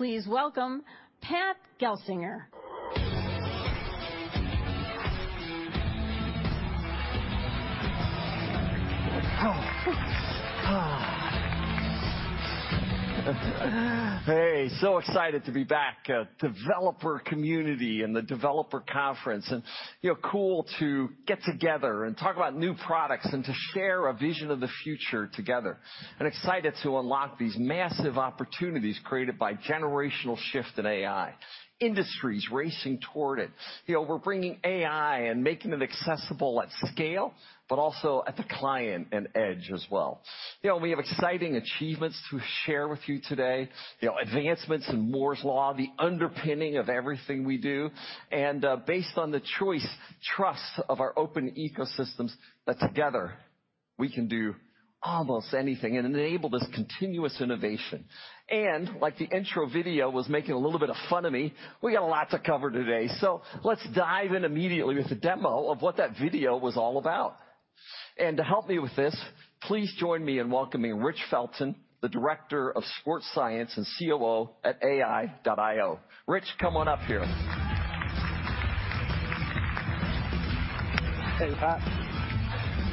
Please welcome, Pat Gelsinger. Hey, so excited to be back. Developer communty and the developer conference, and, you know, cool to get together and talk about new products and to share a vision of the future together. I'm excited to unlock these massive opportunities created by generational shift in AI. Industries racing toward it. You know, we're bringing AI and making it accessible at scale, but also at the client and edge as well. You know, we have exciting achievemens to share with you today. You know, advancements in Moore's Law, the underpinning of everything we do, and, based on the choice, trust of our open ecosystems, that together we can do almost anything and enable this continuous innovation. Like the intro video was making a little bit of fun of me, we got a lot to cover today, so let's dive in immediately with a demo of what that video was all about. To help me with this, please join me in welcoming Rich Felton, the Director of Sports Science and COO at ai.io. Rich, come on up here. Hey, Pat.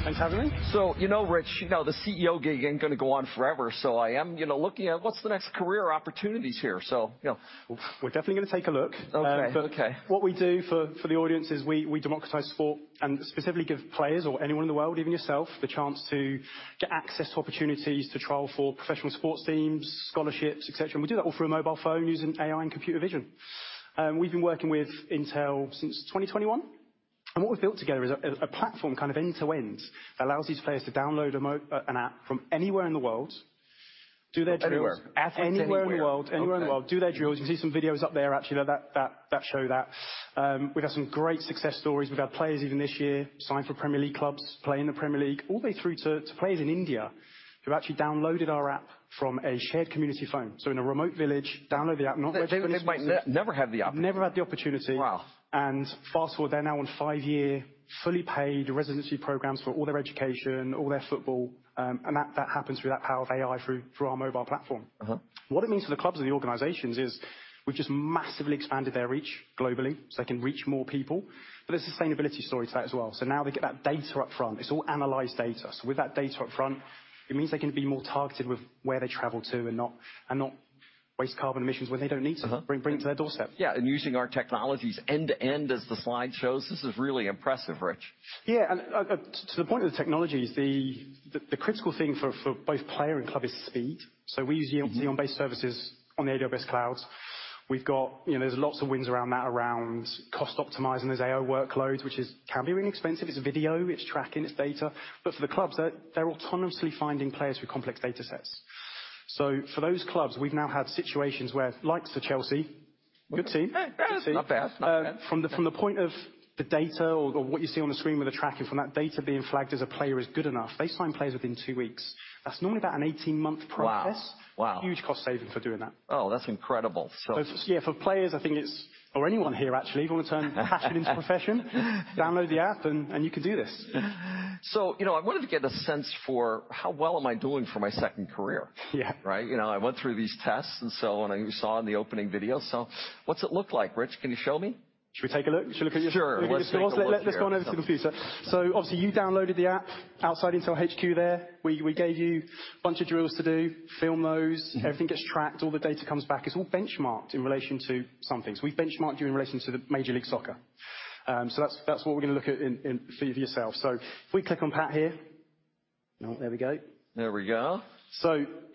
Thanks for having me. So, you know, Rich, you know, the CEO gig ain't gonna go on forever, so I am, you know, looking at what's the next career opportunities here. So, you know. We're definitely going to take a look. Okay. Okay. But what we do, for the audience, is we democratize sport and specifically give players or anyone in the world, even yourself, the chance to get access to opportunities to trial for professional sports teams, scholarships, et cetera. And we do that all through a mobile phone using AI and computer vision. We've been working with Intel since 2021, and what we've built together is a platform kind of end-to-end, that allows these players to download an app from anywhere in the world, do their drills- Anywhere? Athletes anywhere. Anywhere in the world. Okay. Anywhere in the world, do their drills. You can see some videos up there, actually, that show that. We've had some great success stories. We've had players, even this year, sign for Premier League clubs, play in the Premier League, all the way through to players in India, who actually downloaded our app from a shared community phone. So in a remote village, download the app, not- They might never had t he opportunity. Never had the opportunity. Wow! Fast-forward, they're now on five-year, fully paid residency programs for all their education, all their football, and that happens through that power of AI through our mobile p. What it means for the clubs and the organizations is we've just massively expanded their reach globally so they can reach more people, but there's a sustainability story to that as well. So now they get that data up front. It's all analyzed data. So with that data up front, it means they can be more targeted with where they travel to and not waste carbon emissions when they don't need tUh-huh. Bring it to their doorstep. Yeah, and using our technologies end-to-end, as the slide shows, this is really impressive, Rich. Yeah, and to the point of the technologies, the critical thing for both player and club is speed. So we use cloud--based services on the AWS clouds. We've got... You know, there's lots of wins around that, around cost optimizing those AI workloads, which can be really expensive. It's video, it's tracking, it's data. But for the clubs, they're autonomously finding players through complex data sets. So for those clubs, we've now had situations where likes of Chelsea, good team. Eh, not bad. Not bad. From the point of the data or what you see on the screen with the tracking, from that data being flagged as a player is good enough, they sign players within two weeks. That's normally about an 18-month process. Wow! Wow. Huge cost saving for doing that. Oh, that's incredible. So- Yeah, for players, I think it's... Or anyone here actually, if you want to turn a passion into a profession, download the app, and you can do this. You know, I wanted to get a sense for how well am I doing for my second career? Yeah. Right? You know, I went through these tests, and so I saw in the opening video. So what's it look like, Rich? Can you show me? Should we take a look? Should we look at your- Sure. Let's take a look here. Let's go over to the computer. So obviously, you downloaded the app outside Intel HQ there. We gave you a bunch of drills to do. Film those.. Everything gets tracked, all the data comes back. It's all benchmarked in relation to something. So we've benchmarked you in relation to Major League Soccer. So that's what we're going to look at for yourself. So if we click on Pat here. Oh, there we go. There we go.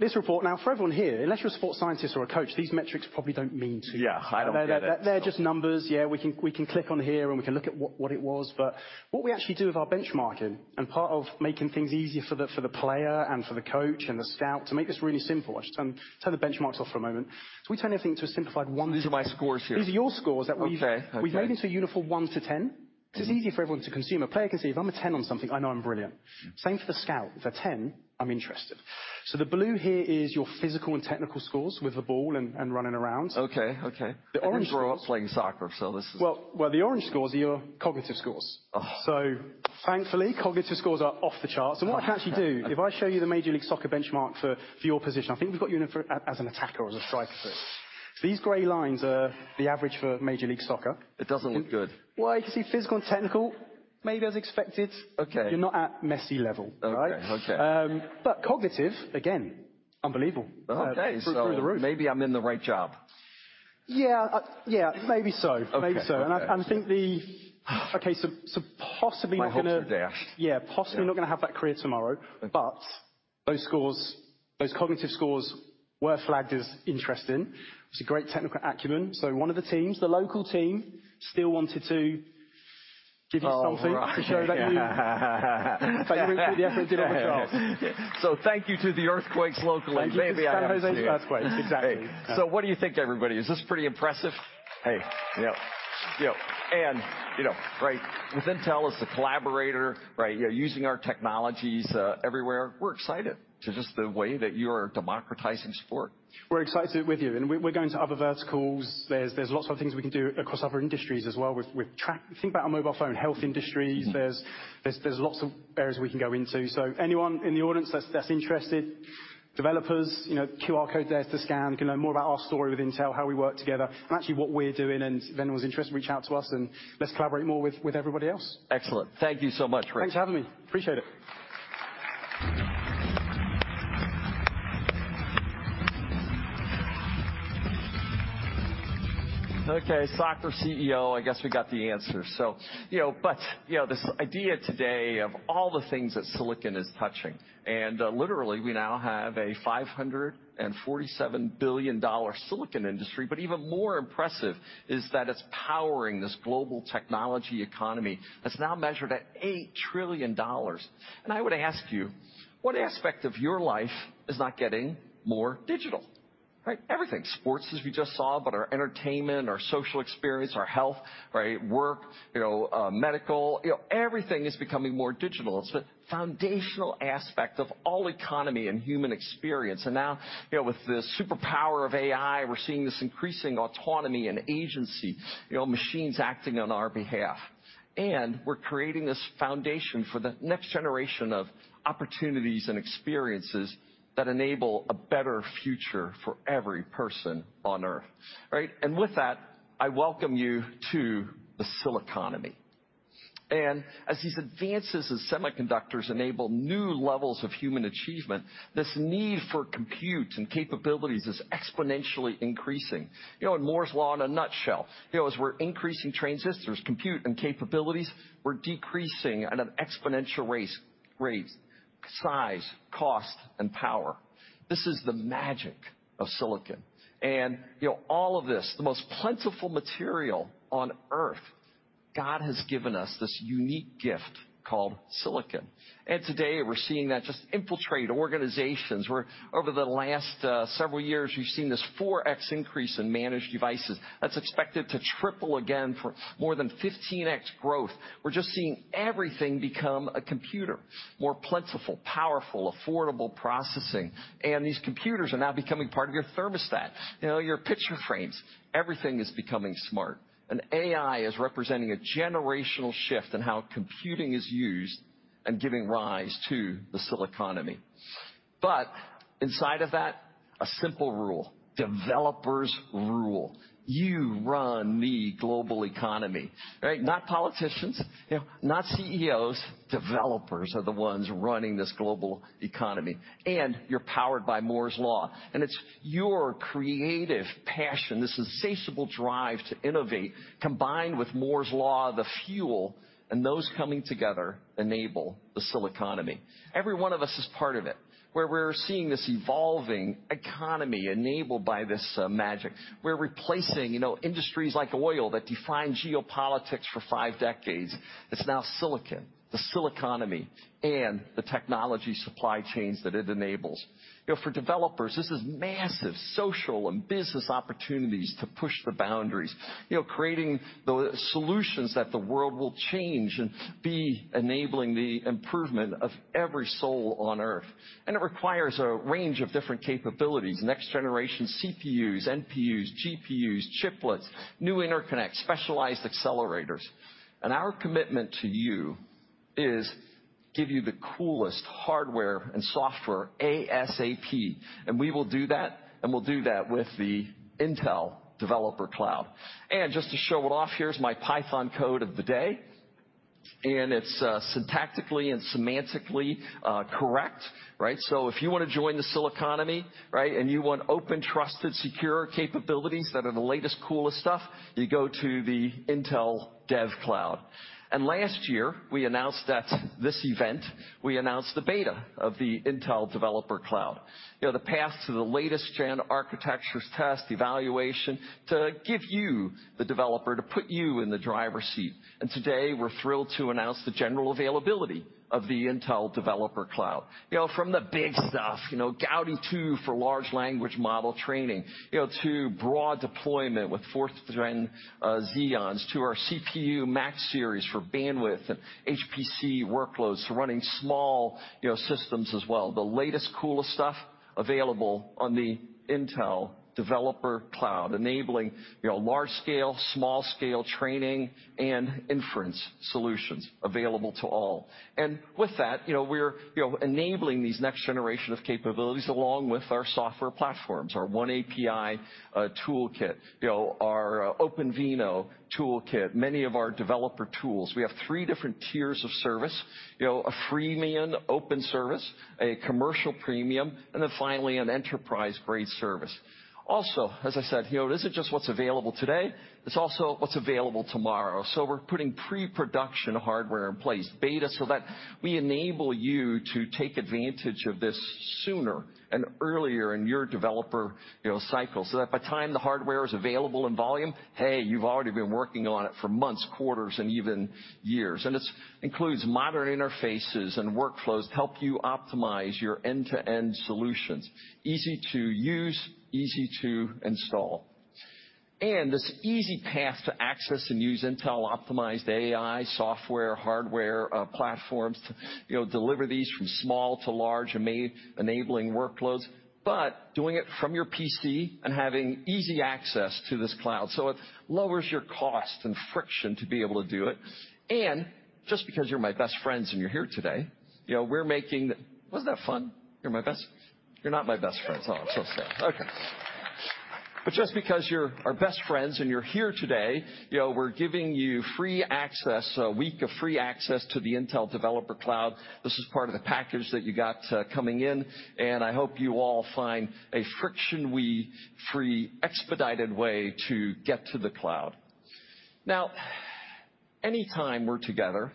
This report now, for everyone here, unless you're a sports scientist or a coach, these metrics probably don't mean to you. Yeah, I don't get it. They're just numbers. Yeah, we can click on here, and we can look at what it was, but what we actually do with our benchmarking, and part of making things easier for the player and for the coach and the scout, to make this really simple, I'll just turn the benchmarks off for a moment. So we turn everything to a simplified one- These are my scores here. These are your scores that we've- Okay. Okay. We've made into a uniform 1-10. Mm-hmm. This is easier for everyone to consume. A player can see, if I'm a ten on something, I know I'm brilliant. Mm. Same for the scout. If I'm a ten, I'm interested. So the blue here is your physical and technical scores with the ball and running around. Okay. Okay. The orange- I grew up playing soccer, so this is- Well, well, the orange scores are your cognitive scores. Oh. Thankfully, cognitive scores are off the charts. What I can actually do, if I show you the Major League Soccer benchmark for your position, I think we've got you in for... as an attacker or a striker. These gray lines are the average for Major League Soccer. It doesn't look good. Well, you can see physical and technical, maybe as expected. Okay. You're not at Messi level. Okay. Okay. All right? But cognitive, again, unbelievable. Okay. Through the roof. Maybe I'm in the right job. Yeah, yeah, maybe so. Okay. Maybe so. Okay. I think... Okay, so possibly not gonna- My hopes are dashed. Yeah. Yeah. Possibly not gonna have that career tomorrow- Okay... but those scores, those cognitive scores were flagged as interesting. It's a great technical acumen. So one of the teams, the local team, still wanted to give you something- Oh, right. to show that you put the effort did over Charles. Thank you to the Earthquakes locally. Thank you to the San Jose Earthquakes. Exactly. Hey, so what do you think, everybody? Is this pretty impressive? Hey, yep. You know, and, you know, right. With Intel as the collaborator, right, you're using our technologies everywhere. We're excited to just the way that you are democratizing sport. We're excited with you. We're going to other verticals. There's lots of things we can do across other industries as well with track... Think about our mobile phone, health industries. Mm-hmm. There's lots of areas we can go into. Anyone in the audience that's interested, developers, you know, QR code there to scan. You can learn more about our story with Intel, how we work together, and actually what we're doing. If anyone's interested, reach out to us, and let's collaborate more with everybody else. Excellent. Thank you so much, Rich. Thanks for having me. Appreciate it. Okay, soccer CEO, I guess we got the answer. So, you know, but, you know, this idea today of all the things that silicon is touching, and literally we now have a $547 billion silicon industry, but even more impressive is that it's powering this global technology economy that's now measured at $8 trillion. And I would ask you, what aspect of your life is not getting more digital, right? Everything. Sports, as we just saw, but our entertainment, our social experience, our health, right? Work, you know, medical, you know, everything is becoming more digital. It's a foundational aspect of all economy and human experience. And now, you know, with the superpower of AI, we're seeing this increasing autonomy and agency, you know, machines acting on our behalf. We're creating this foundation for the next generation of opportunities and experiences that enable a better future for every person on Earth. Right? With that, I welcome you to the Siliconomy. As these advances in semiconductors enable new levels of human achievement, this need for compute and capabilities is exponentially increasing. You know, in Moore's Law, in a nutshell, you know, as we're increasing transistors, compute, and capabilities, we're decreasing at an exponential rate, size, cost, and power. This is the magic of silicon. You know, all of this, the most plentiful material on Earth, God has given us this unique gift called silicon. Today we're seeing that just infiltrate organizations, where over the last several years, we've seen this 4X increase in managed devices. That's expected to triple again for more than 15X growth. We're just seeing everything become a computer, more plentiful, powerful, affordable processing. And these computers are now becoming part of your thermostat, you know, your picture frames. Everything is becoming smart, and AI is representing a generational shift in how computing is used and giving rise to the Siliconomy. But inside of that, a simple rule: developers rule. You run the global economy, right? Not politicians, you know, not CEOs. Developers are the ones running this global economy, and you're powered by Moore's Law, and it's your creative passion, this insatiable drive to innovate, combined with Moore's Law, the fuel, and those coming together enable the Siliconomy. Every one of us is part of it, where we're seeing this evolving economy enabled by this, magic. We're replacing, you know, industries like oil that defined geopolitics for five decades. It's now silicon, the Siliconomy, and the technology supply chains that it enables. You know, for developers, this is massive social and business opportunities to push the boundaries, you know, creating the solutions that the world will change and be enabling the improvement of every soul on Earth. And it requires a range of different capabilities: next generation CPUs, NPUs, GPUs, chiplets, new interconnect, specialized accelerators. And our commitment to you is give you the coolest hardware and software ASAP. And we will do that, and we'll do that with the Intel Developer Cloud. And just to show it off, here's my Python code of the day, and it's syntactically and semantically correct, right? So if you want to join the Siliconomy, right, and you want open, trusted, secure capabilities that are the latest, coolest stuff, you go to the Intel DevCloud. Last year, we announced at this event, we announced the beta of the Intel Developer Cloud. You know, the path to the latest gen architectures test, evaluation, to give you the developer, to put you in the driver's seat. Today, we're thrilled to announce the general availability of the Intel Developer Cloud. You know, from the big stuff, you know, Gaudi 2 for large language model training, you know, to broad deployment with fourth gen Xeons, to our Xeon Max series for bandwidth and HPC workloads, to running small, you know, systems as well. The latest, coolest stuff available on the Intel Developer Cloud, enabling, you know, large-scale, small-scale training and inference solutions available to all. And with that, you know, we're, you know, enabling these next generation of capabilities along with our software platforms, our oneAPI toolkit, you know, our OpenVINO toolkit, many of our developer tools. We have three different tiers of service. You know, a freemium open service, a commercial premium, and then finally, an enterprise-grade service. Also, as I said, you know, it isn't just what's available today, it's also what's available tomorrow. So we're putting pre-production hardware in place, beta, so that we enable you to take advantage of this sooner and earlier in your developer, you know, cycle, so that by the time the hardware is available in volume, hey, you've already been working on it for months, quarters, and even years. And it includes modern interfaces and workflows to help you optimize your end-to-end solutions. Easy to use, easy to install. This easy path to access and use Intel optimized AI software, hardware, platforms, you know, deliver these from small to large amazing enabling workloads, but doing it from your PC and having easy access to this cloud. So it lowers your cost and friction to be able to do it. Just because you're my best friends and you're here today, you know, we're making... Wasn't that fun? You're my best friends. You're not my best friends. Oh, I'm so sad. Okay. But just because you're our best friends and you're here today, you know, we're giving you free access, a week of free access to the Intel Developer Cloud. This is part of the package that you got, coming in, and I hope you all find a friction-free, expedited way to get to the cloud. Now... Any time we're together,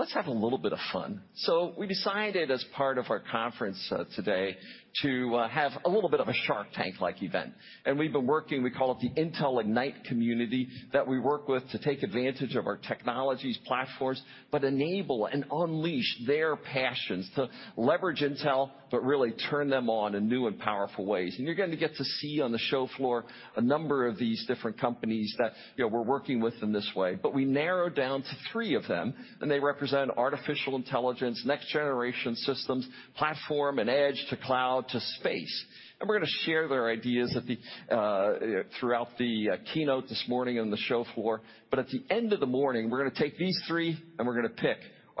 let's have a little bit of fun. So we decided, as part of our conference, today, to have a little bit of a Shark Tank-like event. And we've been working, we call it the Intel Ignite community, that we work with to take advantage of our technologies, platforms, but enable and unleash their passions to leverage Intel, but really turn them on in new and powerful ways. And you're going to get to see on the show floor, a number of these different companies that, you know, we're working with in this way. But we narrowed down to three of them, and they represent artificial intelligence, next generation systems, platform, and edge to cloud to space. And we're going to share their ideas at the, throughout the, keynote this morning on the show floor. At the end of the morning, we're going to take these three, and we're going to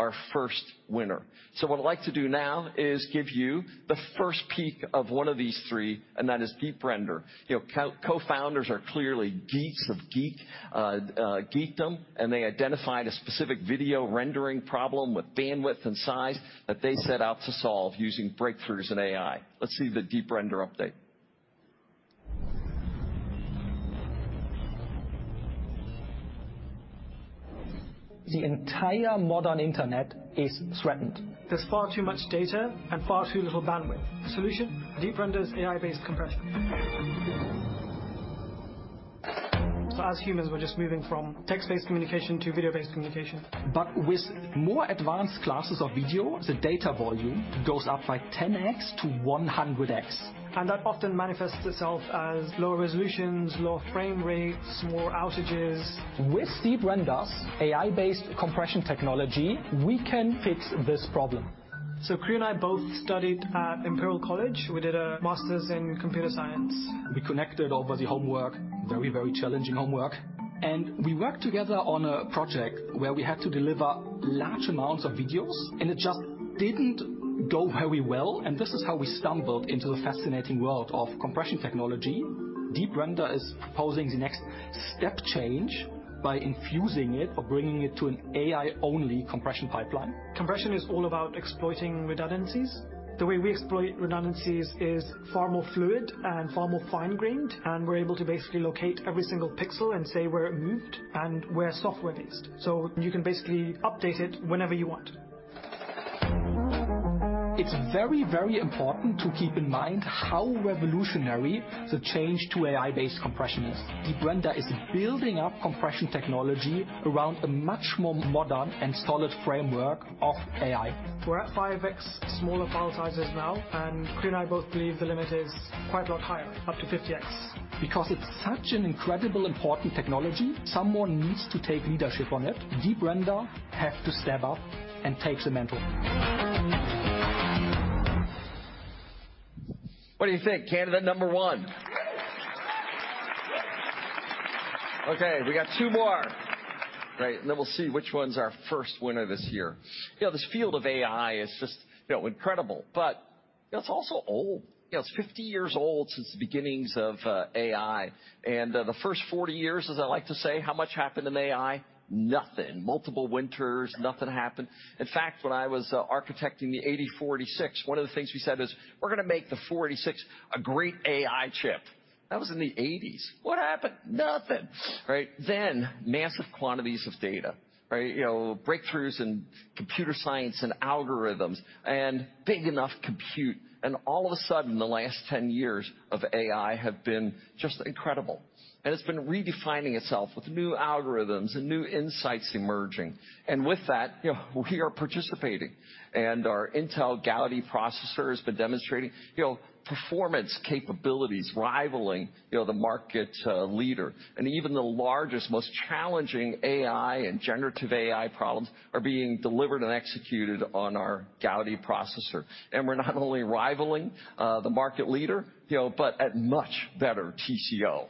pick our first winner. What I'd like to do now is give you the first peek of one of these three, and that is Deep Render. You know, co-founders are clearly geeks of geek, geekdom, and they identified a specific video rendering problem with bandwidth and size that they set out to solve using breakthroughs in AI. Let's see the De ep Render update. The entire modern internet is threatened. There's far too much data and far too little bandwidth. The solution? Deep Render's AI-based compression. As humans, we're just moving from text-based communication to video-based communication. But with more advanced classes of video, the data volume goes up by 10x-100x. That often manifests itself as lower resolutions, lower frame rates, more outages. With Deep Render's AI-based compression technology, we can fix this problem. Chris and I both studied at Imperial College. We did a master's in computer science. We connected over the homework. Very, very challenging homework. We worked together on a project where we had to deliver large amounts of videos, and it just didn't go very well, and this is how we stumbled into the fascinating world of compression technology. Deep Render is proposing the next step change by infusing it or bringing it to an AI-only compression pipeline. Compression is all about exploiting redundancies. The way we exploit redundancies is far more fluid and far more fine-grained, and we're able to basically locate every single pixel and say where it moved and we're software-based. So you can basically update it whenever you want. It's very, very important to keep in mind how revolution ary the change to AI-based compression is. Deep Render is building up compression technology around a much more modern and solid framework of AI. We're at 5x smaller file sizes now, and Chris and I both believe the limit is quite a lot higher, up to 50x. Because it's such an incredible, important technology, someone needs to take leadership on it. Deep Render have to step up and take the mantle. What do you think? Candidate number one. Okay, we got two more. Great, and then we'll see which one's our first winner this year. You know, this field of AI is just, you know, incredible, but it's also old. It's 50 years old, since the beginnings of AI. And the first 40 years, as I like to say, how much happened in AI? Nothing. Multiple winters, nothing happened. In fact, when I was architecting the 8086, one of the things we said is: We're going to make the 486 a great AI chip. That was in the 1980s. What happened? Nothing. Right? Then, massive quantities of data. Right? You know, breakthroughs in computer science and algorithms and big enough compute, and all of a sudden, the last 10 years of AI have been just incredible, and it's been redefining itself with new algorithms and new insights emerging computer science aging. And with that, you know, we are participating, and our Intel Gaudi processor has been demonstrating, you know, performance capabilities rivaling, you know, the market leader. Even the largest, most challenging AI and generative AI problems are being delivered and executed on our Gaudi processor. We're not only rivaling the market leader, you know, but at much better TCO.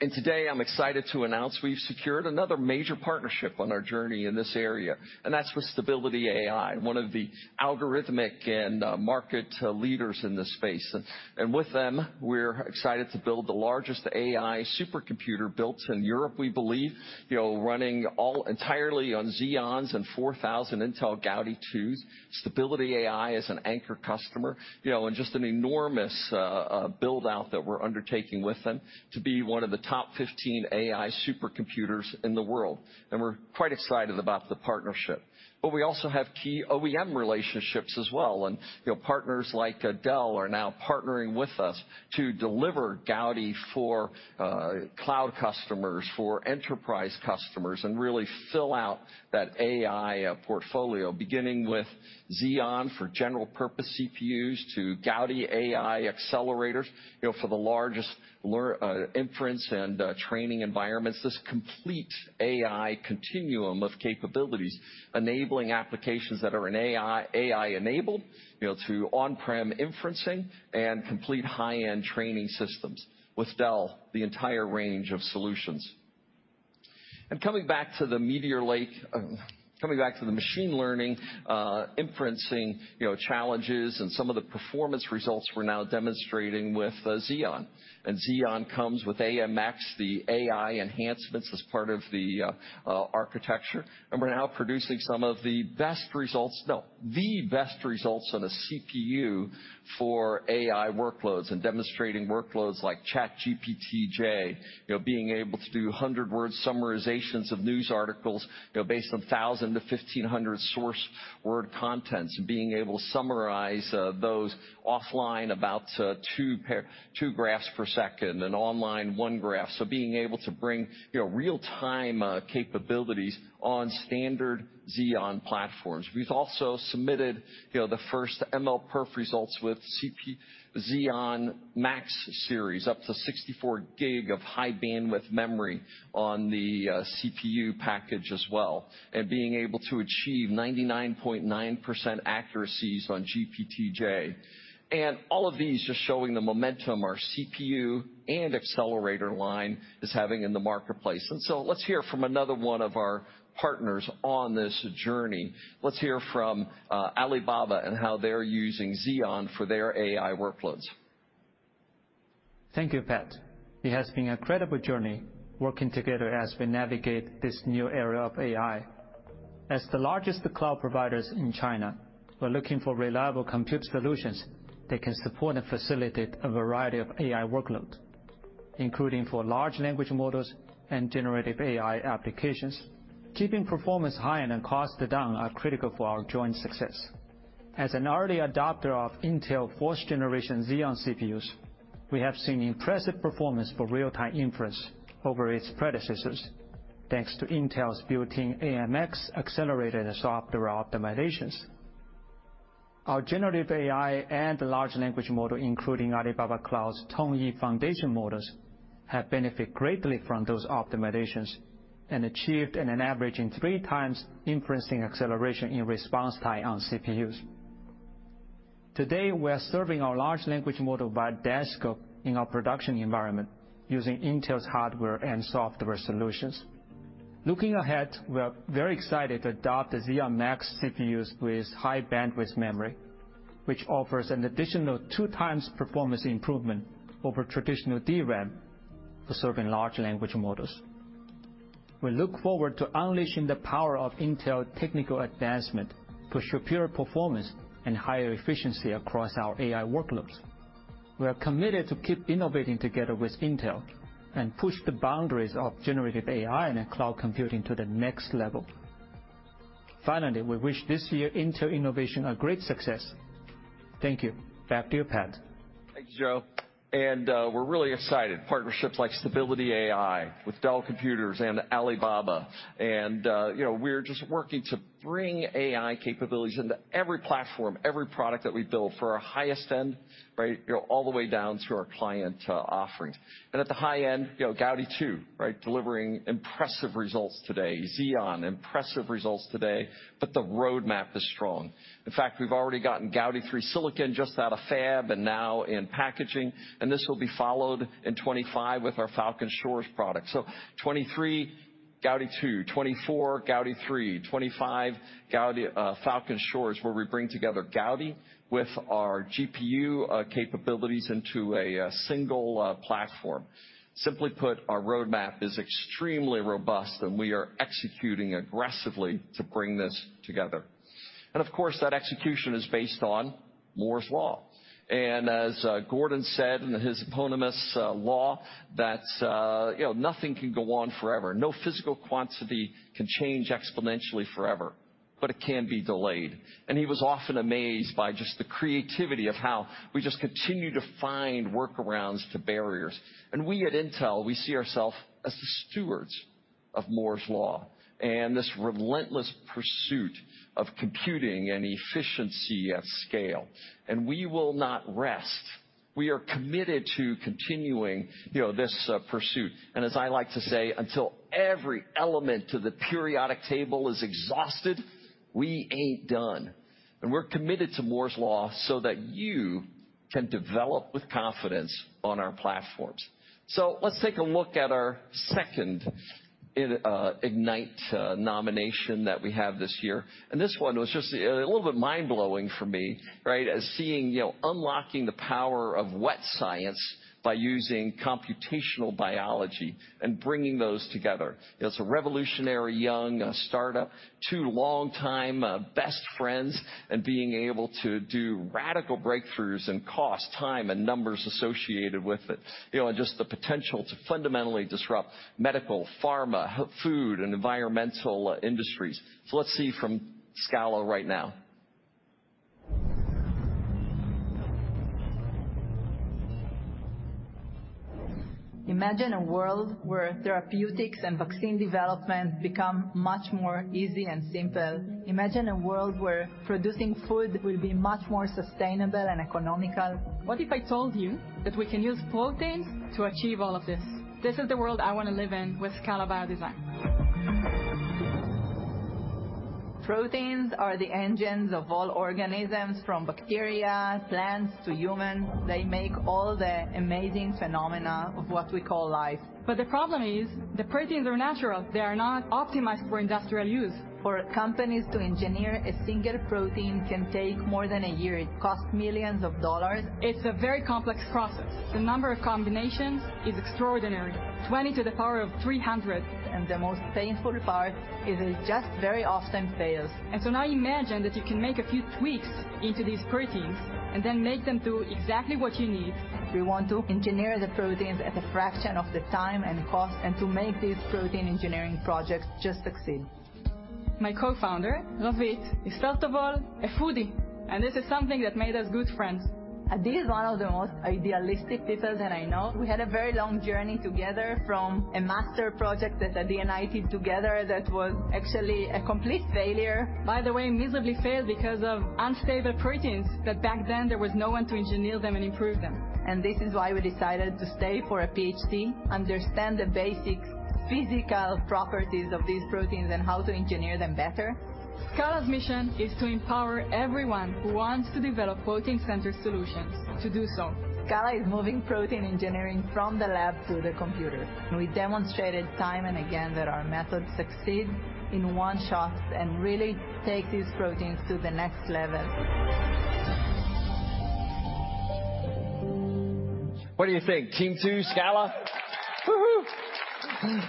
Today, I'm excited to announce we've secured another major partnership on our journey in this area, and that's with Stability AI, one of the algorithmic and market leaders in this space. With them, we're excited to build the largest AI supercomputer built in Europe, we believe, you know, running all entirely on Xeons and 4,000 Intel Gaudi 2. Stability AI is an anchor customer, you know, and just an enormous build-out that we're undertaking with them to be one of the top 15 AI supercomputers in the world. We're quite excited about the partnership. But we also have key OEM relationships as well. You know, partners like Dell are now partnering with us to deliver Gaudi for cloud customers, for enterprise customers, and really fill out that AI portfolio, beginning with Xeon for general purpose CPUs to Gaudi AI accelerators, you know, for the largest inference and training environments. This complete AI continuum of capabilities, enabling applications that are an AI, AI-enabled, you know, to on-prem inferencing and complete high-end training systems. With Dell, the entire range of solutions. Coming back to the Meteor Lake, coming back to the machine learning inferencing, you know, challenges and some of the performance results we're now demonstrating with Xeon. Xeon comes with AMX, the AI enhancements, as part of the architecture, and we're now producing some of the best results—no, the best results on a CPU for AI workloads and demonstrating workloads like ChatGPT-J. You know, being able to do 100-word summarizations of news articles, you know, based on 1,000-1,500 source word contents, and being able to summarize those offline about two paragraphs per second and online, one paragraph. So being able to bring, you know, real-time capabilities on standard Xeon platforms. We've also submitted, you know, the first MLPerf results with Xeon Max series, up to 64 GB of high-bandwidth memory on the CPU package as well, and being able to achieve 99.9% accuracies on GPT-J. All of these just showing the momentum our CPU and accelerator line is having in the marketplace. So let's hear from another one of our partners on this journey. Let's hear from Alibaba, and how they're using Xeon for their AI workloads. Thank you, Pat. It has been an incredible journey working together as we navigate this new era of AI. As the largest cloud providers in China, we're looking for reliable compute solutions that can support and facilitate a variety of AI workloads, including for large language models and generative AI applications. Keeping performance high and costs down are critical for our joint success. As an early adopter of Intel fourth generation Xeon CPUs, we have seen impressive performance for real-time inference over its predecessors, thanks to Intel's built-in AMX accelerator and software optimizations. Our generative AI and large language model, including Alibaba Cloud's Tongyi foundation models, have benefited greatly from those optimizations and achieved an average in 3 times inferencing acceleration in response time on CPUs. Today, we are serving our large language model by desktop in our production environment, using Intel's hardware and software solutions. Looking ahead, we are very excited to adopt the Xeon Max CPUs with high-bandwidth memory, which offers an additional 2x performance improvement over traditional DRAM for serving large language models. We look forward to unleashing the power of Intel technical advancement for superior performance and higher efficiency across our AI workloads. We are committed to keep innovating together with Intel and push the boundaries of generative AI and cloud computing to the next level. Finally, we wish this year Intel Innovation a great success. Thank you. Back to you, Pat. Thank you, Joe. And, we're really excited, partnerships like Stability AI, with Dell Computers and Alibaba, and, you know, we're just working to bring AI capabilities into every platform, every product that we build, for our highest end, right, you know, all the way down to our client, offerings. And at the high end, you know, Gaudi 2, right, delivering impressive results today. Xeon, impressive results today, but the roadmap is strong. In fact, we've already gotten Gaudi 3 silicon just out of fab and now in packaging, and this will be followed in 2025 with our Falcon Shores product. So 2023, Gaudi 2; 2024, Gaudi 3; 2025, Gaudi, Falcon Shores, where we bring together Gaudi with our GPU, capabilities into a, single, platform. Simply put, our roadmap is extremely robust, and we are executing aggressively to bring this together. And of course, that execution is based on Moore's Law. And as, Gordon said in his eponymous, law, that, you know, nothing can go on forever. "No physical quantity can change exponentially forever, but it can be delayed." And he was often amazed by just the creativity of how we just continue to find workarounds to barriers. And we at Intel, we see ourselves as the stewards of Moore's Law and this relentless pursuit of computing and efficiency at scale. And we will not rest. We are committed to continuing, you know, this, pursuit. And as I like to say, until every element of the periodic table is exhausted, we ain't done. And we're committed to Moore's Law so that you can develop with confidence on our platforms. So let's take a look at our second Ignite nomination that we have this year. This one was just a little bit mind-blowing for me, right? As seeing, you know, unlocking the power of wet science by using computational biology and bringing those together. It's a revolutionary young startup, two longtime best friends, and being able to do radical breakthroughs in cost, time, and numbers associated with it. You know, and just the potential to fundamentally disrupt medical, pharma, health, food, and environmental industries. So let's see from Scala right now. Imagine a world where therapeutics and vaccine development become much more easy and simple. Imagine a world where producing food will be much more sustainable and economical. What if I told you that we can use proteins to achieve all of this? This is the world I want to live in with Scala Biodesign. Proteins are the engines of all organisms, from bacteria, plants, to humans. They make all the amazing phenomena of what we call life. The problem is, the proteins are natural. They are not optimized for industrial use. For companies to engineer a single protein can take more than a year. It costs millions of dollars. It's a very complex process. The number of combinations is extraordinary, 20 to the power of 300. The most painful part is it just very often fails. So now imagine that you can make a few tweaks into these proteins and then make them do exactly what you need. We want to engineer the proteins at a fraction of the time and cost, and to make these protein engineering projects just succeed. My co-founder, Ravit, is first of all, a foodie, and this is something that made us good friends. Adi is one of the most idealistic people that I know. We had a very long journey together from a master project that Adi and I did together that was actually a complete failure. By the way, miserably failed because of unstable proteins, that back then there was no one to engineer them and improve them. This is why we decided to stay for a PhD, understand the basic physical properties of these proteins and how to engineer them better. Scala's mission is to empower everyone who wants to develop protein-centered solutions to do so. Scala is moving protein engineering from the lab to the computer. We demonstrated time and again that our methods succeed in one shot and really take these proteins to the next level. What do you think, team two, Scala? Woo-hoo!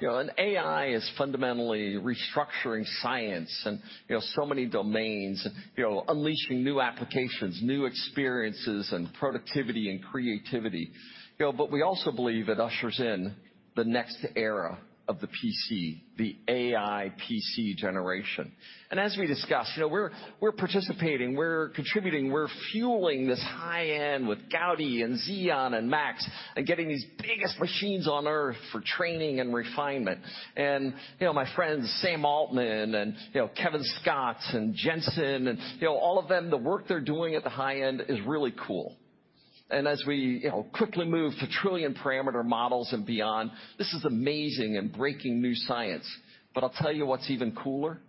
You know, and AI is fundamentally restructuring science and, you know, so many domains, you know, unleashing new applications, new experiences, and productivity and creativity. You know, but we also believe it ushers in the next era of the PC, the AI PC generation. And as we discussed, you know, we're, we're participating, we're contributing, we're fueling this high-end with Gaudi and Xeon and Max, and getting these biggest machines on Earth for training and refinement. And, you know, my friends, Sam Altman and, you know, Kevin Scott and Jensen, and you know, all of them, the work they're doing at the high end is really cool. And as we, you know, quickly move to trillion-parameter models and beyond, this is amazing and breaking new science. But I'll tell you what's even cooler,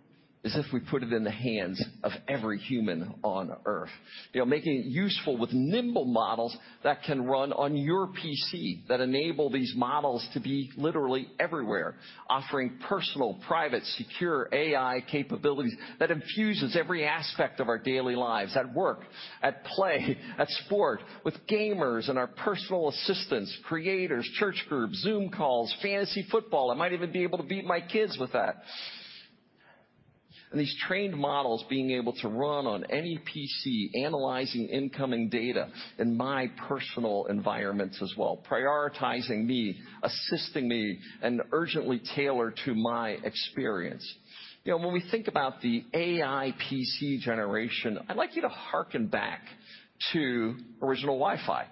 is if we put it in the hands of every human on Earth. You know, making it useful with nimble models that can run on your PC, that enable these models to be literally everywhere, offering personal, private, secure AI capabilities that infuses every aspect of our daily lives at work, at play, at sport, with gamers and our personal assistants, creators, church groups, Zoom calls, fantasy football. I might even be able to beat my kids with that. And these trained models being able to run on any PC, analyzing incoming data in my personal environments as well, prioritizing me, assisting me, and urgently tailored to my experience. You know, when we think about the AI PC generation, I'd like you to hearken back to original Wi-Fi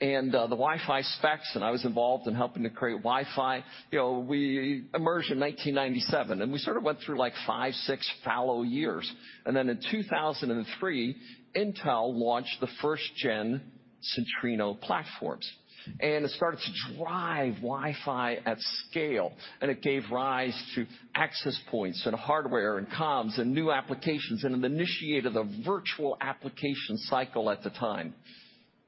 and, the Wi-Fi specs, and I was involved in helping to create Wi-Fi. You know, we emerged in 1997, and we sort of went through like 5, 6 fallow years. And then in 2003, Intel launched the first-gen Centrino platforms, and it started to drive Wi-Fi at scale, and it gave rise to access points and hardware and comms and new applications, and it initiated a virtual application cycle at the time.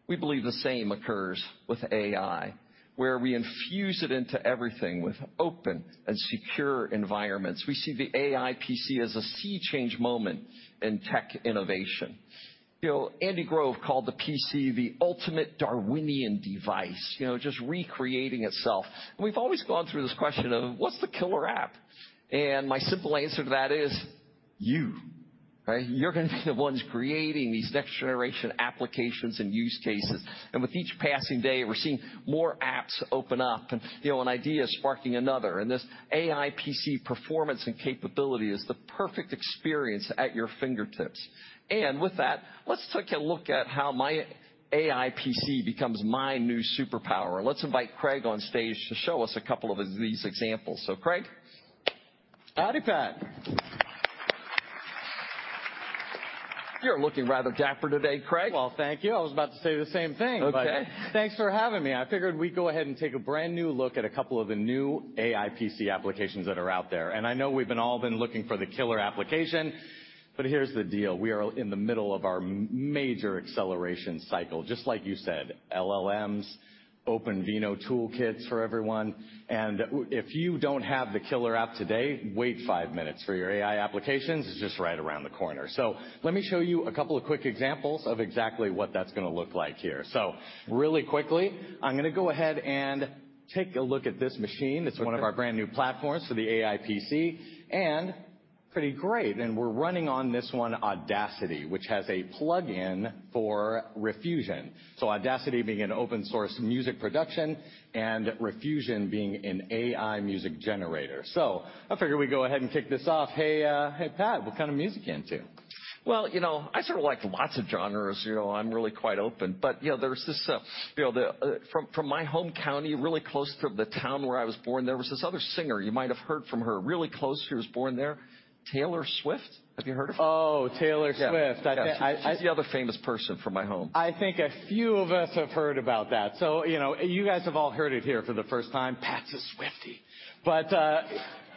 We believe the same occurs with AI, where we infuse it into everything with open and secure environments. We see the AI PC as a sea-change moment in tech innovation. You know, Andy Grove called the PC the ultimate Darwinian device, you know, just recreating itself. We've always gone through this question of: What's the killer app? And my simple answer to that is, you. Right? You're gonna be the ones creating these next-generation applications and use cases. With each passing day, we're seeing more apps open up and, you know, an idea sparking another, and this AI PC performance and capability is the perfect experience at your fingertips. With that, let's take a look at how my AI PC becomes my new superpower. Let's invite Craig on stage to show us a couple of these examples. So, Craig. Howdy, Pat. You're looking rather dapper today, Craig. Well, thank you. I was about to say the same thing. Okay. But thanks for having me. I figured we'd go ahead and take a brand-new look at a couple of the new AI PC applications that are out there. And I know we've all been looking for the killer application, but here's the deal: We are in the middle of our major acceleration cycle. Just like you said, LLMs, OpenVINO toolkits for everyone. And if you don't have the killer app today, wait five minutes, for your AI applications is just right around the corner. So let me show you a couple of quick examples of exactly what that's gonna look like here. So really quickly, I'm gonna go ahead and take a look at this machine. Okay. It's one of our brand-new platforms for the AI PC, and... Pretty great! And we're running on this one, Audacity, which has a plugin for Riffusion. So Audacity being an open source music production, and Riffusion being an AI music generator. So I figure we go ahead and kick this off. Hey, hey, Pat, what kind of music are you into? Well, you know, I sort of like lots of genres. You know, I'm really quite open, but, you know, there's this, you know, from my home county, really close to the town where I was born, there was this other singer. You might have heard from her. Really close, she was born there, Taylor Swift. Have you heard of her? Oh, Taylor Swift. Yeah. I, I- She's the other famous person from my home. I think a few of us have heard about that. So, you know, you guys have all heard it here for the first time. Pat's a Swiftie. But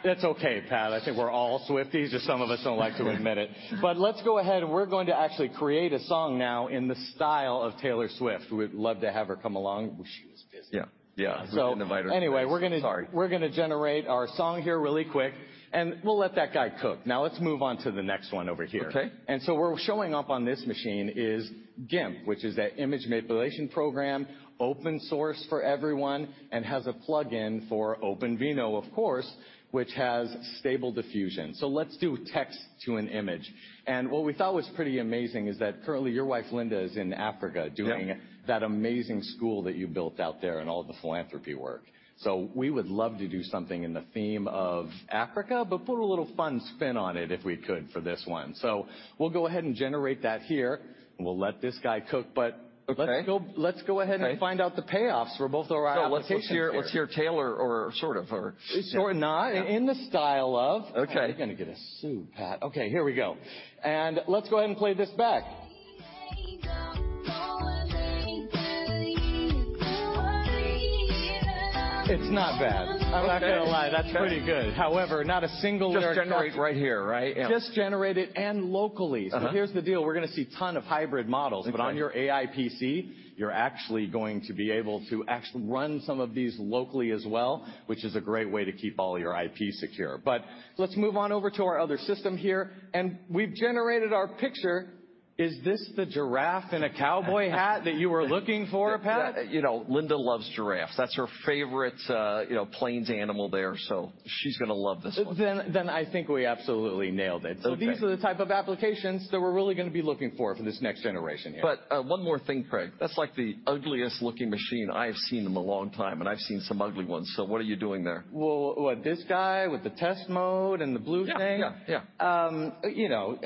it's okay, Pat. I think we're all Swifties. Just some of us don't like to admit it. But let's go ahead. We're going to actually create a song now in the style of Taylor Swift. We'd love to have her come along, but she was busy. Yeah. Yeah. So- We didn't invite her. Sorry. Anyway, we're gonna, we're gonna generate our song here really quick, and we'll let that guy cook. Now let's move on to the next one over here. Okay. So we're showing up on this machine is GIMP, which is an image manipulation program, open source for everyone, and has a plugin for OpenVINO, of course, which has Stable Diffusion. So let's do text to an image. What we thought was pretty amazing is that currently your wife, Linda, is in Africa- Yep. doing that amazing school that you built out there and all the philanthropy work. So we would love to do something in the theme of Africa, but put a little fun spin on it if we could, for this one. So we'll go ahead and generate that here. We'll let this guy cook, but- Okay. Let's go, let's go ahead. Okay. and find out the payoffs. We're both all right. So let's hear, let's hear Taylor, or sort of, or sort of not. In the style of. Okay. You're gonna get sued, Pat. Okay, here we go. Let's go ahead and play this back. It's not bad. I'm not gonna lie, that's pretty good. However, not a single lyric- Just generated right here, right? Just generated and locally. Uh-huh. So here's the deal. We're gonna see ton of hybrid models- Okay. But on your AI PC, you're actually going to be able to actually run some of these locally as well, which is a great way to keep all your IP secure. But let's move on over to our other system here, and we've generated our picture. Is this the giraffe in a cowboy hat that you were looking for, Pat? You know, Linda loves giraffes. That's her favorite, you know, plains animal there, so she's gonna love this one. I think we absolutely nailed it. Okay. These are the type of applications that we're really gonna be looking for this next generation here. But, one more thing, Craig. That's like the ugliest looking machine I have seen in a long time, and I've seen some ugly ones. So what are you doing there? Well, what, this guy with the test mode and the blue thing? Yeah, yeah, yeah. You know,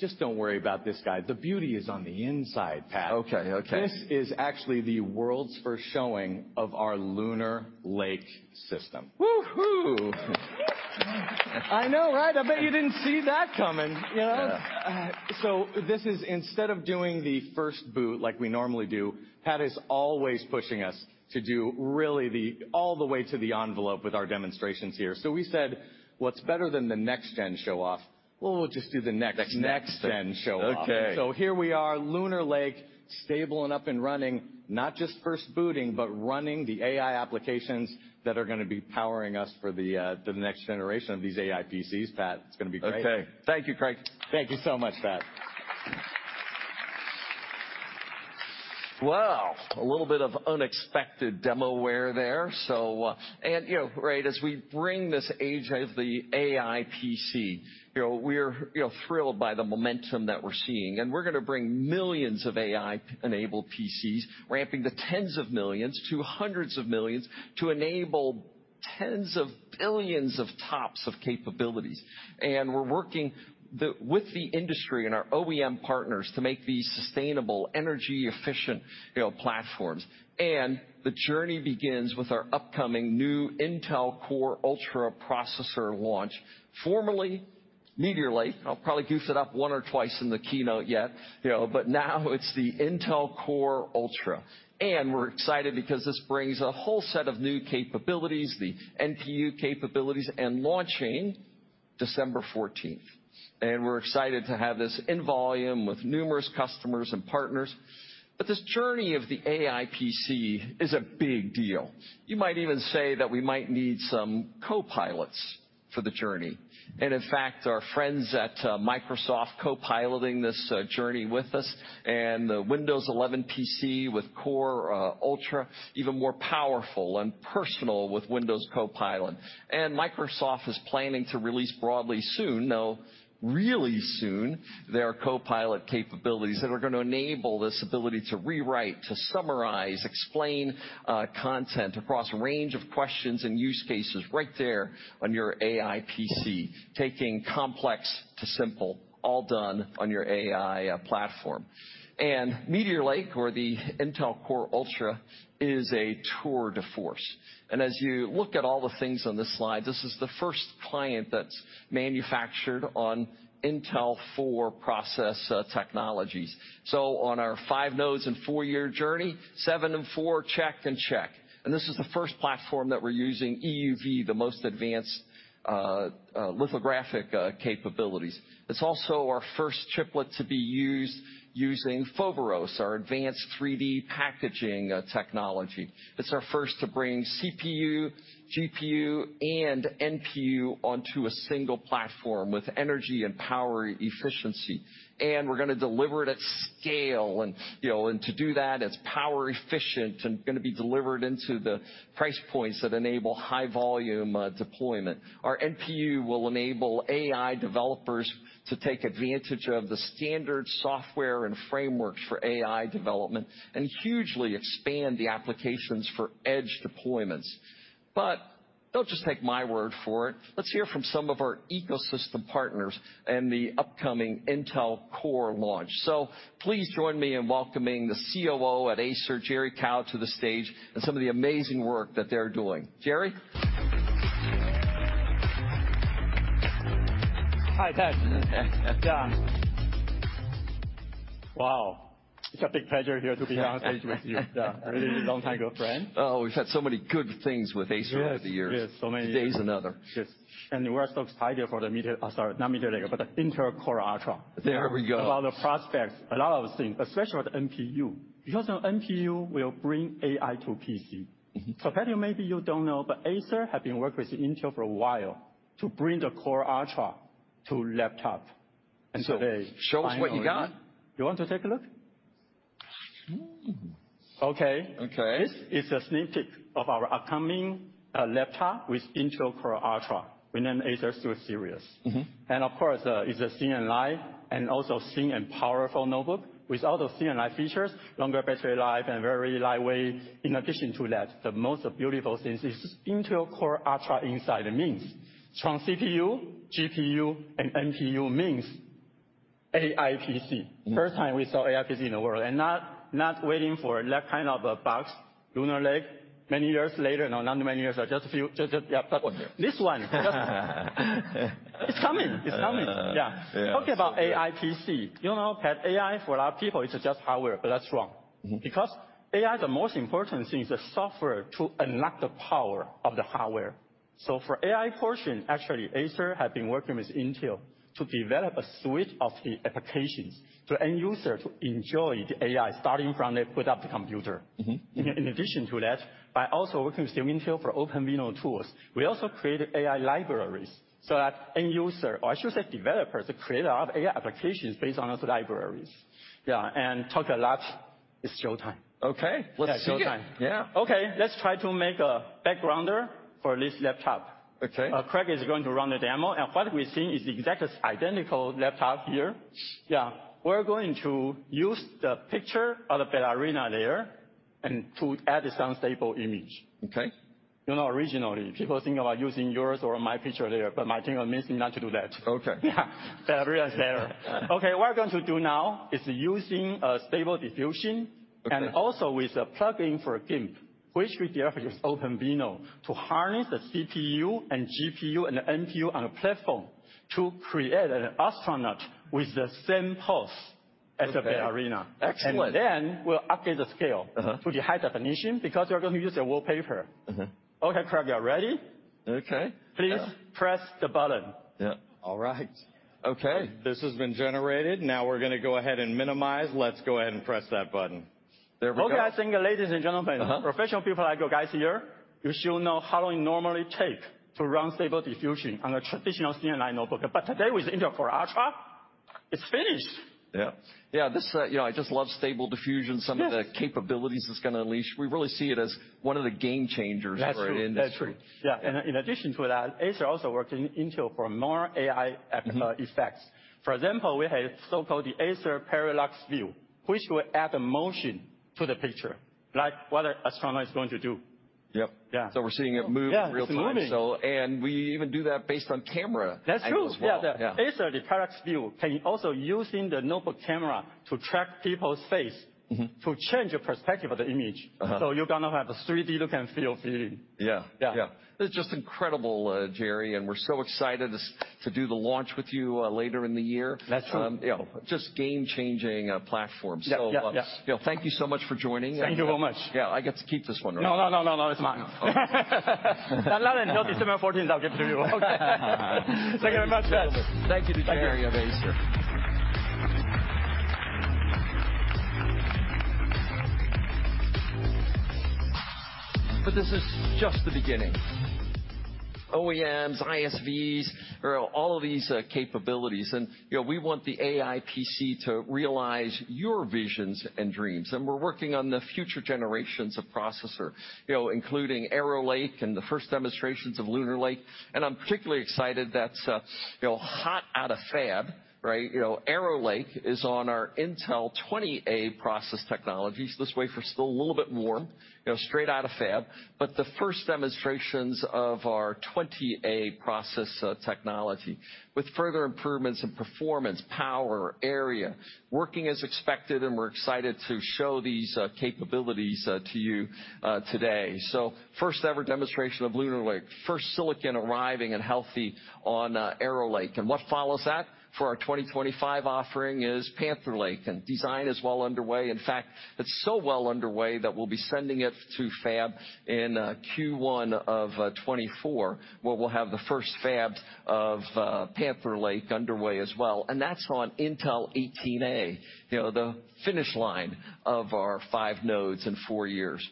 just don't worry about this guy. The beauty is on the inside, Pat. Okay, okay. This is actually the world's first showing of our Lunar Lake system. Woo-hoo! I know, right? I bet you didn't see that coming, you know? Yeah. So this is instead of doing the first boot like we normally do, Pat is always pushing us to do really all the way to the envelope with our demonstrations here. So we said, "What's better than the next gen show-off? Well, we'll just do the next, next gen show-off. Okay. So here we are, Lunar Lake, stable and up and running. Not just first booting, but running the AI applications that are gonna be powering us for the next generation of these AI PCs, Pat. It's gonna be great. Okay. Thank you, Craig. Thank you so much, Pat. Well, a little bit of unexpected demo wear there, so... You know, right as we bring this age of the AI PC, you know, we're, you know, thrilled by the momentum that we're seeing, and we're gonna bring millions of AI-enabled PCs, ramping to tens of millions, to hundreds of millions, to enable tens of billions of TOPS of capabilities. And we're working with the industry and our OEM partners to make these sustainable, energy-efficient, you know, platforms. And the journey begins with our upcoming new Intel Core Ultra processor launch, formerly Meteor Lake. I'll probably goose it up one or twice in the keynote yet, you know, but now it's the Intel Core Ultra. And we're excited because this brings a whole set of new capabilities, the NPU capabilities, and launching December 14. And we're excited to have this in volume with numerous customers and partners. But this journey of the AI PC is a big deal. You might even say that we might need some copilots for the journey, and in fact, our friends at, Microsoft copiloting this, journey with us and the Windows 11 PC with Core Ultra, even more powerful and personal with Windows Copilot. And Microsoft is planning to release broadly soon, no, really soon, their copilot capabilities that are gonna enable this ability to rewrite, to summarize, explain, content across a range of questions and use cases right there on your AI PC, taking complex to simple, all done on your AI, platform. And Meteor Lake, or the Intel Core Ultra, is a tour de force. And as you look at all the things on this slide, this is the first client that's manufactured on Intel 4 process, technologies. So on our 5 nodes and 4-year journey, 7 and 4, check and check. This is the first platform that we're using EUV, the most advanced lithographic capabilities. It's also our first chiplet to be used using Foveros, our advanced 3D packaging technology. It's our first to bring CPU, GPU, and NPU onto a single platform with energy and power efficiency, and we're gonna deliver it at scale. You know, to do that, it's power efficient and gonna be delivered into the price points that enable high-volume deployment. Our NPU will enable AI developers to take advantage of the standard software and frameworks for AI development and hugely expand the applications for edge deployments. But don't just take my word for it. Let's hear from some of our ecosystem partners in the upcoming Intel Core launch. Please join me in welcoming the COO at Acer, Jerry Kao, to the stage, and some of the amazing work that they're doing. Jerry? Hi, Pat. Yeah. Wow! It's a big pleasure here to be on stage with you. Yeah. Really long time ago friend. Oh, we've had so many good things with Acer over the years. Yes. Yes, so many. Today is another. Yes. And we're so excited for the Meteor Lake. Sorry, not Meteor Lake, but the Intel Core Ultra. There we go. About the prospects, a lot of things, especially with NPU, because NPU will bring AI to PC. Mm-hmm. Patty, maybe you don't know, but Acer have been working with Intel for a while to bring the Core Ultra to laptop. And today- Show us what you got. You want to take a look? Ooh. Okay. Okay. This is a sneak peek of our upcoming laptop with Intel Core Ultra. We named Acer Swift series. Mm-hmm. Of course, it's a thin and light, and also thin and powerful notebook with all the thin and light features, longer battery life and very lightweight. In addition to that, the most beautiful thing is this Intel Core Ultra inside. It means strong CPU, GPU, and NPU means AI PC. First time we saw AI PC in the world, and not waiting for that kind of a box, Lunar Lake, many years later. No, not many years, but just a few... Just, yeah, but- One year. This one. It's coming. It's coming. Uh, yeah. Talk about AI PC. You know, Pat, AI, for a lot of people, it's just hardware, but that's wrong. Mm-hmm. Because AI, the most important thing is the software to unlock the power of the hardware. So for AI portion, actually, Acer have been working with Intel to develop a suite of the applications for end user to enjoy the AI, starting from they boot up the computer. Mm-hmm. In addition to that, by also working with Intel for OpenVINO tools, we also created AI libraries so that end user, or I should say, developers, create a lot of AI applications based on those libraries. Yeah, and talk a lot. It's showtime. Okay, let's see it. Yeah, showtime. Yeah. Okay, let's try to make a backgrounder for this laptop. Okay. Craig is going to run the demo, and what we're seeing is exactly identical laptop here. Yeah, we're going to use the picture of the Ballerina there, and to add some stable image. Okay. You know, originally, people think about using yours or my picture there, but my team convinced me not to do that. Okay. Yeah. Ballerina is there. Okay, what we're going to do now is using Stable Diffusion- Okay And also with a plugin for GIMP, which we developed with OpenVINO, to harness the CPU and GPU and NPU on a platform to create an astronaut with the same pose as the Ballerina. Excellent. And then we'll update the scale- Uh-huh. to the high definition, because you're going to use a wallpaper. Mm-hmm. Okay, Craig, are you ready? Okay. Please press the button. Yeah. All right. Okay. This has been generated. Now we're going to go ahead and minimize. Let's go ahead and press that button. There we go. Okay, I think, ladies and gentlemenrofessional people like you guys here, you should know how long it normally take to run Stable Diffusion on a traditional CNN notebook. But today with Intel Core Ultra, it's finished. Yeah. Yeah, this, you know, I just love Stable Diffusion- Yes Some of the capabilities it's gonna unleash. We really see it as one of the game changers- That's true. Right, in this field. That's true. Yeah, and in addition to that, Acer also working Intel for more AI effects. Mm-hmm. For example, we have so-called the Acer Parallax View, which will add the motion to the picture, like what an astronaut is going to do. Yep. Yeah. We're seeing it move in real time. Yeah, it's moving. We even do that based on camera. That's true. As well. Yeah. Yeah. The Acer, the Parallax view, can also using the notebook camera to track people's face- Mm-hmm to change the perspective of the image. Uh-huh. You're gonna have a 3D look and feel feeling. Yeah. Yeah. Yeah. It's just incredible, Jerry, and we're so excited to do the launch with you later in the year. That's true. You know, just game-changing platform. Yeah. Yeah, yeah. You know, thank you so much for joining. Thank you very much. Yeah, I get to keep this one, right? No, no, no, no, no, it's mine. Not until December fourteenth, I'll give it to you. Thank you very much. Thank you to Jerry of Acer. But this is just the beginning. OEMs, ISVs, there are all of these, capabilities, and, you know, we want the AI PC to realize your visions and dreams, and we're working on the future generations of processor, you know, including Arrow Lake and the first demonstrations of Lunar Lake. And I'm particularly excited that, you know, hot out of fab, right, you know, Arrow Lake is on our Intel 20A process technologies. This wafer's still a little bit warm, you know, straight out of fab. But the first demonstrations of our 20A process technology, with further improvements in performance, power, area, working as expected, and we're excited to show these, capabilities, to you, today. So first ever demonstration of Lunar Lake, first silicon arriving and healthy on, Arrow Lake. What follows that for our 2025 offering is Panther Lake, and design is well underway. In fact, it's so well underway that we'll be sending it to fab in Q1 of 2024, where we'll have the first fab of Panther Lake underway as well, and that's on Intel 18A, you know, the finish line of our five nodes in four years.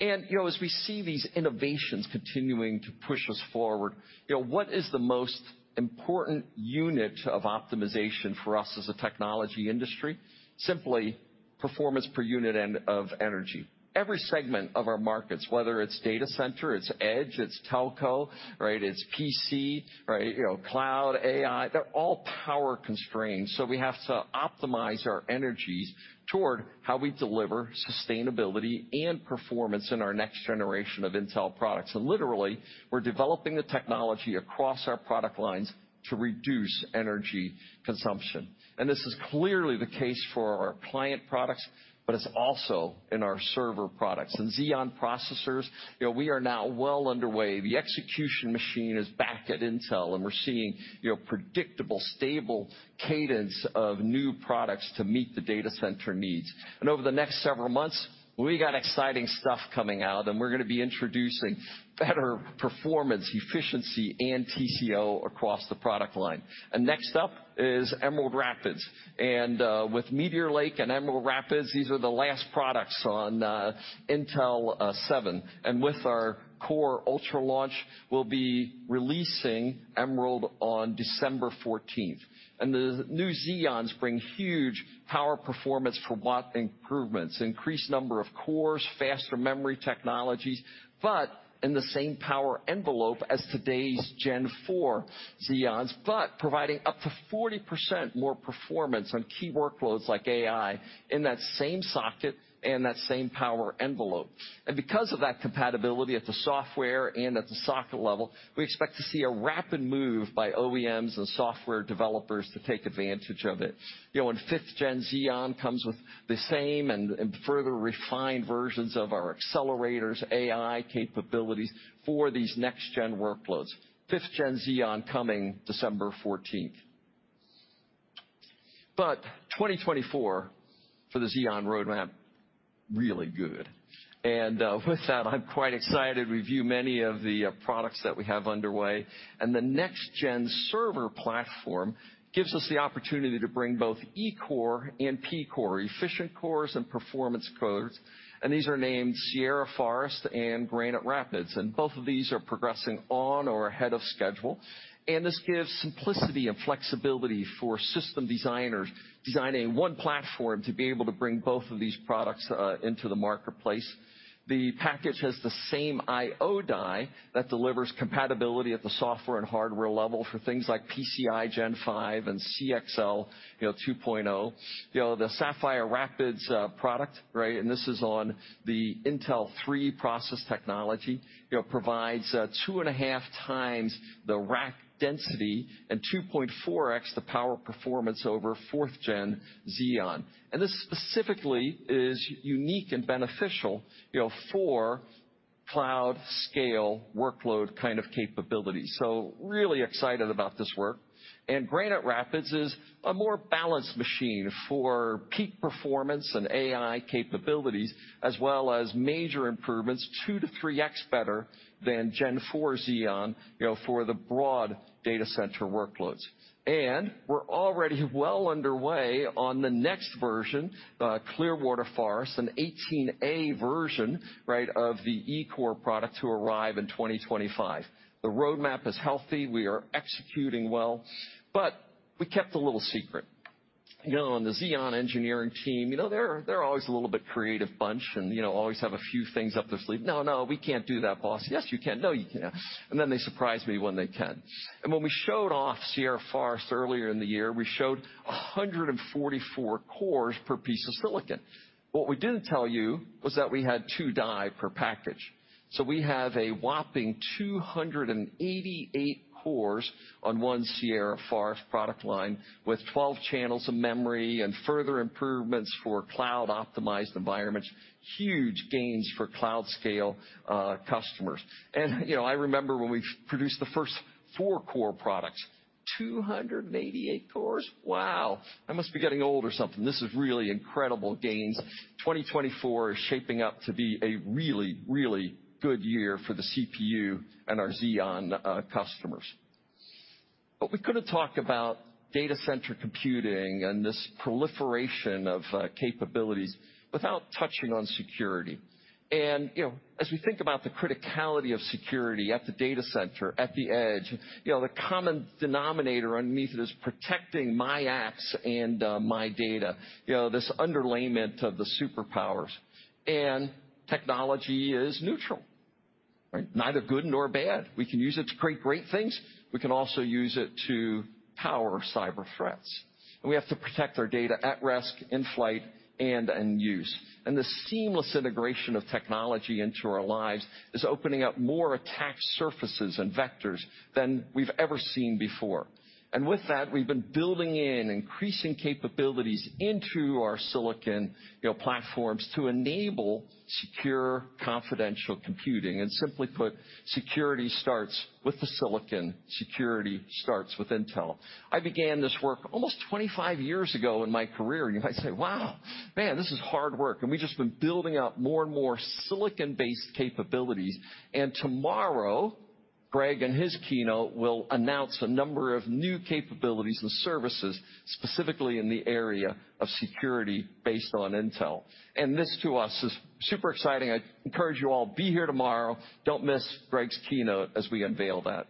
And, you know, as we see these innovations continuing to push us forward, you know, what is the most important unit of optimization for us as a technology industry? Simply performance per unit and of energy. Every segment of our markets, whether it's data center, it's edge, it's telco, right, it's PC, right, you know, cloud, AI, they're all power-constrained. So we have to optimize our energies toward how we deliver sustainability and performance in our next generation of Intel products. Literally, we're developing the technology across our product lines to reduce energy consumption. And this is clearly the case for our client products, but it's also in our server products. In Xeon processors, you know, we are now well underway. The execution machine is back at Intel, and we're seeing predictable, stable cadence of new products to meet the data center needs. And over the next several months, we got exciting stuff coming out, and we're going to be introducing better performance, efficiency, and TCO across the product line. And next up is Emerald Rapids. And with Meteor Lake and Emerald Rapids, these are the last products on Intel 7. And with our Core Ultra launch, we'll be releasing Emerald on December 14. The new Xeons bring huge power performance for watt improvements, increased number of cores, faster memory technologies, but in the same power envelope as today's 4th Gen Xeons, but providing up to 40% more performance on key workloads like AI in that same socket and that same power envelope. And because of that compatibility at the software and at the socket level, we expect to see a rapid move by OEMs and software developers to take advantage of it. You know, and 5th Gen Xeon comes with the same and, and further refined versions of our accelerators, AI capabilities for these next-gen workloads. 5th Gen Xeon coming December 14th. But 2024, for the Xeon roadmap, really good. And, with that, I'm quite excited. We view many of the products that we have underway, and the next-gen server platform gives us the opportunity to bring both E-core and P-core, efficient cores and performance cores, and these are named Sierra Forest and Granite Rapids, and both of these are progressing on or ahead of schedule. And this gives simplicity and flexibility for system designers designing one platform to be able to bring both of these products into the marketplace. The package has the same I/O die that delivers compatibility at the software and hardware level for things like PCI Gen 5 and CXL, you know, 2.0. You know, the Sapphire Rapids product, right? And this is on the Intel 3 process technology, you know, provides 2.5 times the rack density and 2.4x the power performance over fourth-gen Xeon. This specifically is unique and beneficial, you know, for cloud scale workload kind of capabilities. So really excited about this work. Granite Rapids is a more balanced machine for peak performance and AI capabilities, as well as major improvements, 2-3x better than Gen 4 Xeon, you know, for the broad data center workloads. We're already well underway on the next version, the Clearwater Forest, an 18A version, right, of the E-core product to arrive in 2025. The roadmap is healthy. We are executing well, but we kept a little secret. You know, on the Xeon engineering team, you know, they're always a little bit creative bunch and, you know, always have a few things up their sleeve. "No, no, we can't do that, boss." "Yes, you can." "No, you can't." And then they surprise me when they can. And when we showed off Sierra Forest earlier in the year, we showed 144 cores per piece of silicon. What we didn't tell you was that we had two die per package. So we have a whopping 288 cores on one Sierra Forest product line, with 12 channels of memory and further improvements for cloud-optimized environments. Huge gains for cloud-scale customers. And, you know, I remember when we produced the first 4-core products. 288 cores? Wow, I must be getting old or something. This is really incredible gains. 2024 is shaping up to be a really, really good year for the CPU and our Xeon customers. But we couldn't talk about data center computing and this proliferation of capabilities without touching on security. You know, as we think about the criticality of security at the data center, at the edge, you know, the common denominator underneath it is protecting my apps and my data. You know, this underlayment of the superpowers. Technology is neutral, right? Neither good nor bad. We can use it to create great things. We can also use it to power cyber threats. We have to protect our data at rest, in-flight, and in use. The seamless integration of technology into our lives is opening up more attack surfaces and vectors than we've ever seen before. With that, we've been building in increasing capabilities into our silicon platforms to enable secure, confidential computing. Simply put, security starts with the silicon. Security starts with Intel. I began this work almost 25 years ago in my career. You might say, "Wow, man, this is hard work." And we've just been building out more and more silicon-based capabilities. And tomorrow, Greg, in his keynote, will announce a number of new capabilities and services, specifically in the area of security based on Intel. And this, to us, is super exciting. I encourage you all, be here tomorrow. Don't miss Greg's keynote as we unveil that...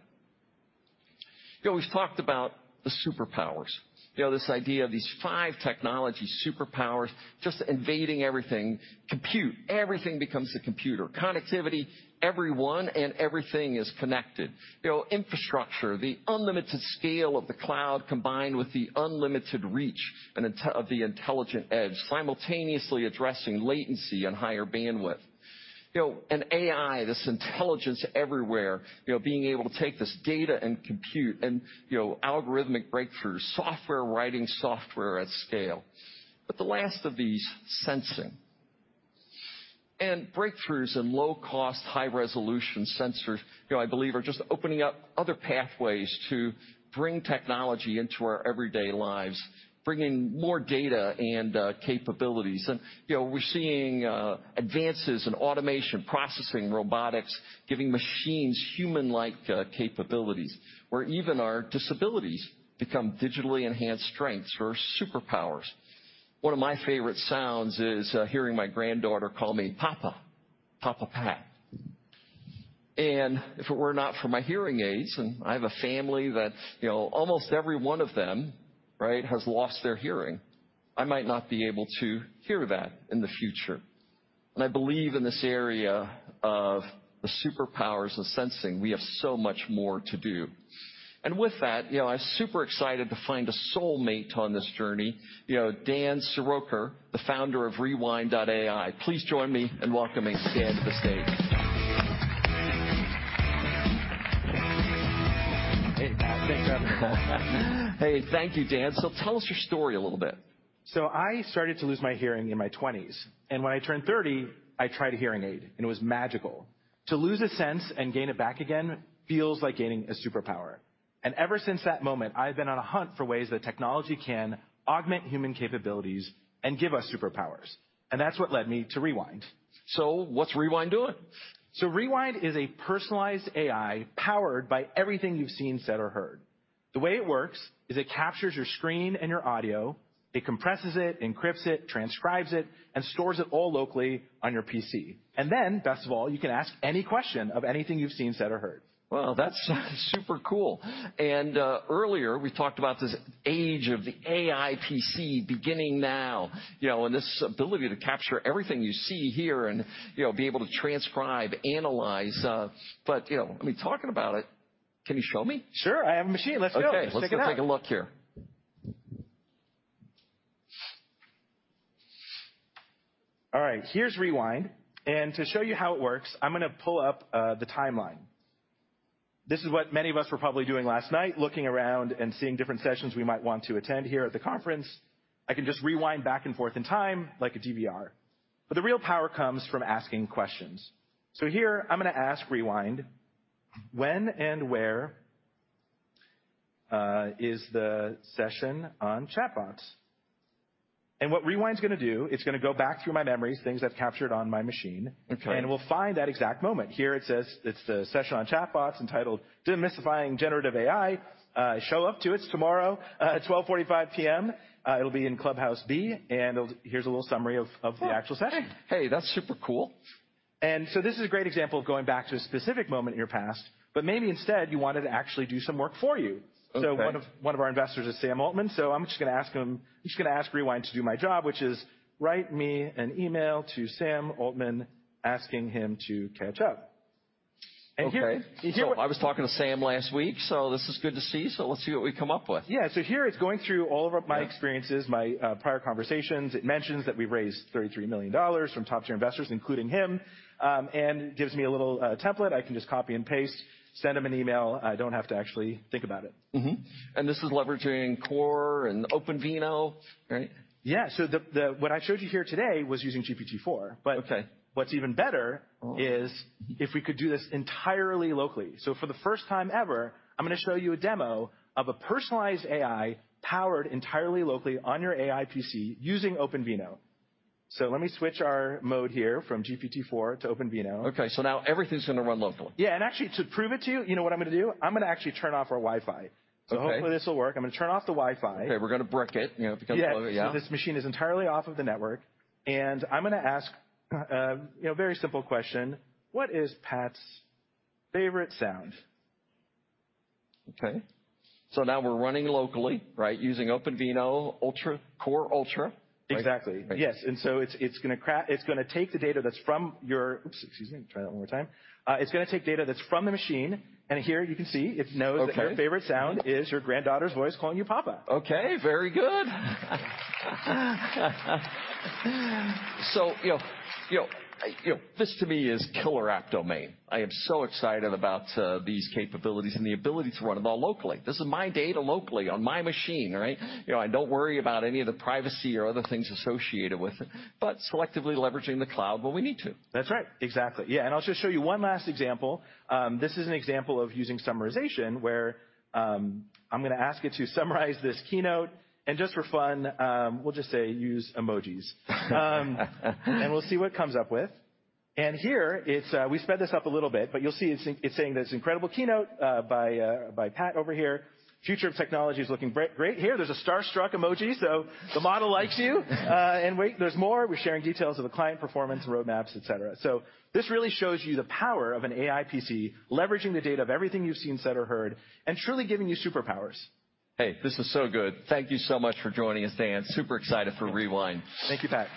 You know, we've talked about the superpowers. You know, this idea of these five technology superpowers just invading everything. Compute, everything becomes a computer. Connectivity, everyone and everything is connected. You know, infrastructure, the unlimited scale of the cloud, combined with the unlimited reach and intell-- of the intelligent edge, simultaneously addressing latency and higher bandwidth. You know, and AI, this intelligence everywhere, you know, being able to take this data and compute and, you know, algorithmic breakthroughs, software writing software at scale. The last of these, sensing. Breakthroughs in low-cost, high-resolution sensors, you know, I believe are just opening up other pathways to bring technology into our everyday lives, bringing more data and, capabilities. We're seeing, advances in automation, processing, robotics, giving machines human-like, capabilities, where even our disabilities become digitally enhanced strengths or superpowers. One of my favorite sounds is, hearing my granddaughter call me, "Papa. Papa Pat." If it were not for my hearing aids, and I have a family that, you know, almost every one of them, right, has lost their hearing, I might not be able to hear that in the future. I believe in this area of the superpowers of sensing, we have so much more to do. With that, you know, I'm super excited to find a soulmate on this journey. You know, Dan Siroker, the founder of Rewind.ai. Please join me in welcoming Dan to the stage. Hey, Pat. Thanks for having me. Hey, thank you, Dan. Tell us your story a little bit. So I started to lose my hearing in my 20s, and when I turned 30, I tried a hearing aid, and it was magical. To lose a sense and gain it back again feels like gaining a superpower. And ever since that moment, I've been on a hunt for ways that technology can augment human capabilities and give us superpowers, and that's what led me to Rewind. What's Rewind doing? So Rewind is a personalized AI powered by everything you've seen, said, or heard. The way it works is it captures your screen and your audio, it compresses it, encrypts it, transcribes it, and stores it all locally on your PC. And then, best of all, you can ask any question of anything you've seen, said, or heard. Well, that's super cool. Earlier, we talked about this age of the AI PC beginning now, you know, and this ability to capture everything you see here and, you know, be able to transcribe, analyze... You know, I mean, talking about it, can you show me? Sure, I have a machine. Let's go. Okay. Let's check it out. Let's take a look here. All right, here's Rewind, and to show you how it works, I'm gonna pull up the timeline. This is what many of us were probably doing last night, looking around and seeing different sessions we might want to attend here at the conference. I can just rewind back and forth in time, like a DVR, but the real power comes from asking questions. So here I'm going to ask Rewind, "When and where is the session on chatbots?" And what Rewind's gonna do, it's gonna go back through my memories, things I've captured on my machine- Okay. We'll find that exact moment. Here it says it's the session on chatbots entitled Demystifying Generative AI. Show up to it, it's tomorrow at 12:45 P.M. It'll be in Clubhouse B, and it'll... Here's a little summary of the actual session. Hey, that's super cool. And so this is a great example of going back to a specific moment in your past, but maybe instead, you want it to actually do some work for you. Okay. So one of our investors is Sam Altman. I'm just gonna ask Rewind to do my job, which is write me an email to Sam Altman, asking him to catch up. And here- Okay. And here- I was talking to Sam last week, so this is good to see. So let's see what we come up with. Yeah. So here it's going through all of my experiences, my, prior conversations. It mentions that we've raised $33 million from top-tier investors, including him, and gives me a little, template. I can just copy and paste, send him an email. I don't have to actually think about it. Mm-hmm, and this is leveraging Core and OpenVINO, right? Yeah. So what I showed you here today was using GPT-4. Okay. But what's even better is if we could do this entirely locally. So for the first time ever, I'm gonna show you a demo of a personalized AI, powered entirely locally on your AI PC using OpenVINO. So let me switch our mode here from GPT-4 to OpenVINO. Okay, so now everything's gonna run locally. Yeah, and actually, to prove it to you, you know what I'm gonna do? I'm gonna actually turn off our Wi-Fi. Okay. Hopefully, this will work. I'm gonna turn off the Wi-Fi. Okay, we're gonna brick it, you know, if it comes- Yes. Yeah. So this machine is entirely off of the network, and I'm gonna ask, you know, a very simple question: What is Pat's favorite sound? Okay. So now we're running locally, right? Using OpenVINO Ultra-- Core Ultra. Exactly. Right. Yes, and so it's gonna take the data that's from your... Oops, excuse me. Try that one more time. It's gonna take data that's from the machine, and here you can see- Okay. It knows that your favorite sound is your granddaughter's voice calling you, "Papa. Okay, very good. So, you know, you know, you know, this to me is killer app domain. I am so excited about these capabilities and the ability to run them all locally. This is my data locally on my machine, right? You know, I don't worry about any of the privacy or other things associated with it, but selectively leveraging the cloud when we need to. That's right. Exactly. Yeah, and I'll just show you one last example. This is an example of using summarization, where, I'm gonna ask it to summarize this keynote, and just for fun, we'll just say, "Use emojis." And we'll see what it comes up with. And here it's, We sped this up a little bit, but you'll see it's, it's saying that it's an incredible keynote, by, by Pat over here. Future of technology is looking br-great. Here, there's a starstruck emoji, so the model likes you. And wait, there's more. We're sharing details of the client performance, roadmaps, et cetera. So this really shows you the power of an AI PC, leveraging the data of everything you've seen, said, or heard, and truly giving you superpowers. ... Hey, this is so good. Thank you so much for joining us, Dan. Super excited for Rewind. Thank you, Pat.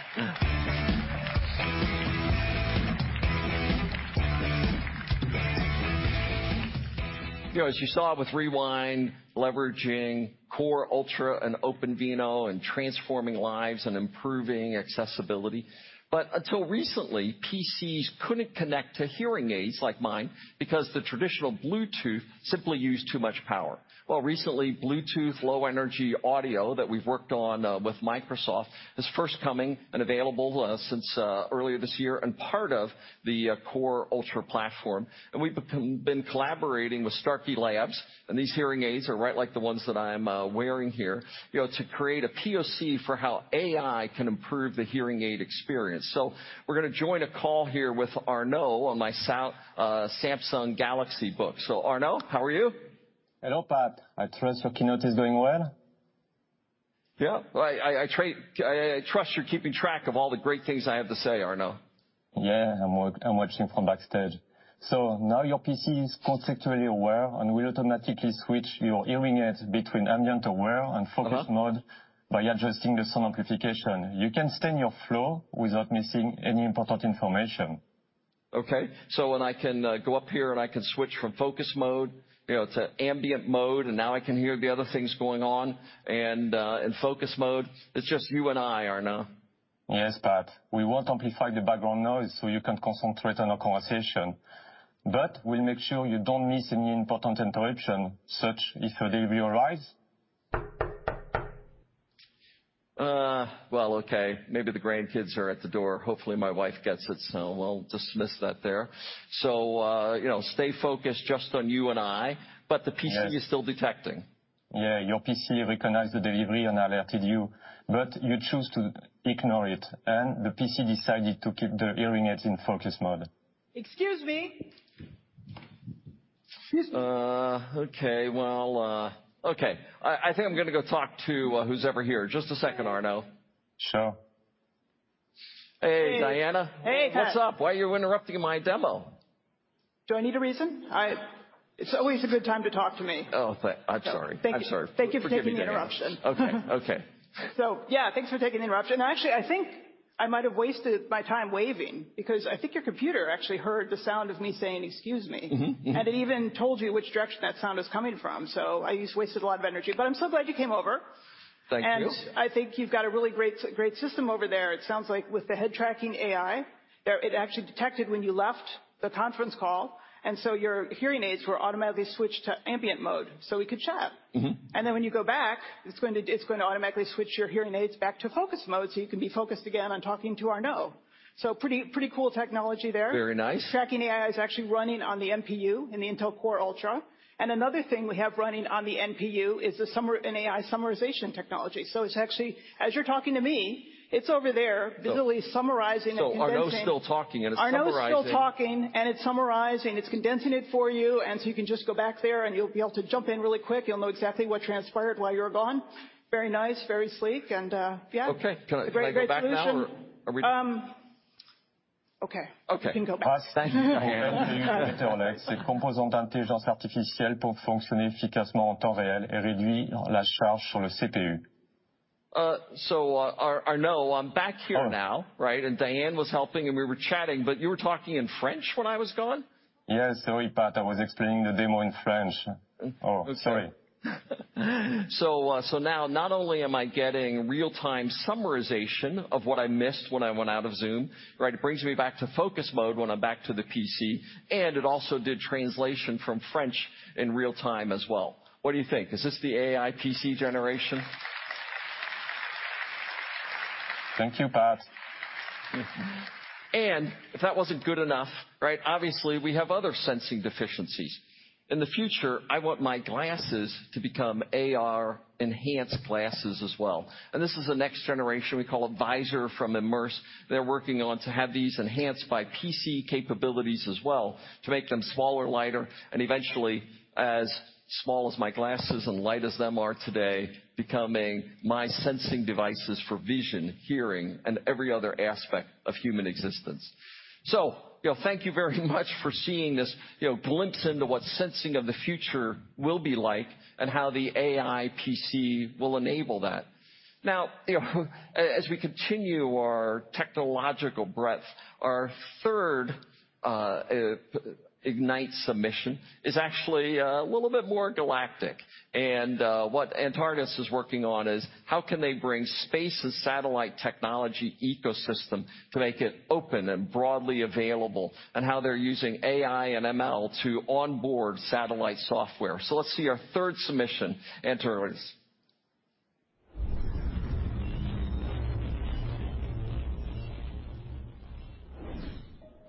You know, as you saw with Rewind, leveraging Core Ultra and OpenVINO and transforming lives and improving accessibility. But until recently, PCs couldn't connect to hearing aids like mine because the traditional Bluetooth simply used too much power. Well, recently, Bluetooth Low Energy Audio that we've worked on with Microsoft is first coming and available since earlier this year, and part of the Core Ultra platform. And we've been collaborating with Starkey Labs, and these hearing aids are right like the ones that I'm wearing here, you know, to create a POC for how AI can improve the hearing aid experience. So we're going to join a call here with Arnaud on my Samsung Galaxy Book. So, Arnaud, how are you? Hello, Pat. I trust your keynote is doing well? Yeah. I trust you're keeping track of all the great things I have to say, Arnaud. Yeah, I'm watching from backstage. So now your PC is contextually aware and will automatically switch your hearing aids between ambient aware and focus mode- Uh-huh. by adjusting the sound amplification. You can stay in your flow without missing any important information. Okay, so when I can go up here, and I can switch from focus mode, you know, to ambient mode, and now I can hear the other things going on. And in focus mode, it's just you and I, Arnaud. Yes, Pat, we won't amplify the background noise, so you can concentrate on our conversation. But we'll make sure you don't miss any important interruption, such as if a delivery arrives. Well, okay, maybe the grandkids are at the door. Hopefully, my wife gets it, so we'll dismiss that there. So, you know, stay focused just on you and I- Yes. But the PC is still detecting. Yeah, your PC recognized the delivery and alerted you, but you choose to ignore it, and the PC decided to keep the hearing aids in focus mode. Excuse me! Excuse me. Okay. Well, okay. I think I'm going to go talk to whoever's here. Just a second, Arnaud. Sure. Hey, Diana. Hey. Hey, Pat. What's up? Why are you interrupting my demo? Do I need a reason? It's always a good time to talk to me. Oh, but I'm sorry. Thank you. I'm sorry. Thank you for taking the interruption. Okay. Okay. Yeah, thanks for taking the interruption. Actually, I think I might have wasted my time waving, because I think your computer actually heard the sound of me saying, "Excuse me. Mm-hmm. Mm-hmm. It even told you which direction that sound was coming from, so I just wasted a lot of energy. But I'm so glad you came over. Thank you. I think you've got a really great, great system over there. It sounds like with the head tracking AI, there, it actually detected when you left the conference call, and so your hearing aids were automatically switched to ambient mode, so we could chat. Mm-hmm. Then when you go back, it's going to, it's going to automatically switch your hearing aids back to focus mode, so you can be focused again on talking to Arnaud. So pretty, pretty cool technology there. Very nice. Tracking AI is actually running on the NPU and the Intel Core Ultra. Another thing we have running on the NPU is an AI summarization technology. It's actually, as you're talking to me, it's over there- Yeah - visually summarizing and condensing. So Arnaud's still talking, and it's summarizing- Arnaud is still talking, and it's summarizing, it's condensing it for you, and so you can just go back there, and you'll be able to jump in really quick. You'll know exactly what transpired while you were gone. Very nice, very sleek, and yeah. Okay. Great solution. Can I go back now, or are we- Um, okay. Okay. You can go back. Thanks. Cette composante d'intelligence artificielle pour fonctionner efficacement en temps réel et réduit la charge sur le CPU. So, Arnaud, I'm back here now. Oh. Right? And Diane was helping, and we were chatting, but you were talking in French when I was gone? Yes. Sorry, Pat, I was explaining the demo in French. Oh, sorry. So, now not only am I getting real-time summarization of what I missed when I went out of Zoom, right? It brings me back to focus mode when I'm back to the PC, and it also did translation from French in real time as well. What do you think? Is this the AI PC generation? Thank you, Pat. And if that wasn't good enough, right, obviously, we have other sensing deficiencies. In the future, I want my glasses to become AR-enhanced glasses as well. And this is the next generation we call a Visor from Immersed. They're working on to have these enhanced by PC capabilities as well, to make them smaller, lighter, and eventually as small as my glasses and light as them are today, becoming my sensing devices for vision, hearing, and every other aspect of human existence. So you know, thank you very much for seeing this, you know, glimpse into what sensing of the future will be like and how the AI PC will enable that. Now, you know, as we continue our technological breadth, our third Ignite submission is actually a little bit more galactic. What Antaris is working on is, how can they bring space and satellite technology ecosystem to make it open and broadly available, and how they're using AI and ML to onboard satellite software? So let's see our third submission, Antaris.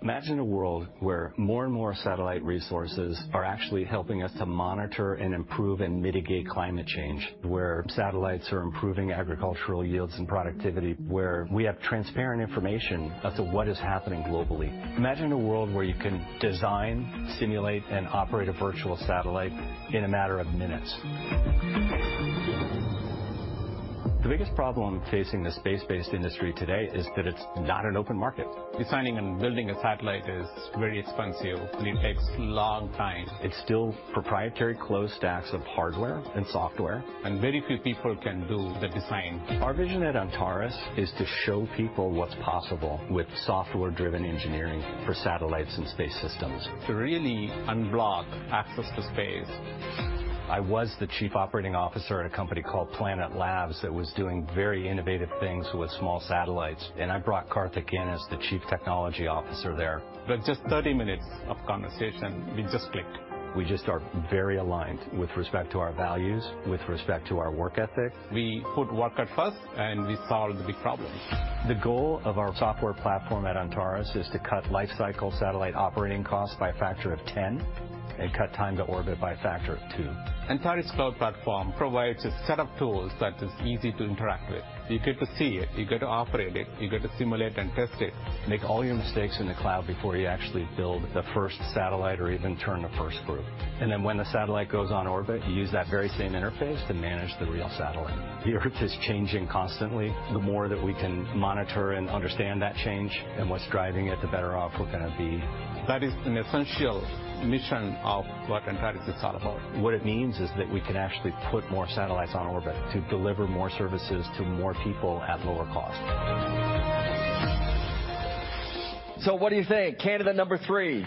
Imagine a world where more and more satellite resources are actually helping us to monitor and improve and mitigate climate change, where satellites are improving agricultural yields and productivity, where we have transparent information as to what is happening globally. Imagine a world where you can design, simulate, and operate a virtual satellite in a matter of minutes.... The biggest problem facing the space-based industry today is that it's not an open market. Designing and building a satellite is very expensive, and it takes a long time. It's still proprietary, closed stacks of hardware and software. Very few people can do the design. Our vision at Antaris is to show people what's possible with software-driven engineering for satellites and space systems. To really unblock access to space. I was the chief operating officer at a company called Planet Labs that was doing very innovative things with small satellites, and I brought Karthik in as the chief technology officer there. With just 30 minutes of conversation, we just clicked. We just are very aligned with respect to our values, with respect to our work ethics. We put work at first, and we solve the big problems. The goal of our software platform at Antaris is to cut life cycle satellite operating costs by a factor of 10 and cut time to orbit by a factor of 2. Antaris cloud platform provides a set of tools that is easy to interact with. You get to see it, you get to operate it, you get to simulate and test it. Make all your mistakes in the cloud before you actually build the first satellite or even turn the first group. And then when the satellite goes on orbit, you use that very same interface to manage the real satellite. The Earth is changing constantly. The more that we can monitor and understand that change and what's driving it, the better off we're going to be. That is an essential mission of what Antaris is all about. What it means is that we can actually put more satellites on orbit to deliver more services to more people at lower cost. So what do you think? Candidate number three.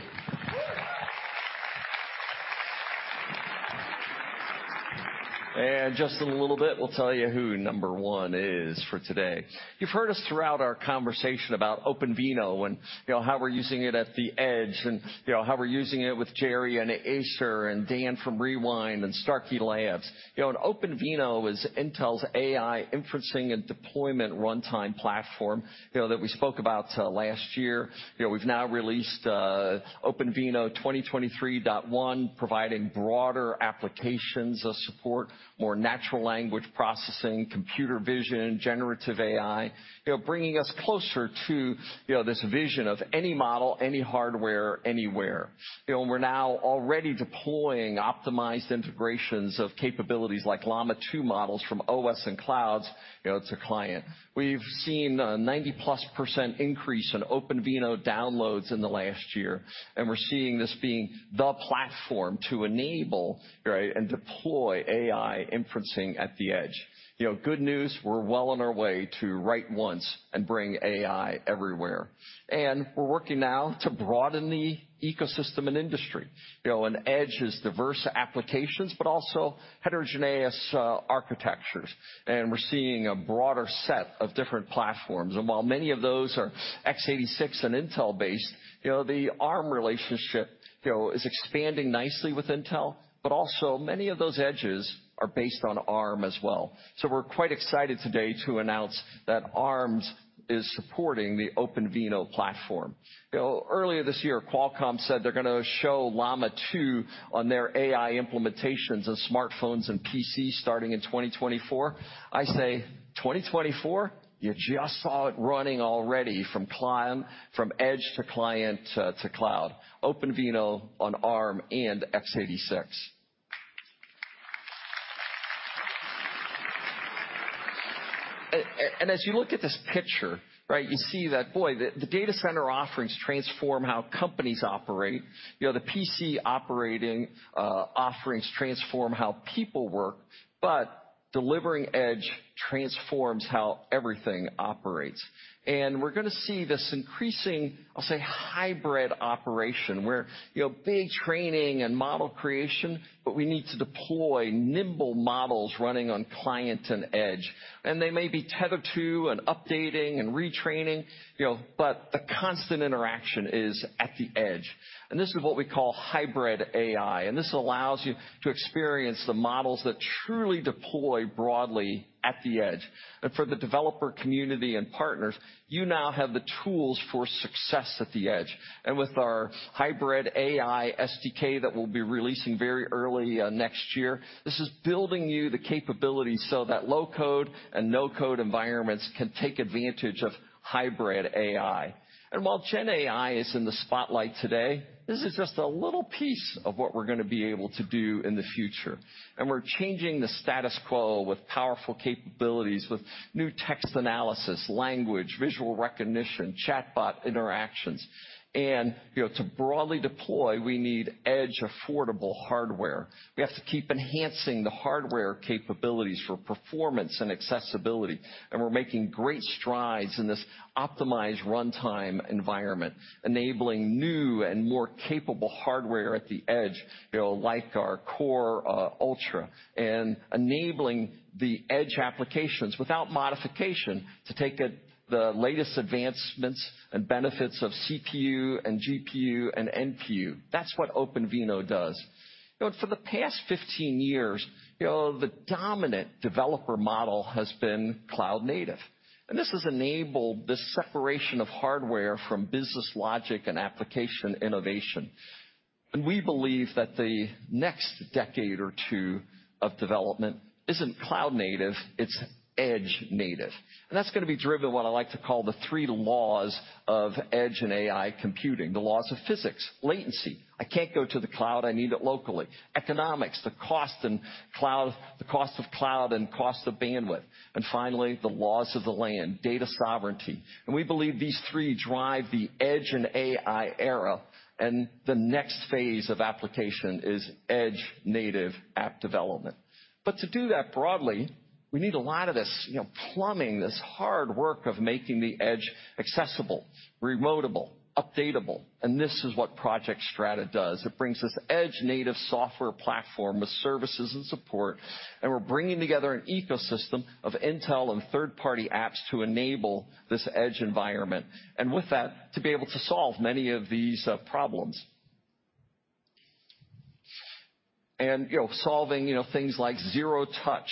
And just in a little bit, we'll tell you who number one is for today. You've heard us throughout our conversation about OpenVINO and, you know, how we're using it at the edge, and you know, how we're using it with Jerry and Acer and Dan from Rewind and Starkey Labs. You know, and OpenVINO is Intel's AI inferencing and deployment runtime platform, you know, that we spoke about last year. You know, we've now released OpenVINO 2023.1, providing broader applications of support, more natural language processing, computer vision, generative AI. You know, bringing us closer to, you know, this vision of any model, any hardware, anywhere. You know, we're now already deploying optimized integrations of capabilities like Llama 2 models from OS and Clouds, you know, to client. We've seen a 90+% increase in OpenVINO downloads in the last year, and we're seeing this being the platform to enable, right, and deploy AI inferencing at the edge. You know, good news, we're well on our way to write once and bring AI everywhere. And we're working now to broaden the ecosystem and industry. You know, and edge is diverse applications, but also heterogeneous architectures. And we're seeing a broader set of different platforms. And while many of those are x86 and Intel-based, you know, the Arm relationship, you know, is expanding nicely with Intel, but also many of those edges are based on Arm as well. So we're quite excited today to announce that Arm is supporting the OpenVINO platform. You know, earlier this year, Qualcomm said they're going to show Llama 2 on their AI implementations on smartphones and PCs starting in 2024. I say 2024? You just saw it running already from Edge to client to cloud. OpenVINO on Arm and x86. And as you look at this picture, right, you see that, boy, the data center offerings transform how companies operate. You know, the PC operating offerings transform how people work, but delivering Edge transforms how everything operates. And we're going to see this increasing, I'll say, hybrid operation, where, you know, big training and model creation, but we need to deploy nimble models running on client and Edge. And they may be tethered to and updating and retraining, you know, but the constant interaction is at the Edge. And this is what we call hybrid AI, and this allows you to experience the models that truly deploy broadly at the Edge. And for the developer, community, and partners, you now have the tools for success at the Edge. And with our hybrid AI SDK that we'll be releasing very early, next year, this is building you the capabilities so that low-code and no-code environments can take advantage of hybrid AI. And while Gen AI is in the spotlight today, this is just a little piece of what we're going to be able to do in the future. And we're changing the status quo with powerful capabilities, with new text analysis, language, visual recognition, chatbot interactions. And, you know, to broadly deploy, we need Edge affordable hardware. We have to keep enhancing the hardware capabilities for performance and accessibility. We're making great strides in this optimized runtime environment, enabling new and more capable hardware at the edge, you know, like our Core Ultra, and enabling the edge applications without modification to take the latest advancements and benefits of CPU and GPU and NPU. That's what OpenVINO does. You know, for the past 15 years, you know, the dominant developer model has been cloud native, and this has enabled this separation of hardware from business logic and application innovation. And we believe that the next decade or two of development isn't cloud native, it's edge native. And that's going to be driven by what I like to call the three laws of edge and AI computing. The laws of physics, latency. I can't go to the cloud; I need it locally. Economics, the cost in cloud, the cost of cloud and cost of bandwidth, and finally, the laws of the land, data sovereignty. We believe these three drive the edge and AI era, and the next phase of application is edge native app development. But to do that broadly, we need a lot of this, you know, plumbing, this hard work of making the edge accessible, remotable, updatable, and this is what Project Strata does. It brings this edge native software platform with services and support, and we're bringing together an ecosystem of Intel and third-party apps to enable this edge environment, and with that, to be able to solve many of these problems. And, you know, solving, you know, things like zero-touch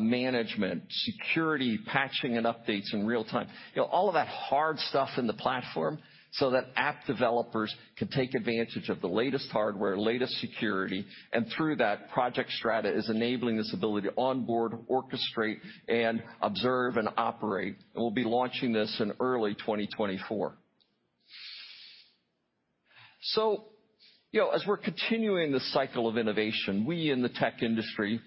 management, security, patching, and updates in real time. You know, all of that hard stuff in the platform so that app developers can take advantage of the latest hardware, latest security, and through that, Project Strata is enabling this ability to onboard, orchestrate, and observe, and operate. And we'll be launching this in early 2024. So, you know, as we're continuing this cycle of innovation, we in the tech industry,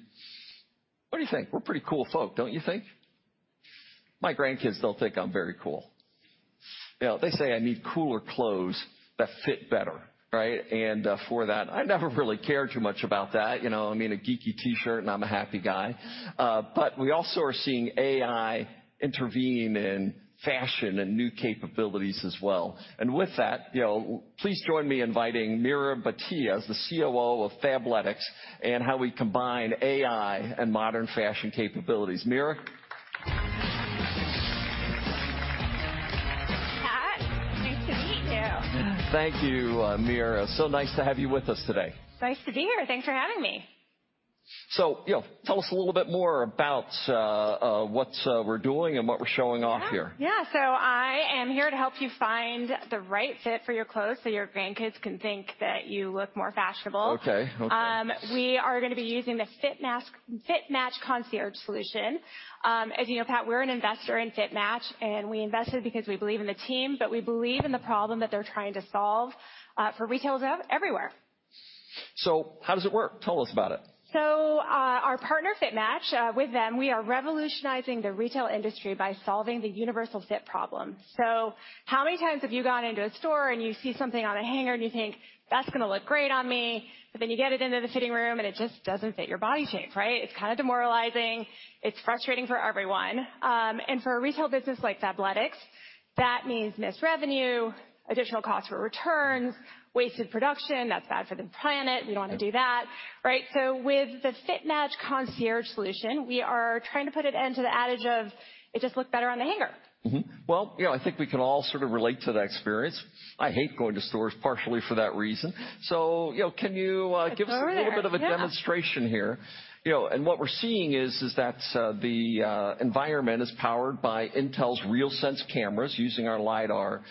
what do you think? We're pretty cool folk, don't you think? My grandkids, they'll think I'm ve ry cool. You know, they say I need cooler clothes that fit better, right? And, for that, I never really cared too much about that. You know, I mean, a geeky T-shirt, and I'm a happy guy. But we also are seeing AI intervene in fashion and new capabilities as well. With that, you know, please join me in inviting Meera Bhatia, the COO of Fabletics, and how we combine AI and modern fashion capabilities. Meera? Pat, nice to meet you. Thank you, Meera. So nice to have you with us today. Nice to be here. Thanks for having me. So, you know, tell us a little bit more about what we're doing and what we're showing off here. Yeah. So I am here to help you find the right fit for your clothes, so your grandkids can think that you look more fashionable. Okay. Okay. We are going to be using the FitMatch—FitMatch Concierge solution. As you know, Pat, we're an investor in FitMatch, and we believe in the team, but we believe in the problem that they're trying to solve for retailers everywhere. How does it work? Tell us about it. So, our partner, FitMatch, with them, we are revolutionizing the retail industry by solving the universal fit problem. So how many times have you gone into a store, and you see something on a hanger, and you think, "That's going to look great on me." But then you get it into the fitting room, and it just doesn't fit your body shape, right? It's kind of demoralizing. It's frustrating for everyone. And for a retail business like Fabletics, that means missed revenue, additional cost for returns, wasted production. That's bad for the planet. Yeah. We don't want to do that, right? So with the FitMatch Concierge solution, we are trying to put an end to the adage of, "It just looked better on the hanger. Mm-hmm. Well, you know, I think we can all sort of relate to that experience. I hate going to stores partially for that reason. So, you know, can you, It's all right. give us a little bit of a demonstration here? You know, and what we're seeing is that the environment is powered by Intel's RealSense cameras using our LiDAR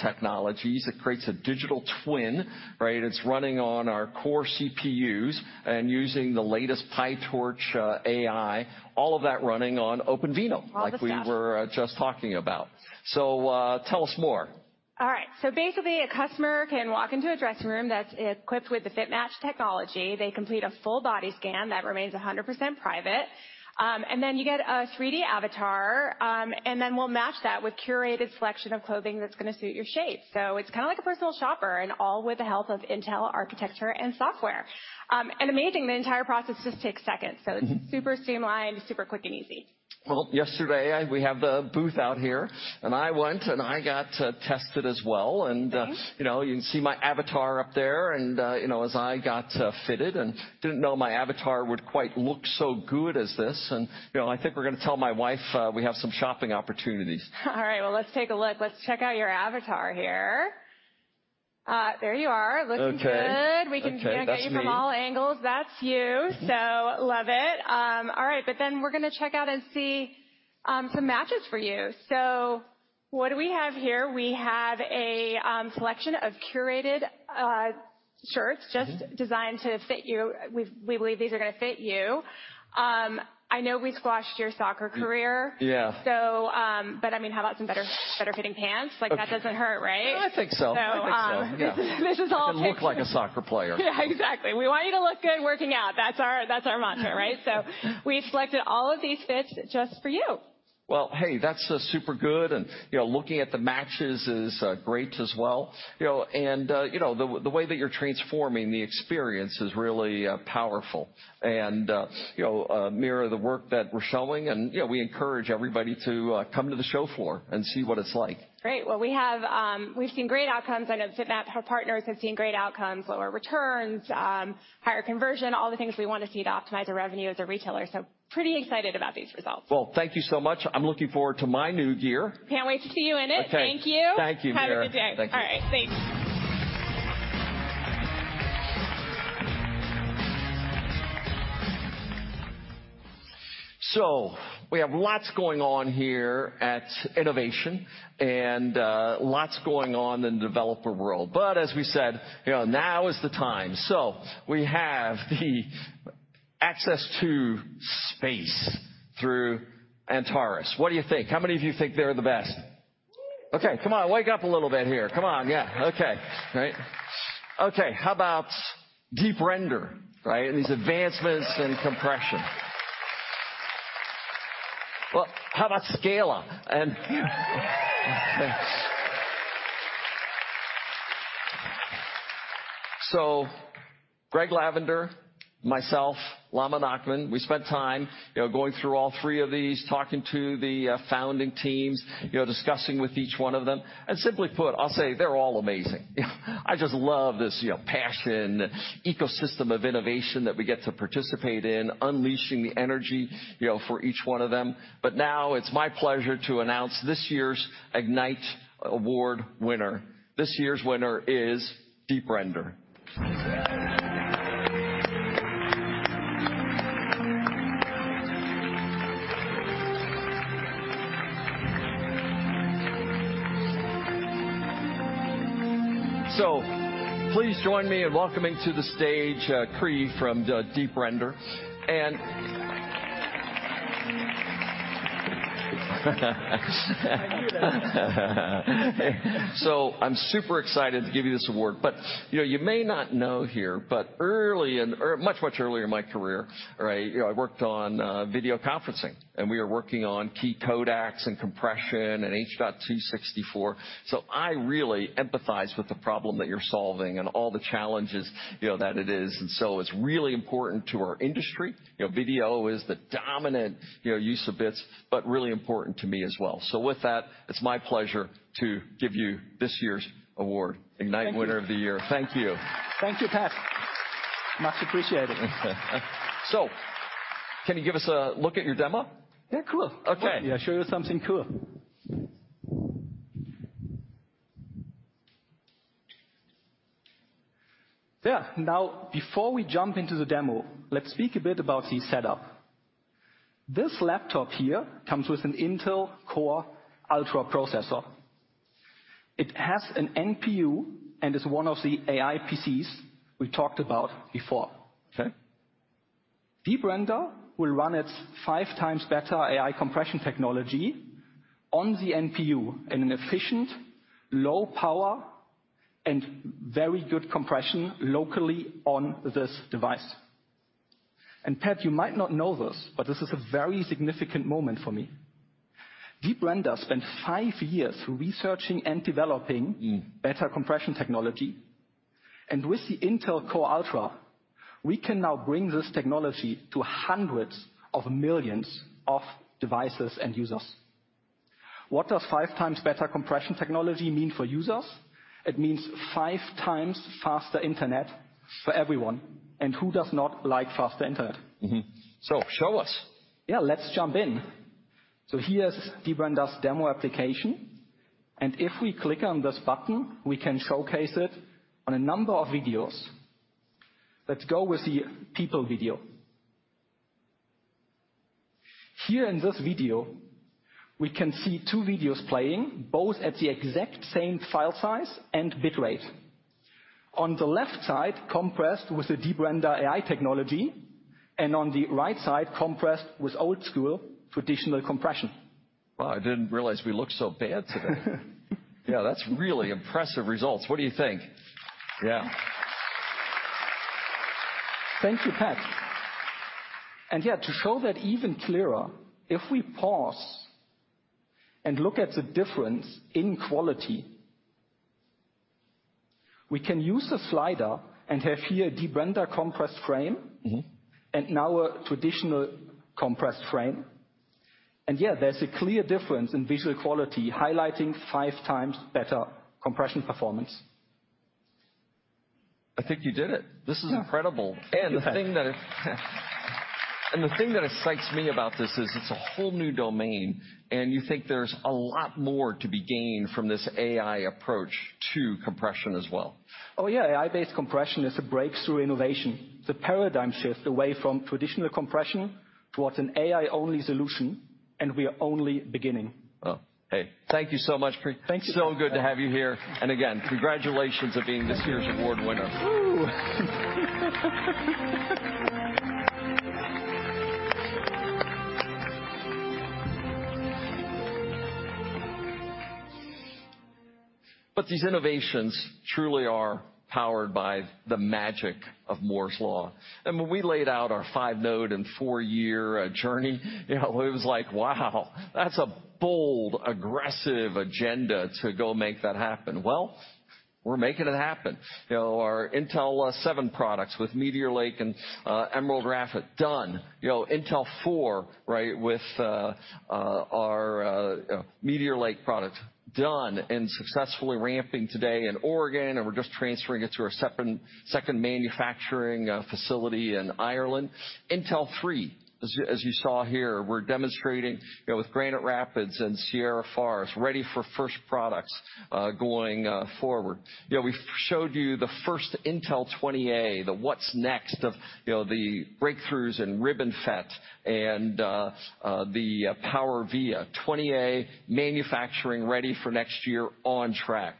technologies. It creates a digital twin, right? It's running on our core CPUs and using the latest PyTorch AI, all of that running on OpenVINO. All the stuff. Like we were just talking about. So, tell us more. All right. So basically, a customer can walk into a dressing room that's equipped with the FitMatch technology. They complete a full-body scan that remains 100% private. And then you get a 3D avatar, and then we'll match that with a curated selection of clothing that's going to suit your shape. So it's kind of like a personal shopper and all with the help of Intel architecture and software. And amazing, the entire process just takes seconds. Mm-hmm. So it's super streamlined, super quick, and easy. Well, yesterday, I—we have the booth out here, and I went, and I got tested as well. Nice. You know, you can see my avatar up there, and you know, as I got fitted and didn't know my avatar would quite look so good as this. You know, I think we're going to tell my wife we have some shopping opportunities. All right, well, let's take a look. Let's check out your avatar here. There you are. Okay. Looking good. Okay, that's me. We can view you from all angles. That's you. Mm-hmm. So love it. All right, but then we're going to check out and see some matches for you. So what do we have here? We have a selection of curated shirts- Mm-hmm Just designed to fit you. We, we believe these are going to fit you. I know we squashed your soccer career. Yeah. But, I mean, how about some better, better-fitting pants? Okay. Like, that doesn't hurt, right? I think so. So, um- I think so, yeah. This is all- I can look like a soccer player. Yeah, exactly. We want you to look good working out. That's our, that's our mantra, right? So we selected all of these fits just for you. Well, hey, that's super good, and, you know, looking at the matches is great as well. You know, and you know, the way that you're transforming the experience is really powerful. And you know, Meera, the work that we're showing, and you know, we encourage everybody to come to the show floor and see what it's like. Great. Well, we have, we've seen great outcomes. I know FitMatch, our partners, have seen great outcomes, lower returns, higher conversion, all the things we want to see to optimize our revenue as a retailer. So pretty excited about these results. Well, thank you so much. I'm looking forward to my new gear. Can't wait to see you in it. Okay. Thank you. Thank you, Meera. Have a good day. Thank you. All right. Thanks. So we have lots going on here at Innovation and, lots going on in the developer world. But as we said, you know, now is the time. So we have the access to space through Antaris. What do you think? How many of you think they're the best? Okay, come on, wake up a little bit here. Come on. Yeah. Okay. Great. Okay, how about Deep Render, right? And these advancements in compression. Well, how about Scala? So Greg Lavender, myself, Lama Nachman, we spent time, you know, going through all three of these, talking to the, founding teams, you know, discussing with each one of them, and simply put, I'll say, they're all amazing. I just love this, you know, passion, ecosystem of innovation that we get to participate in, unleashing the energy, you know, for each one of them. Now it's my pleasure to announce this year's Ignite Award winner. This year's winner is Deep Render. Please join me in welcoming to the stage, Chris from Deep Render. And I knew that. So I'm super excited to give you this award, but, you know, you may not know here, but early in, or much, much earlier in my career, right, you know, I worked on video conferencing, and we are working on key codecs and compression and H.264. So I really empathize with the problem that you're solving and all the challenges, you know, that it is. And so it's really important to our industry. You know, video is the dominant, you know, use of bits, but really important to me as well. So with that, it's my pleasure to give you this year's award, Ignite Winner of the Year. Thank you. Thank you, Pat. Much appreciated. So can you give us a look at your demo? Yeah, cool. Okay. Yeah, I'll show you something cool. Yeah. Now, before we jump into the demo, let's speak a bit about the setup. This laptop here comes with an Intel Core Ultra processor. It has an NPU and is one of the AI PCs we talked about before. Okay? Deep Render will run its five times better AI compression technology on the NPU in an efficient, low power, and very good compression locally on this device. And, Pat, you might not know this, but this is a very significant moment for me. Deep Render spent five years researching and developing- Mm. Better compression technology, and with the Intel Core Ultra, we can now bring this technology to hundreds of millions of devices and users. What does five times better compression technology mean for users? It means five times faster internet for everyone. Who does not like faster internet? Mm-hmm. So show us. Yeah, let's jump in. Here's Deep Render's demo application, and if we click on this button, we can showcase it on a number of videos. Let's go with the people video. Here in this video, we can see two videos playing, both at the exact same file size and bit rate. On the left side, compressed with the Deep Render AI technology, and on the right side, compressed with old school traditional compression. Well, I didn't realize we looked so bad today. Yeah, that's really impressive results. What do you think? Yeah. Thank you, Pat. And, yeah, to show that even clearer, if we pause and look at the difference in quality, we can use the slider and have here a Deep Render compressed frame- Mm-hmm. And now a traditional compressed frame. And, yeah, there's a clear difference in visual quality, highlighting five times better compression performance. I think you did it. Yeah. This is incredible. And the thing that excites me about this is it's a whole new domain, and you think there's a lot more to be gained from this AI approach to compression as well. Oh, yeah. AI-based compression is a breakthrough innovation. It's a paradigm shift away from traditional compression towards an AI-only solution, and we are only beginning. Well, hey, thank you so much, Craig. Thank you. Good to have you here. Again, congratulations on being this year's award winner. Whoo! But these innovations truly are powered by the magic of Moore's Law. And when we laid out our 5-node and 4-year journey, you know, it was like: Wow, that's a bold, aggressive agenda to go make that happen. Well, we're making it happen. You know, our Intel 7 products with Meteor Lake and Emerald Rapids, done. You know, Intel 4, right, with our Meteor Lake product, done, and successfully ramping today in Oregon, and we're just transferring it to our second manufacturing facility in Ireland. Intel 3, as you saw here, we're demonstrating, you know, with Granite Rapids and Sierra Forest, ready for first products going forward. You know, we showed you the first Intel 20A, the what's next of, you know, the breakthroughs in RibbonFET and the PowerVia. 20A, manufacturing ready for next year on track.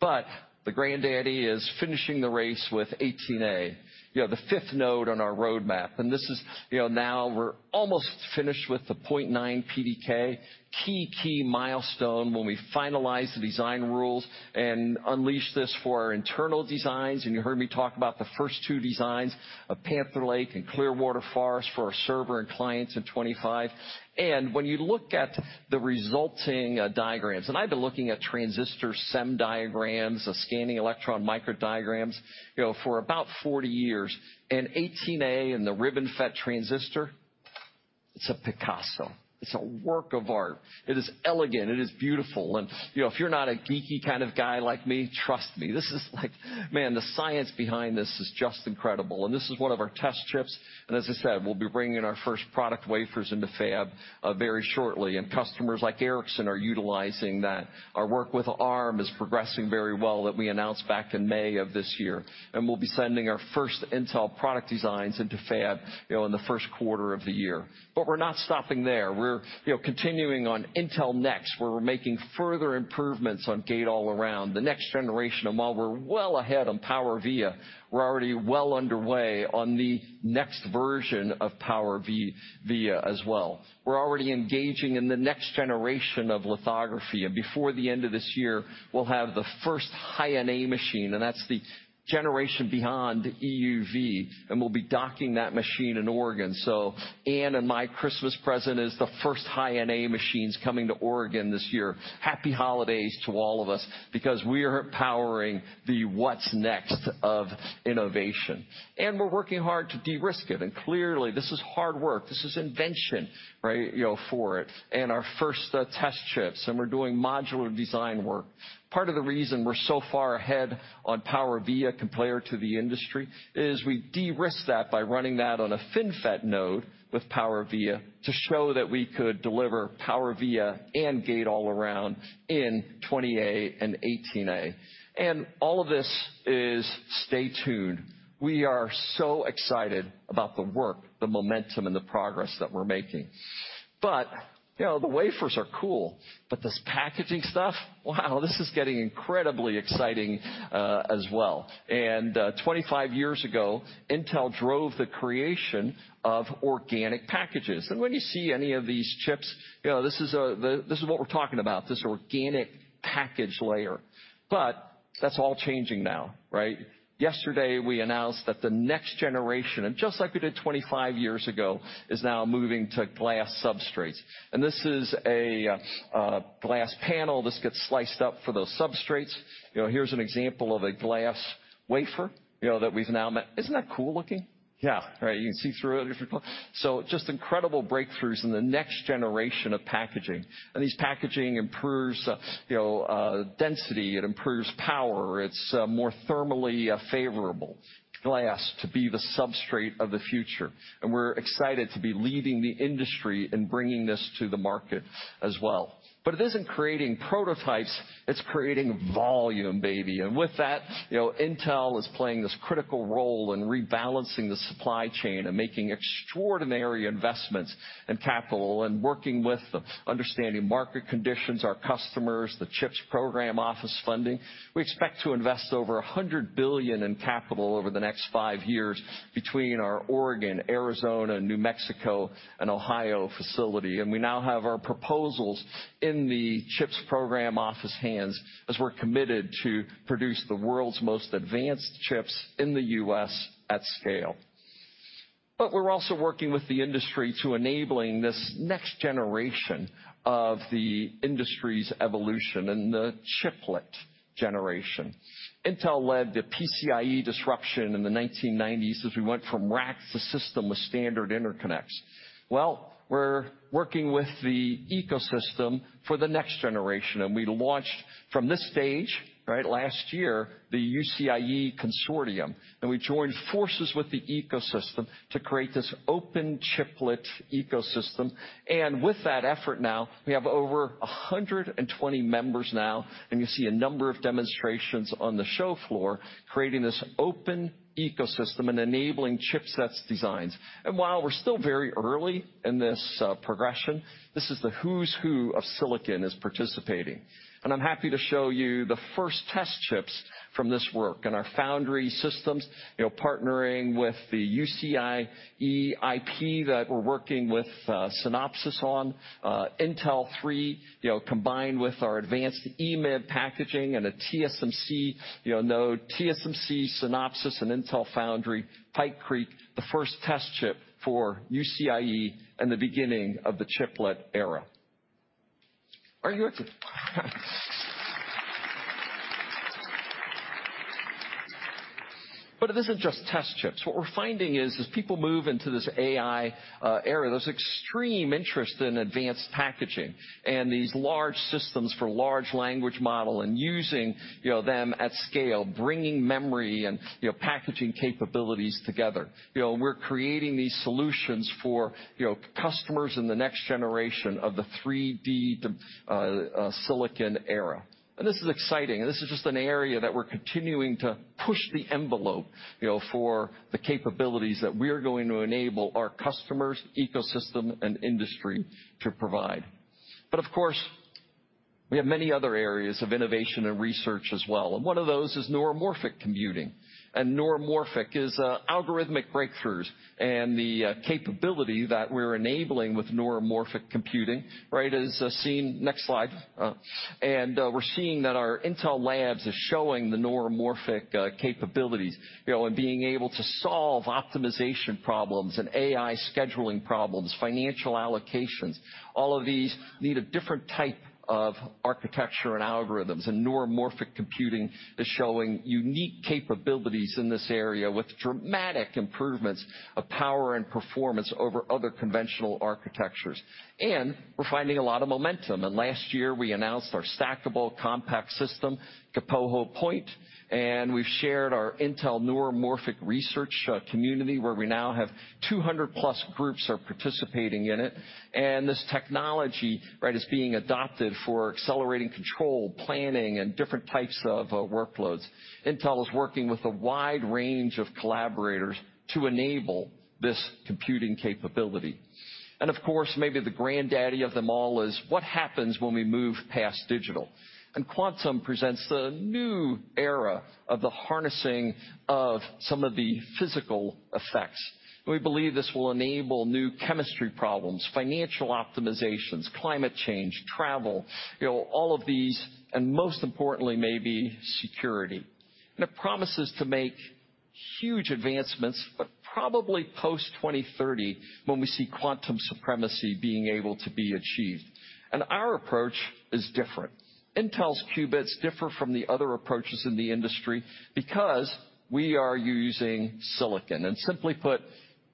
But the granddaddy is finishing the race with 18A, you know, the fifth node on our roadmap, and this is, you know, now we're almost finished with the 0.9 PDK. Key, key milestone when we finalize the design rules and unleash this for our internal designs, and you heard me talk about the first two designs of Panther Lake and Clearwater Forest for our server and clients in 25. And when you look at the resulting, diagrams, and I've been looking at transistor SEM diagrams, scanning electron microscope diagrams, you know, for about 40 years, and 18A and the RibbonFET transistor, it's a Picasso. It's a work of art. It is elegant, it is beautiful, and, you know, if you're not a geeky kind of guy like me, trust me, this is like, man, the science behind this is just incredible. And this is one of our test chips. And as I said, we'll be bringing our first product wafers into fab very shortly, and customers like Ericsson are utilizing that. Our work with Arm is progressing very well, that we announced back in May of this year, and we'll be sending our first Intel product designs into fab, you know, in the first quarter of the year. But we're not stopping there. We're, you know, continuing on Intel Next, where we're making further improvements on Gate All Around, the next generation. And while we're well ahead on PowerVia, we're already well underway on the next version of PowerVia as well. We're already engaging in the next generation of lithography, and before the end of this year, we'll have the first High-NA machine, and that's the generation behind EUV, and we'll be docking that machine in Oregon. So Anne and my Christmas present is the first High-NA machines coming to Oregon this year. Happy holidays to all of us because we are powering the what's next of innovation, and we're working hard to de-risk it. And clearly, this is hard work. This is invention, right, you know, for it. And our first test chips, and we're doing modular design work. Part of the reason we're so far ahead on PowerVia compared to the industry is we de-risk that by running that on a FinFET node with PowerVia to show that we could deliver PowerVia and Gate All Around in 20A and 18A. All of this is stay tuned. We are so excited about the work, the momentum and the progress that we're making. But, you know, the wafers are cool, but this packaging stuff, wow, this is getting incredibly exciting as well. And 25 years ago, Intel drove the creation of organic packages. And when you see any of these chips, you know, this is what we're talking about, this organic package layer. But that's all changing now, right? Yesterday, we announced that the next generation, and just like we did 25 years ago, is now moving to glass substrates. And this is a glass panel. This gets sliced up for those substrates. You know, here's an example of a glass wafer, you know, that we've now met. Isn't that cool looking? Yeah, right. You can see through it. So just incredible breakthroughs in the next generation of packaging. These packaging improves, you know, density, it improves power, it's more thermally favorable, glass to be the substrate of the future. We're excited to be leading the industry in bringing this to the market as well. It isn't creating prototypes, it's creating volume, baby. With that, you know, Intel is playing this critical role in rebalancing the supply chain and making extraordinary investments in capital and working with understanding market conditions, our customers, the CHIPS Program Office funding. We expect to invest over $100 billion in capital over the next five years between our Oregon, Arizona, New Mexico and Ohio facility. We now have our proposals in the CHIPS Program Office hands as we're committed to produce the world's most advanced chips in the U.S. at scale. But we're also working with the industry to enabling this next generation of the industry's evolution and the chiplet generation. Intel led the PCIe disruption in the 1990s as we went from racks to system with standard interconnects. Well, we're working with the ecosystem for the next generation, and we launched from this stage, right, last year, the UCIe consortium, and we joined forces with the ecosystem to create this open chiplet ecosystem. And with that effort now, we have over 120 members now, and you see a number of demonstrations on the show floor creating this open ecosystem and enabling chipsets designs. And while we're still very early in this progression, this is the who's who of silicon participating. I'm happy to show you the first test chips from this work and our foundry systems, you know, partnering with the UCIe IP that we're working with, Synopsys on, Intel 3, you know, combined with our advanced EMIB packaging and a TSMC, you know, node TSMC Synopsys and Intel Foundry, Pike Creek, the first test chip for UCIe and the beginning of the chiplet era. Are you okay? It isn't just test chips. What we're finding is, as people move into this AI, era, there's extreme interest in advanced packaging and these large systems for large language model and using, you know, them at scale, bringing memory and, you know, packaging capabilities together. You know, we're creating these solutions for, you know, customers in the next generation of the 3D, silicon era. This is exciting, and this is just an area that we're continuing to push the envelope, you know, for the capabilities that we are going to enable our customers, ecosystem, and industry to provide. Of course, we have many other areas of innovation and research as well, and one of those is neuromorphic computing. Neuromorphic is algorithmic breakthroughs, and the capability that we're enabling with neuromorphic computing, right, is seen-- Next slide. We're seeing that our Intel Labs is showing the neuromorphic capabilities, you know, and being able to solve optimization problems and AI scheduling problems, financial allocations. All of these need a different type of architecture and algorithms, and neuromorphic computing is showing unique capabilities in this area, with dramatic improvements of power and performance over other conventional architectures. We're finding a lot of momentum, and last year we announced our stackable compact system, Kapoho Point, and we've shared our Intel Neuromorphic Research Community, where we now have 200+ groups participating in it. And this technology, right, is being adopted for accelerating control, planning, and different types of workloads. Intel is working with a wide range of collaborators to enable this computing capability. And, of course, maybe the granddaddy of them all is what happens when we move past digital? And quantum presents the new era of the harnessing of some of the physical effects. We believe this will enable new chemistry problems, financial optimizations, climate change, travel, you know, all of these, and most importantly, maybe security. And it promises to make huge advancements, but probably post-2030, when we see quantum supremacy being able to be achieved. And our approach is different. Intel's qubits differ from the other approaches in the industry because we are using silicon, and simply put,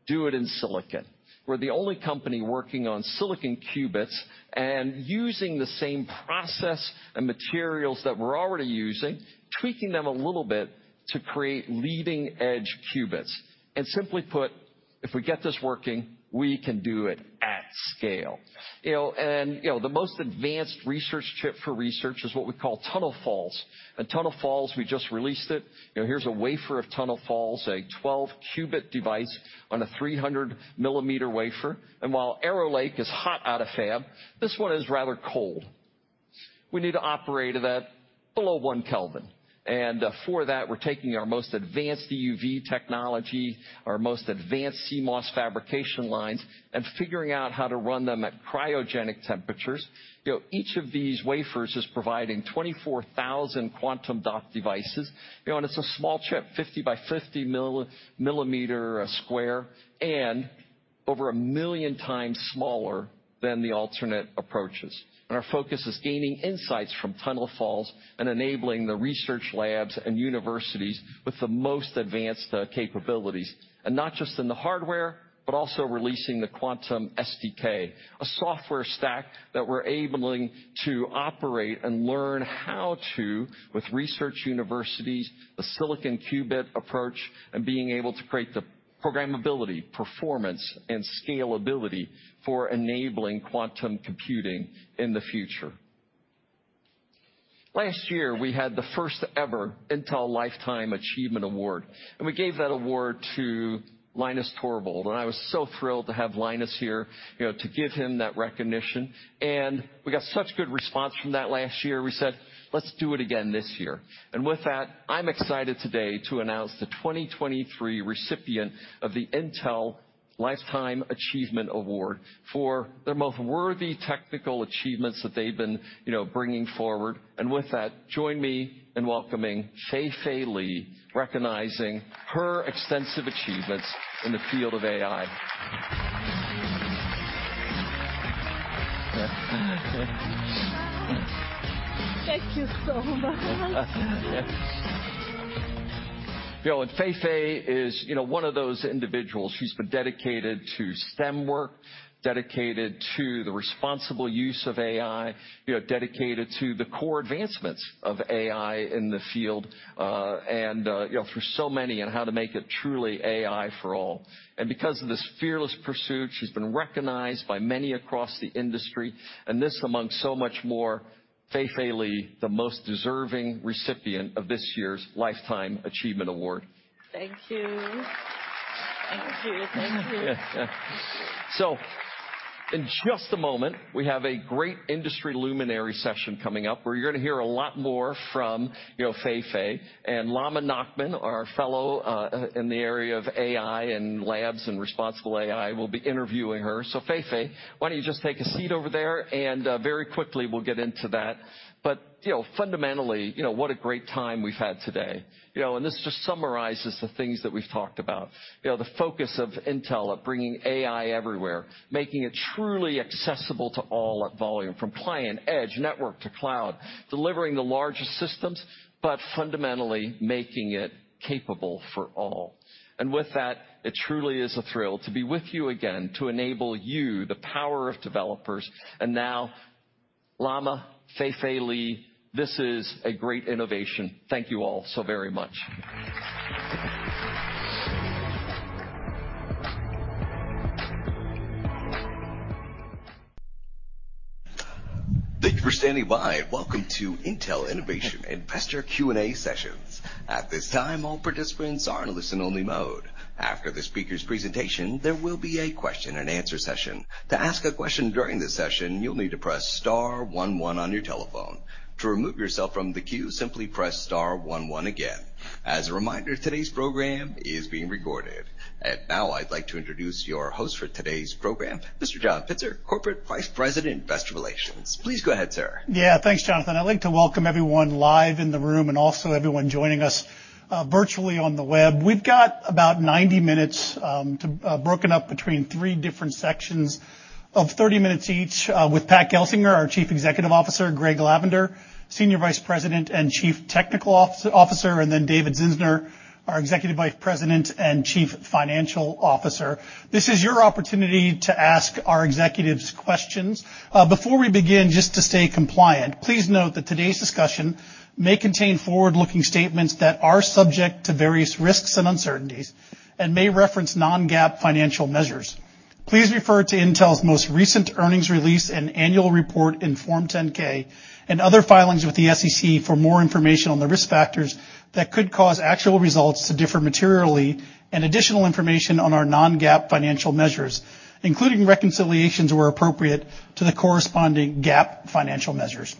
do it in silicon. We're the only company working on silicon qubits and using the same process and materials that we're already using, tweaking them a little bit, to create leading-edge qubits. And simply put, if we get this working, we can do it at scale. You know, and, you know, the most advanced research chip for research is what we call Tunnel Falls. And Tunnel Falls, we just released it. You know, here's a wafer of Tunnel Falls, a 12-qubit device on a 300-millimeter wafer, and while Arrow Lake is hot out of fab, this one is rather cold. We need to operate it at below 1 Kelvin, and for that, we're taking our most advanced EUV technology, our most advanced CMOS fabrication lines, and figuring out how to run them at cryogenic temperatures. You know, each of these wafers is providing 24,000 quantum dot devices, you know, and it's a small chip, 50 by 50 millimeter square, and over 1 million times smaller than the alternate approaches. And our focus is gaining insights from Tunnel Falls and enabling the research labs and universities with the most advanced capabilities, and not just in the hardware, but also releasing the quantum SDK, a software stack that we're able to operate and learn how to, with research universities, the silicon qubit approach, and being able to create the programmability, performance, and scalability for enabling quantum computing in the future. Last year, we had the first-ever Intel Lifetime Achievement Award, and we gave that award to Linus Torvalds. And I was so thrilled to have Linus here, you know, to give him that recognition, and we got such good response from that last year, we said, "Let's do it again this year." And with that, I'm excited today to announce the 2023 recipient of the Intel Lifetime Achievement Award for the most worthy technical achievements that they've been, you know, bringing forward. And with that, join me in welcoming Fei-Fei Li, recognizing her extensive achievements in the field of AI. Thank you so much. You know, and Fei-Fei is, you know, one of those individuals who's been dedicated to STEM work, dedicated to the responsible use of AI, you know, dedicated to the core advancements of AI in the field, you know, for so many, and how to make it truly AI for all. Because of this fearless pursuit, she's been recognized by many across the industry, and this, among so much more, Fei-Fei Li, the most deserving recipient of this year's Lifetime Achievement Award. Thank you. Thank you. Thank you. So in just a moment, we have a great industry luminary session coming up, where you're going to hear a lot more from, you know, Fei-Fei, and Lama Nachman, our Fellow in the area of AI and labs, and responsible AI, will be interviewing her. So, Fei-Fei, why don't you just take a seat over there, and very quickly, we'll get into that. But, you know, fundamentally, you know, what a great time we've had today. You know, and this just summarizes the things that we've talked about. You know, the focus of Intel of bringing AI everywhere, making it truly accessible to all at volume, from client, edge, network to cloud. Delivering the largest systems, but fundamentally making it capable for all. And with that, it truly is a thrill to be with you again, to enable you, the power of developers. And now, Lama, Fei-Fei Li, this is a great innovation. Thank you all so very much. Thank you for standing by, and welcome to Intel Innovation Investor Q&A session. At this time, all participants are in listen-only mode. After the speaker's presentation, there will be a question-and-answer session. To ask a question during this session, you'll need to press star one one on your telephone. To remove yourself from the queue, simply press star one one again. As a reminder, today's program is being recorded. And now I'd like to introduce your host for today's program, Mr. John Pitzer, Corporate Vice President, Investor Relations. Please go ahead, sir. Yeah. Thanks, Jonathan. I'd like to welcome everyone live in the room, and also everyone joining us virtually on the web. We've got about 90 minutes to broken up between three different sections of 30 minutes each with Pat Gelsinger, our Chief Executive Officer, Greg Lavender, Senior Vice President and Chief Technology Officer, and then David Zinsner, our Executive Vice President and Chief Financial Officer. This is your opportunity to ask our executives questions. Before we begin, just to stay compliant, please note that today's discussion may contain forward-looking statements that are subject to various risks and uncertainties and may reference non-GAAP financial measures. Please refer to Intel's most recent earnings release and annual report in Form 10-K, and other filings with the SEC for more information on the risk factors that could cause actual results to differ materially, and additional information on our non-GAAP financial measures, including reconciliations where appropriate, to the corresponding GAAP financial measures.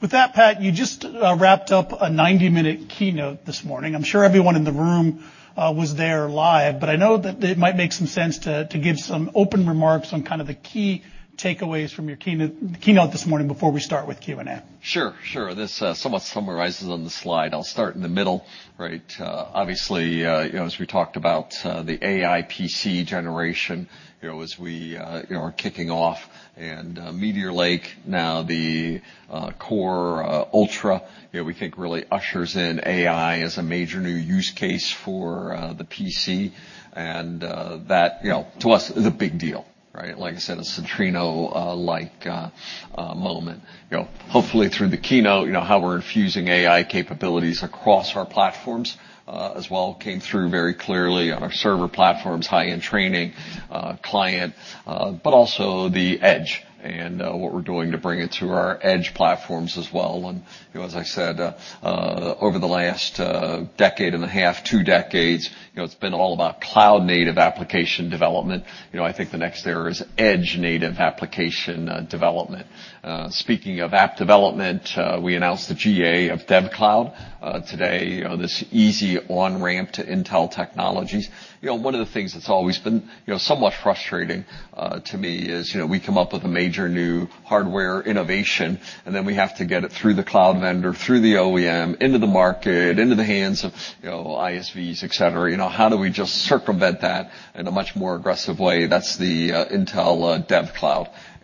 With that, Pat, you just wrapped up a 90-minute keynote this morning. I'm sure everyone in the room was there live, but I know that it might make some sense to give some open remarks on kind of the key takeaways from your keynote this morning before we start with Q&A. Sure, sure. This, somewhat summarizes on the slide. I'll start in the middle, right? Obviously, you know, as we talked about, the AI PC generation, you know, as we, you know, are kicking off and, Meteor Lake, now the, Core Ultra, you know, we think really ushers in AI as a major new use case for, the PC. And, that, you know, to us, is a big deal, right? Like I said, a Centrino, like, moment. You know, hopefully, through the keynote, you know, how we're infusing AI capabilities across our platforms, as well, came through very clearly on our server platforms, high-end training, client, but also the edge, and, what we're doing to bring it to our edge platforms as well. You know, as I said, over the last decade and a half, two decades, you know, it's been all about cloud native application development. You know, I think the next era is edge-native application development. Speaking of app development, we announced the GA of DevCloud today, this easy on-ramp to Intel technologies. You know, one of the things that's always been, you know, somewhat frustrating to me is, you know, we come up with a major new hardware innovation, and then we have to get it through the cloud vendor, through the OEM, and into the market, into the hands of, you know, ISVs, et cetera. You know, how do we just circumvent that in a much more aggressive way? That's the Intel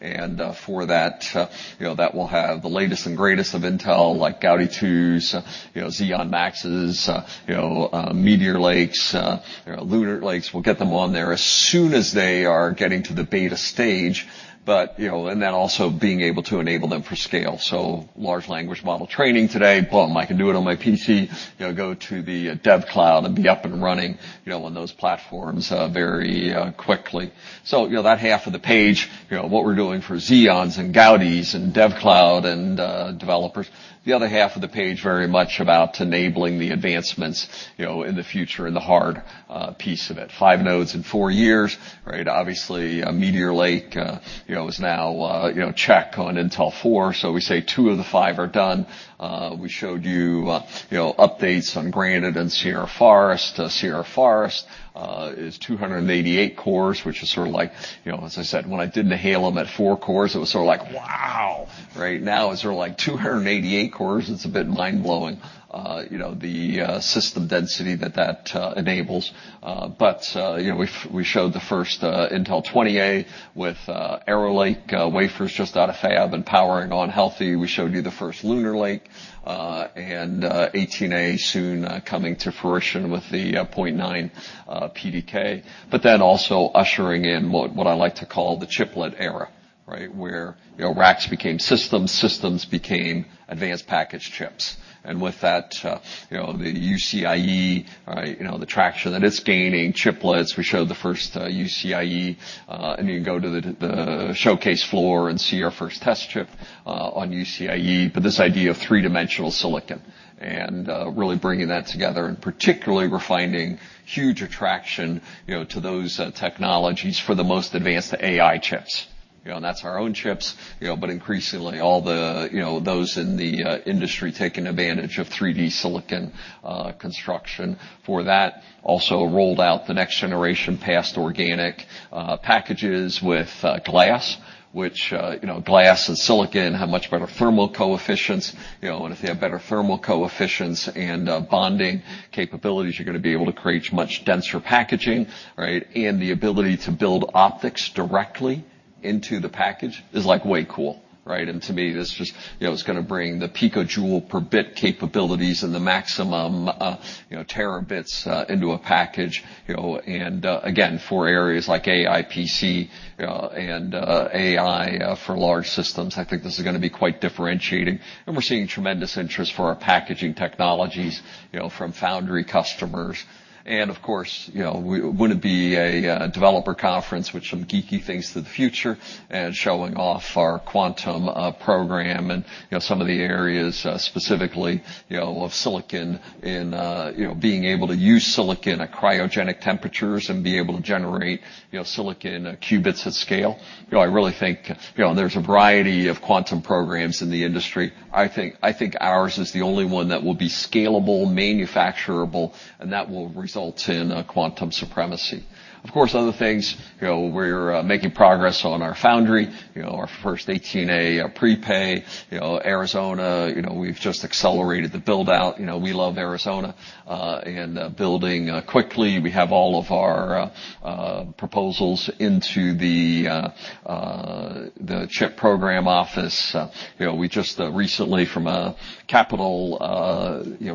DevCloud. For that, you know, that will have the latest and greatest of Intel, like Gaudi 2s, you know, Xeon Maxes, you know, Meteor Lakes, Lunar Lakes. We'll get them on there as soon as they are getting to the beta stage, but, you know, and then also being able to enable them for scale. So large language model training today, boom! I can do it on my PC, you know, go to the DevCloud and be up and running, you know, on those platforms, very, you know, quickly. You know, that half of the page, you know, what we're doing for Xeons and Gaudis and DevCloud and developers. The other half of the page, very much about enabling the advancements, you know, in the future, and the hard, piece of it. Five nodes in four years, right? Obviously, a Meteor Lake, you know, is now, you know, checked on Intel 4. So we say 2 of the 5 are done. We showed you, you know, updates on Granite and Sierra Forest. Sierra Forest is 288 cores, which is sort of like... You know, as I said, when I did Nehalem at four cores, it was sort of like, "Wow!" Right now, it's sort of like 288 cores, it's a bit mind-blowing, you know, the system density that that enables. But, you know, we showed the first Intel 20A with Arrow Lake wafers, just out of fab and powering on healthy. We showed you the first Lunar Lake and 18A soon coming to fruition with the 0.9 PDK. But then also ushering in what, what I like to call the chiplet era, right? Where, you know, racks became systems, systems became advanced package chips. And with that, you know, the UCIe, you know, the traction that it's gaining, chiplets, we showed the first, UCIe, and you can go to the, the showcase floor and see our first test chip, on UCIe. But this idea of three-dimensional silicon, and, really bringing that together, and particularly we're finding huge attraction, you know, to those, technologies for the most advanced AI chips. You know, and that's our own chips, you know, but increasingly, all the, you know, those in the, industry taking advantage of 3D silicon, construction. For that, also rolled out the next generation past organic packages with glass, which, you know, glass and silicon have much better thermal coefficients. You know, and if they have better thermal coefficients and bonding capabilities, you're gonna be able to create much denser packaging, right? And the ability to build optics directly into the package is, like, way cool, right? And to me, this just, you know, it's gonna bring the picojoule per bit capabilities and the maximum, you know, terabits into a package, you know. And, again, for areas like AI PC and AI for large systems, I think this is gonna be quite differentiating. And we're seeing tremendous interest for our packaging technologies, you know, from foundry customers. Of course, you know, would it be a developer conference with some geeky things to the future and showing off our quantum program and, you know, some of the areas, specifically, you know, of silicon in, you know, being able to use silicon at cryogenic temperatures and be able to generate, you know, silicon qubits at scale. You know, I really think, you know, there's a variety of quantum programs in the industry. I think ours is the only one that will be scalable, manufacturable, and that will result in quantum supremacy. Of course, other things, you know, we're making progress on our foundry, you know, our first 18A prepay, you know, Arizona, you know, we've just accelerated the build-out. You know, we love Arizona and building quickly. We have all of our proposals into the CHIPS program office. You know, we just recently from a capital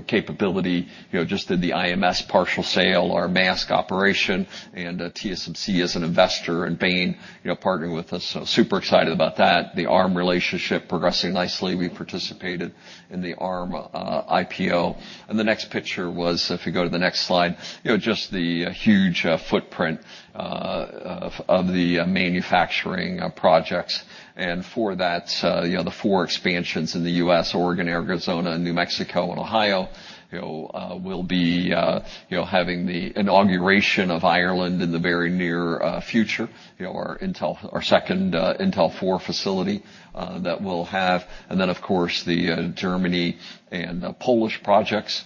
capability, you know, just did the IMS partial sale, our mask operation, and TSMC is an investor, and Bain, you know, partnering with us, so super excited about that. The Arm relationship progressing nicely. We participated in the Arm IPO. And the next picture was, if you go to the next slide, you know, just the huge footprint of the manufacturing projects. And for that, you know, the four expansions in the U.S., Oregon, Arizona, and New Mexico, and Ohio, you know, will be having the inauguration of Ireland in the very near future. You know, our Intel—our second Intel 4 facility that we'll have, and then, of course, the Germany and Poland projects,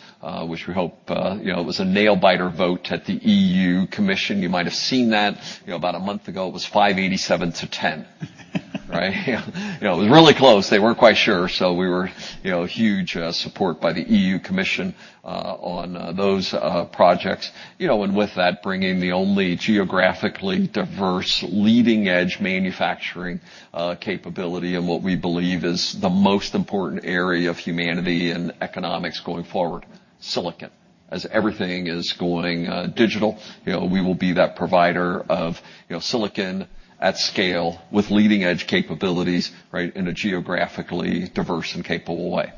which we hope... You know, it was a nail-biter vote at the EU Commission. You might have seen that, you know, about a month ago, it was 587 to 10. Right? Yeah. You know, it was really close. They weren't quite sure, so we were, you know, huge support by the EU Commission on those projects. You know, and with that, bringing the only geographically diverse, leading-edge manufacturing capability, and what we believe is the most important area of humanity and economics going forward, silicon. As everything is going digital, you know, we will be that provider of, you know, silicon at scale, with leading-edge capabilities, right? In a geographically diverse and capable way.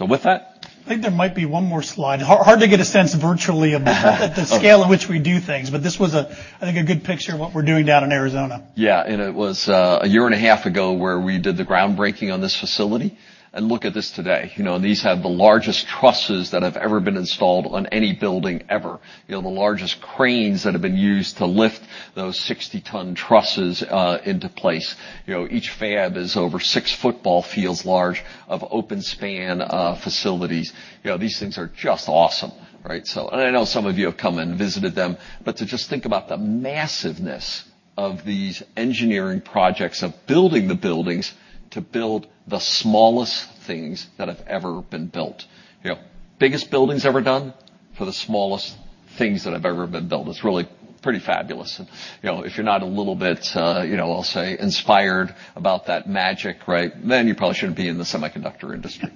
With that- I think there might be one more slide. Hard to get a sense virtually of the- Okay. The scale at which we do things, but this was a, I think, a good picture of what we're doing down in Arizona. Yeah, and it was a year and a half ago, where we did the groundbreaking on this facility, and look at this today. You know, these have the largest trusses that have ever been installed on any building, ever. You know, the largest cranes that have been used to lift those 60-ton trusses into place. You know, each fab is over 6 football fields large of open span facilities. You know, these things are just awesome, right? So... And I know some of you have come and visited them, but to just think about the massiveness of these engineering projects, of building the buildings, to build the smallest things that have ever been built. You know, biggest buildings ever done for the smallest things that have ever been built. It's really pretty fabulous. You know, if you're not a little bit, you know, I'll say, inspired about that magic, right? Then you probably shouldn't be in the semiconductor industry.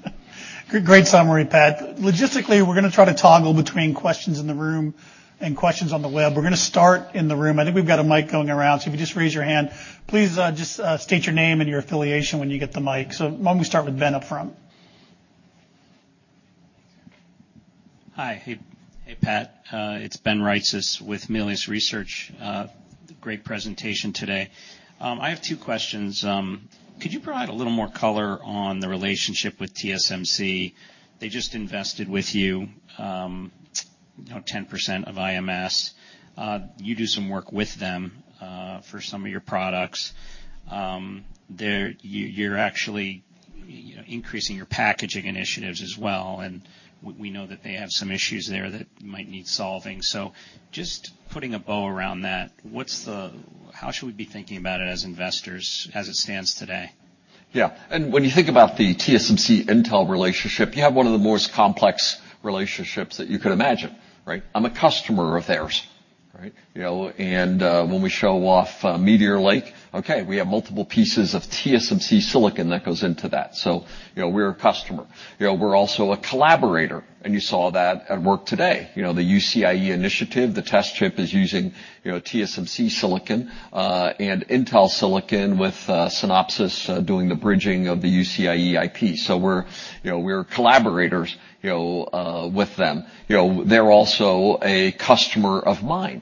Good, great summary, Pat. Logistically, we're gonna try to toggle between questions in the room and questions on the web. We're gonna start in the room. I think we've got a mic going around, so if you could just raise your hand. Please, just, state your name and your affiliation when you get the mic. So why don't we start with Ben up front? Hi. Hey, hey, Pat. It's [Ben Dyson] with Bernstein Research. Great presentation today. I have two questions. Could you provide a little more color on the relationship with TSMC? They just invested with you, you know, 10% of IMS. You do some work with them, you know, for some of your products. They're-- you, you're actually, you know, increasing your packaging initiatives as well, and we know that they have some issues there that might need solving. Just putting a bow around that, what's the-- how should we be thinking about it as investors, as it stands today? Yeah, and when you think about the TSMC-Intel relationship, you have one of the most complex relationships that you could imagine, right? I'm a customer of theirs, right? You know, and, when we show off, Meteor Lake, okay, we have multiple pieces of TSMC silicon that goes into that. So, you know, we're a customer. You know, we're also a collaborator, and you saw that at work today. You know, the UCIe initiative, the test chip is using, you know, TSMC silicon, and Intel silicon with, Synopsys, doing the bridging of the UCIe IP. So we're, you know, we're collaborators, you know, with them. You know, they're also a customer of mine,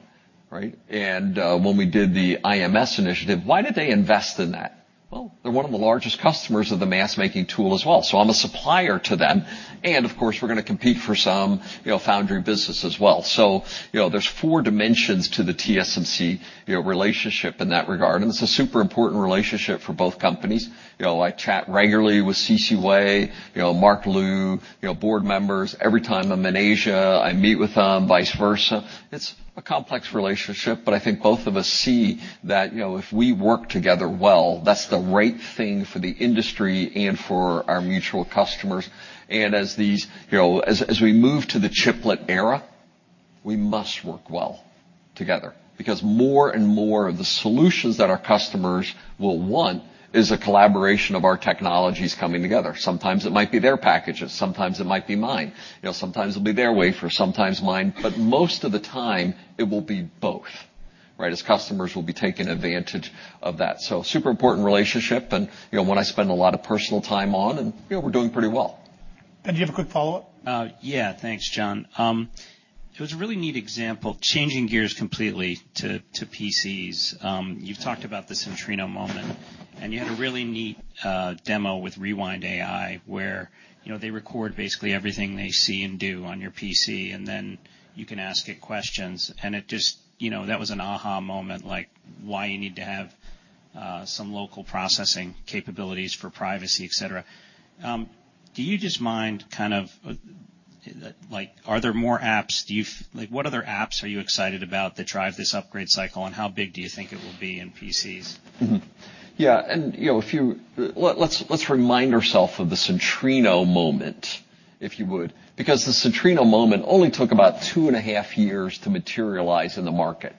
right? And, when we did the IMS initiative, why did they invest in that? Well, they're one of the largest customers of the mask-making tool as well, so I'm a supplier to them, and, of course, we're gonna compete for some, you know, foundry business as well. So, you know, there's four dimensions to the TSMC, you know, relationship in that regard, and it's a super important relationship for both companies. You know, I chat regularly with C.C. Wei, you know, Mark Liu, you know, board members. Every time I'm in Asia, I meet with them, vice versa. It's a complex relationship, but I think both of us see that, you know, if we work together well, that's the right thing for the industry and for our mutual customers. And as these... You know, as we move to the chiplet era-... We must work well together because more and more of the solutions that our customers will want is a collaboration of our technologies coming together. Sometimes it might be their packages, sometimes it might be mine. You know, sometimes it'll be their wafer, sometimes mine, but most of the time it will be both, right? As customers will be taking advantage of that. So super important relationship and, you know, one I spend a lot of personal time on, and, you know, we're doing pretty well. Do you have a quick follow-up? Yeah. Thanks, John. So it's a really neat example, changing gears completely to PCs. You've talked about the Centrino moment, and you had a really neat demo with Rewind AI, where, you know, they record basically everything they see and do on your PC, and then you can ask it questions, and it just-- you know, that was an aha moment, like, why you need to have some local processing capabilities for privacy, et cetera. Do you just mind, kind of, like, are there more apps? Do you-- like, what other apps are you excited about that drive this upgrade cycle, and how big do you think it will be in PCs? Mm-hmm. Yeah, and, you know, if you... Let's remind ourselves of the Centrino moment, if you would, because the Centrino moment only took about 2.5 years to materialize in the market,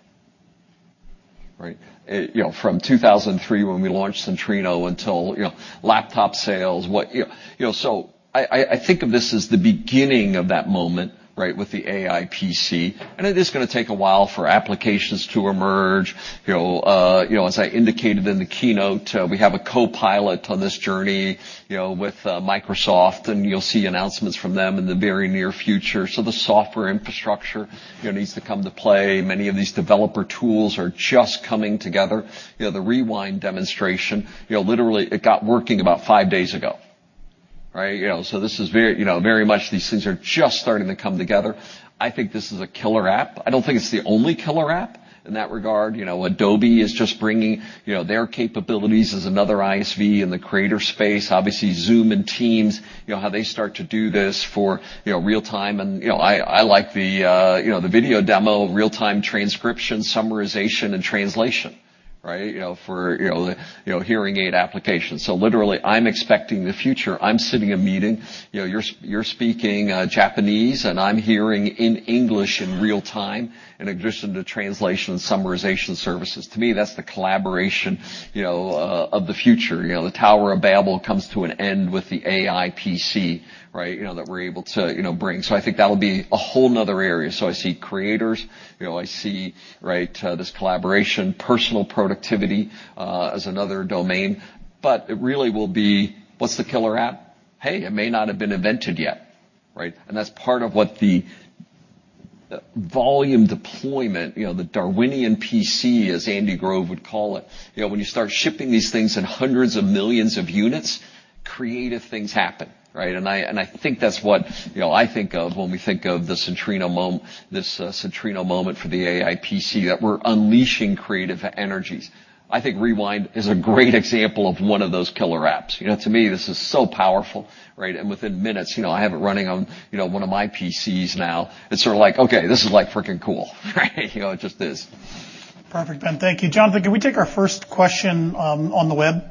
right? You know, from 2003, when we launched Centrino, until, you know, laptop sales, you know. So I think of this as the beginning of that moment, right? With the AI PC, and it is gonna take a while for applications to emerge. You know, you know, as I indicated in the keynote, we have a Copilot on this journey, you know, with, Microsoft, and you'll see announcements from them in the very near future. So the software infrastructure, you know, needs to come to play. Many of these developer tools are just coming together. You know, the Rewind demonstration, you know, literally, it got working about 5 days ago, right? You know, so this is very, you know, very much these things are just starting to come together. I think this is a killer app. I don't think it's the only killer app in that regard. You know, Adobe is just bringing, you know, their capabilities as another ISV in the creator space. Obviously, Zoom and Teams, you know, how they start to do this for, you know, real-time. And, you know, I like the, you know, the video demo, real-time transcription, summarization, and translation, right? You know, for, you know, hearing aid applications. So literally, I'm expecting the future. I'm sitting in a meeting, you know, you're speaking Japanese, and I'm hearing in English in real time, in addition to translation and summarization services. To me, that's the collaboration, you know, of the future. You know, the Tower of Babel comes to an end with the AI PC, right? You know, that we're able to, you know, bring. So I think that'll be a whole another area. So I see creators, you know, I see, right, this collaboration, personal productivity, as another domain, but it really will be, what's the killer app? Hey, it may not have been invented yet, right? And that's part of what the volume deployment, you know, the Darwinian PC, as Andy Grove would call it, you know, when you start shipping these things in hundreds of millions of units, creative things happen, right? And I, and I think that's what, you know, I think of when we think of the Centrino moment for the AI PC, that we're unleashing creative energies. I think Rewind is a great example of one of those killer apps. You know, to me, this is so powerful, right? And within minutes, you know, I have it running on, you know, one of my PCs now. It's sort of like, okay, this is, like, freaking cool, right? You know, it just is. Perfect, Ben. Thank you. Jonathan, can we take our first question on the web?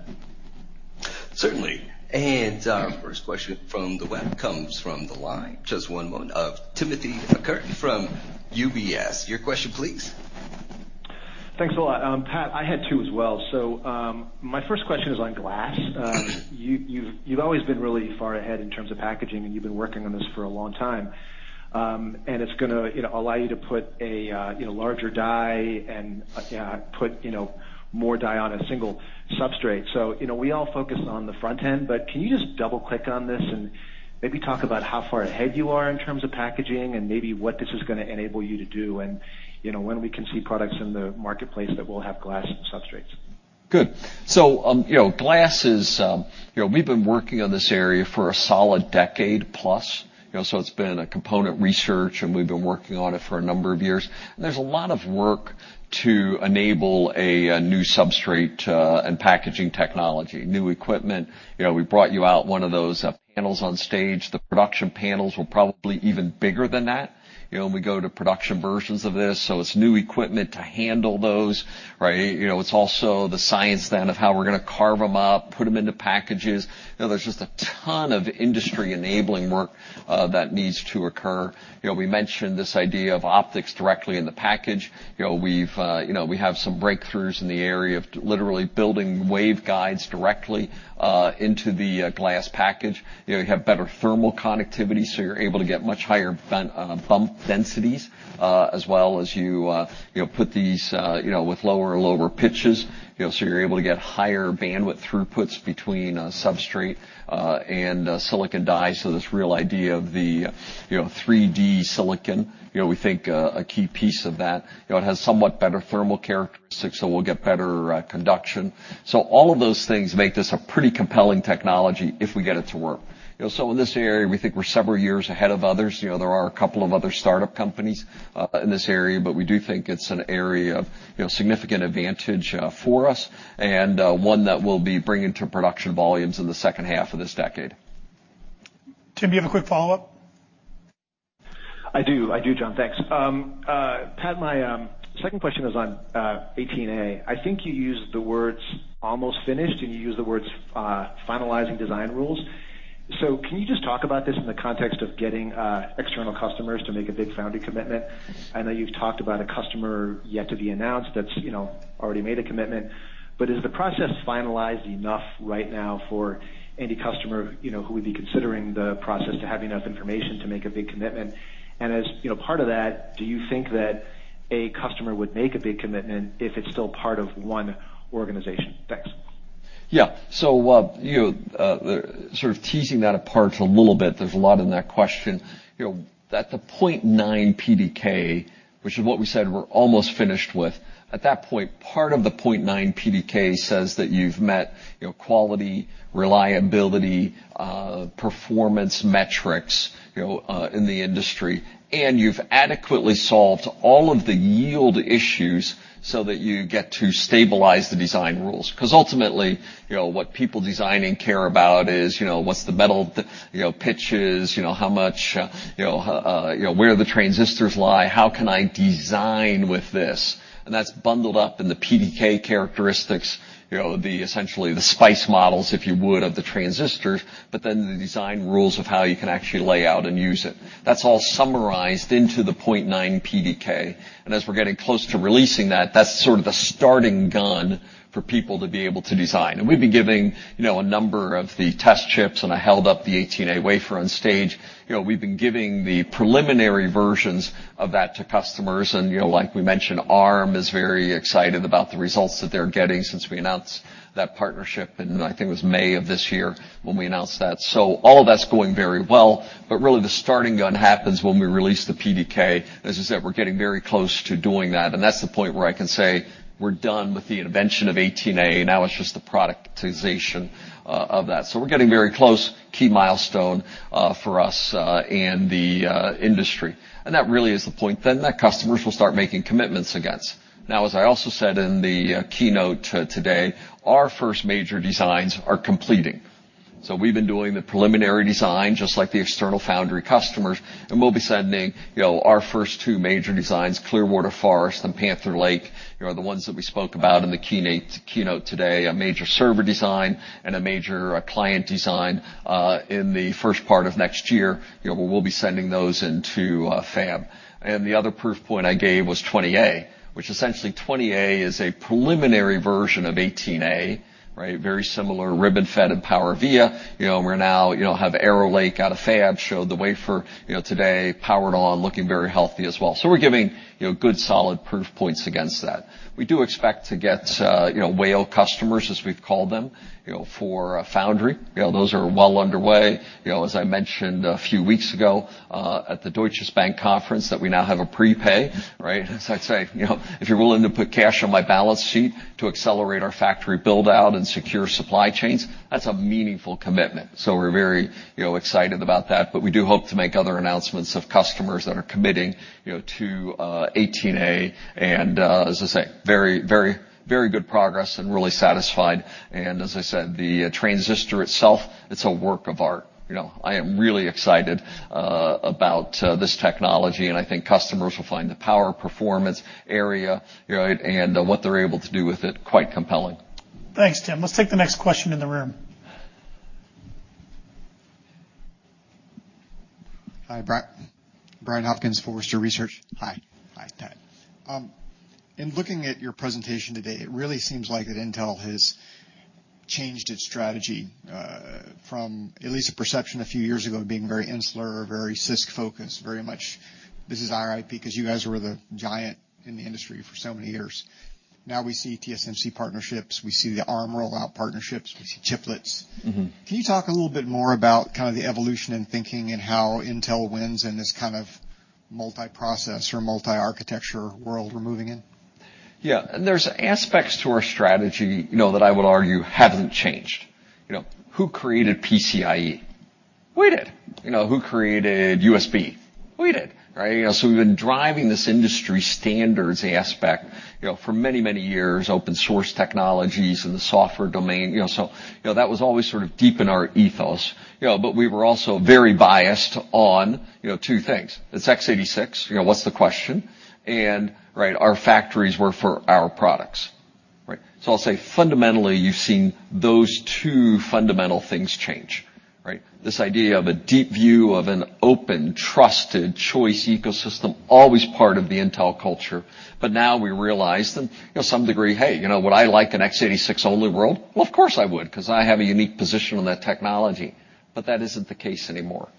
Certainly. First question from the web comes from the line, just one moment, Timothy Arcuri from UBS. Your question, please. Thanks a lot. Pat, I had two as well. So, my first question is on glass. You've always been really far ahead in terms of packaging, and you've been working on this for a long time. And it's gonna, you know, allow you to put a, you know, larger die and, put, you know, more die on a single substrate. So, you know, we all focus on the front end, but can you just double-click on this and maybe talk about how far ahead you are in terms of packaging and maybe what this is gonna enable you to do, and, you know, when we can see products in the marketplace that will have glass substrates? Good. So, you know, glass is... You know, we've been working on this area for a solid decade-plus. You know, so it's been a component research, and we've been working on it for a number of years. There's a lot of work to enable a new substrate and packaging technology, new equipment. You know, we brought you out one of those panels on stage. The production panels were probably even bigger than that, you know, when we go to production versions of this, so it's new equipment to handle those, right? You know, it's also the science then of how we're gonna carve them up, put them into packages. You know, there's just a ton of industry-enabling work that needs to occur. You know, we mentioned this idea of optics directly in the package. You know, we've, you know, we have some breakthroughs in the area of literally building waveguides directly into the glass package. You know, you have better thermal conductivity, so you're able to get much higher bump densities, as well as you know, put these you know, with lower and lower pitches. You know, so you're able to get higher bandwidth throughputs between substrate and silicon die. So this real idea of the you know, 3D silicon, you know, we think a key piece of that. You know, it has somewhat better thermal characteristics, so we'll get better conduction. So all of those things make this a pretty compelling technology if we get it to work. You know, so in this area, we think we're several years ahead of others. You know, there are a couple of other startup companies in this area, but we do think it's an area of, you know, significant advantage for us, and one that we'll be bringing to production volumes in the second half of this decade. Tim, do you have a quick follow-up? I do. I do, John. Thanks. Pat, my second question is on 18A. I think you used the words almost finished, and you used the words finalizing design rules. So can you just talk about this in the context of getting external customers to make a big foundry commitment? I know you've talked about a customer yet to be announced that's, you know, already made a commitment. But is the process finalized enough right now for any customer, you know, who would be considering the process to have enough information to make a big commitment? And as, you know, part of that, do you think that a customer would make a big commitment if it's still part of one organization? Thanks. Yeah. So, you know, sort of teasing that apart a little bit, there's a lot in that question. You know, at the 0.9 PDK, which is what we said we're almost finished with, at that point, part of the 0.9 PDK says that you've met, you know, quality, reliability, performance metrics, you know, in the industry, and you've adequately solved all of the yield issues so that you get to stabilize the design rules. Because ultimately, you know, what people designing care about is, you know, what's the metal, you know, pitches, you know, how much, you know, where the transistors lie, how can I design with this? And that's bundled up in the PDK characteristics, you know, the essentially, the spice models, if you would, of the transistors, but then the design rules of how you can actually lay out and use it. That's all summarized into the 0.9 PDK. And as we're getting close to releasing that, that's sort of the starting gun for people to be able to design. And we've been giving, you know, a number of the test chips, and I held up the 18A wafer on stage. You know, we've been giving the preliminary versions of that to customers, and, you know, like we mentioned, Arm is very excited about the results that they're getting since we announced that partnership in, I think, it was May of this year when we announced that. So all of that's going very well, but really, the starting gun happens when we release the PDK. As I said, we're getting very close to doing that, and that's the point where I can say we're done with the invention of 18A, now it's just the productization of that. So we're getting very close. Key milestone for us and the industry. And that really is the point then, that customers will start making commitments against. Now, as I also said in the keynote today, our first major designs are completing. So we've been doing the preliminary design, just like the external foundry customers, and we'll be sending, you know, our first two major designs, Clearwater Forest and Panther Lake, you know, the ones that we spoke about in the keynote today, a major server design and a major client design in the first part of next year. You know, we'll be sending those into fab. And the other proof point I gave was 20A, which essentially 20A is a preliminary version of 18A, right? Very similar RibbonFET and PowerVia. You know, we're now, you know, have Arrow Lake out of fab, showed the wafer, you know, today, powered on, looking very healthy as well. So we're giving, you know, good, solid proof points against that. We do expect to get, you know, whale customers, as we've called them, you know, for a foundry. You know, those are well underway. You know, as I mentioned a few weeks ago, at the Deutsche Bank conference, that we now have a prepay, right? As I say, you know, if you're willing to put cash on my balance sheet to accelerate our factory build-out and secure supply chains, that's a meaningful commitment. So we're very, you know, excited about that. But we do hope to make other announcements of customers that are committing, you know, to, 18A, and, as I say, very, very, very good progress and really satisfied. And as I said, the transistor itself, it's a work of art. You know, I am really excited about this technology, and I think customers will find the power, performance area, you know, and what they're able to do with it, quite compelling. Thanks, Tim. Let's take the next question in the room. Hi, Brian. Brian Hopkins, Forrester Research. Hi. Hi. In looking at your presentation today, it really seems like that Intel has changed its strategy from at least a perception a few years ago, of being very insular, very CISC-focused, very much this is our IP, because you guys were the giant in the industry for so many years. Now we see TSMC partnerships, we see the Arm rollout partnerships, we see chiplets. Mm-hmm. Can you talk a little bit more about kind of the evolution in thinking and how Intel wins in this kind of multiprocessor, multi-architecture world we're moving in? Yeah. There's aspects to our strategy, you know, that I would argue haven't changed. You know, who created PCIe? We did. You know, who created USB? We did, right? You know, so we've been driving this industry standards aspect, you know, for many, many years, open source technologies in the software domain. You know, so you know, that was always sort of deep in our ethos, you know, but we were also very biased on, you know, two things. It's x86, you know, what's the question? And, right, our factories were for our products, right? So I'll say fundamentally, you've seen those two fundamental things change, right? This idea of a deep view of an open, trusted choice ecosystem, always part of the Intel culture. But now we realize that, you know, some degree, hey, you know, would I like an x86-only world? Well, of course I would, because I have a unique position on that technology. But that isn't the case anymore,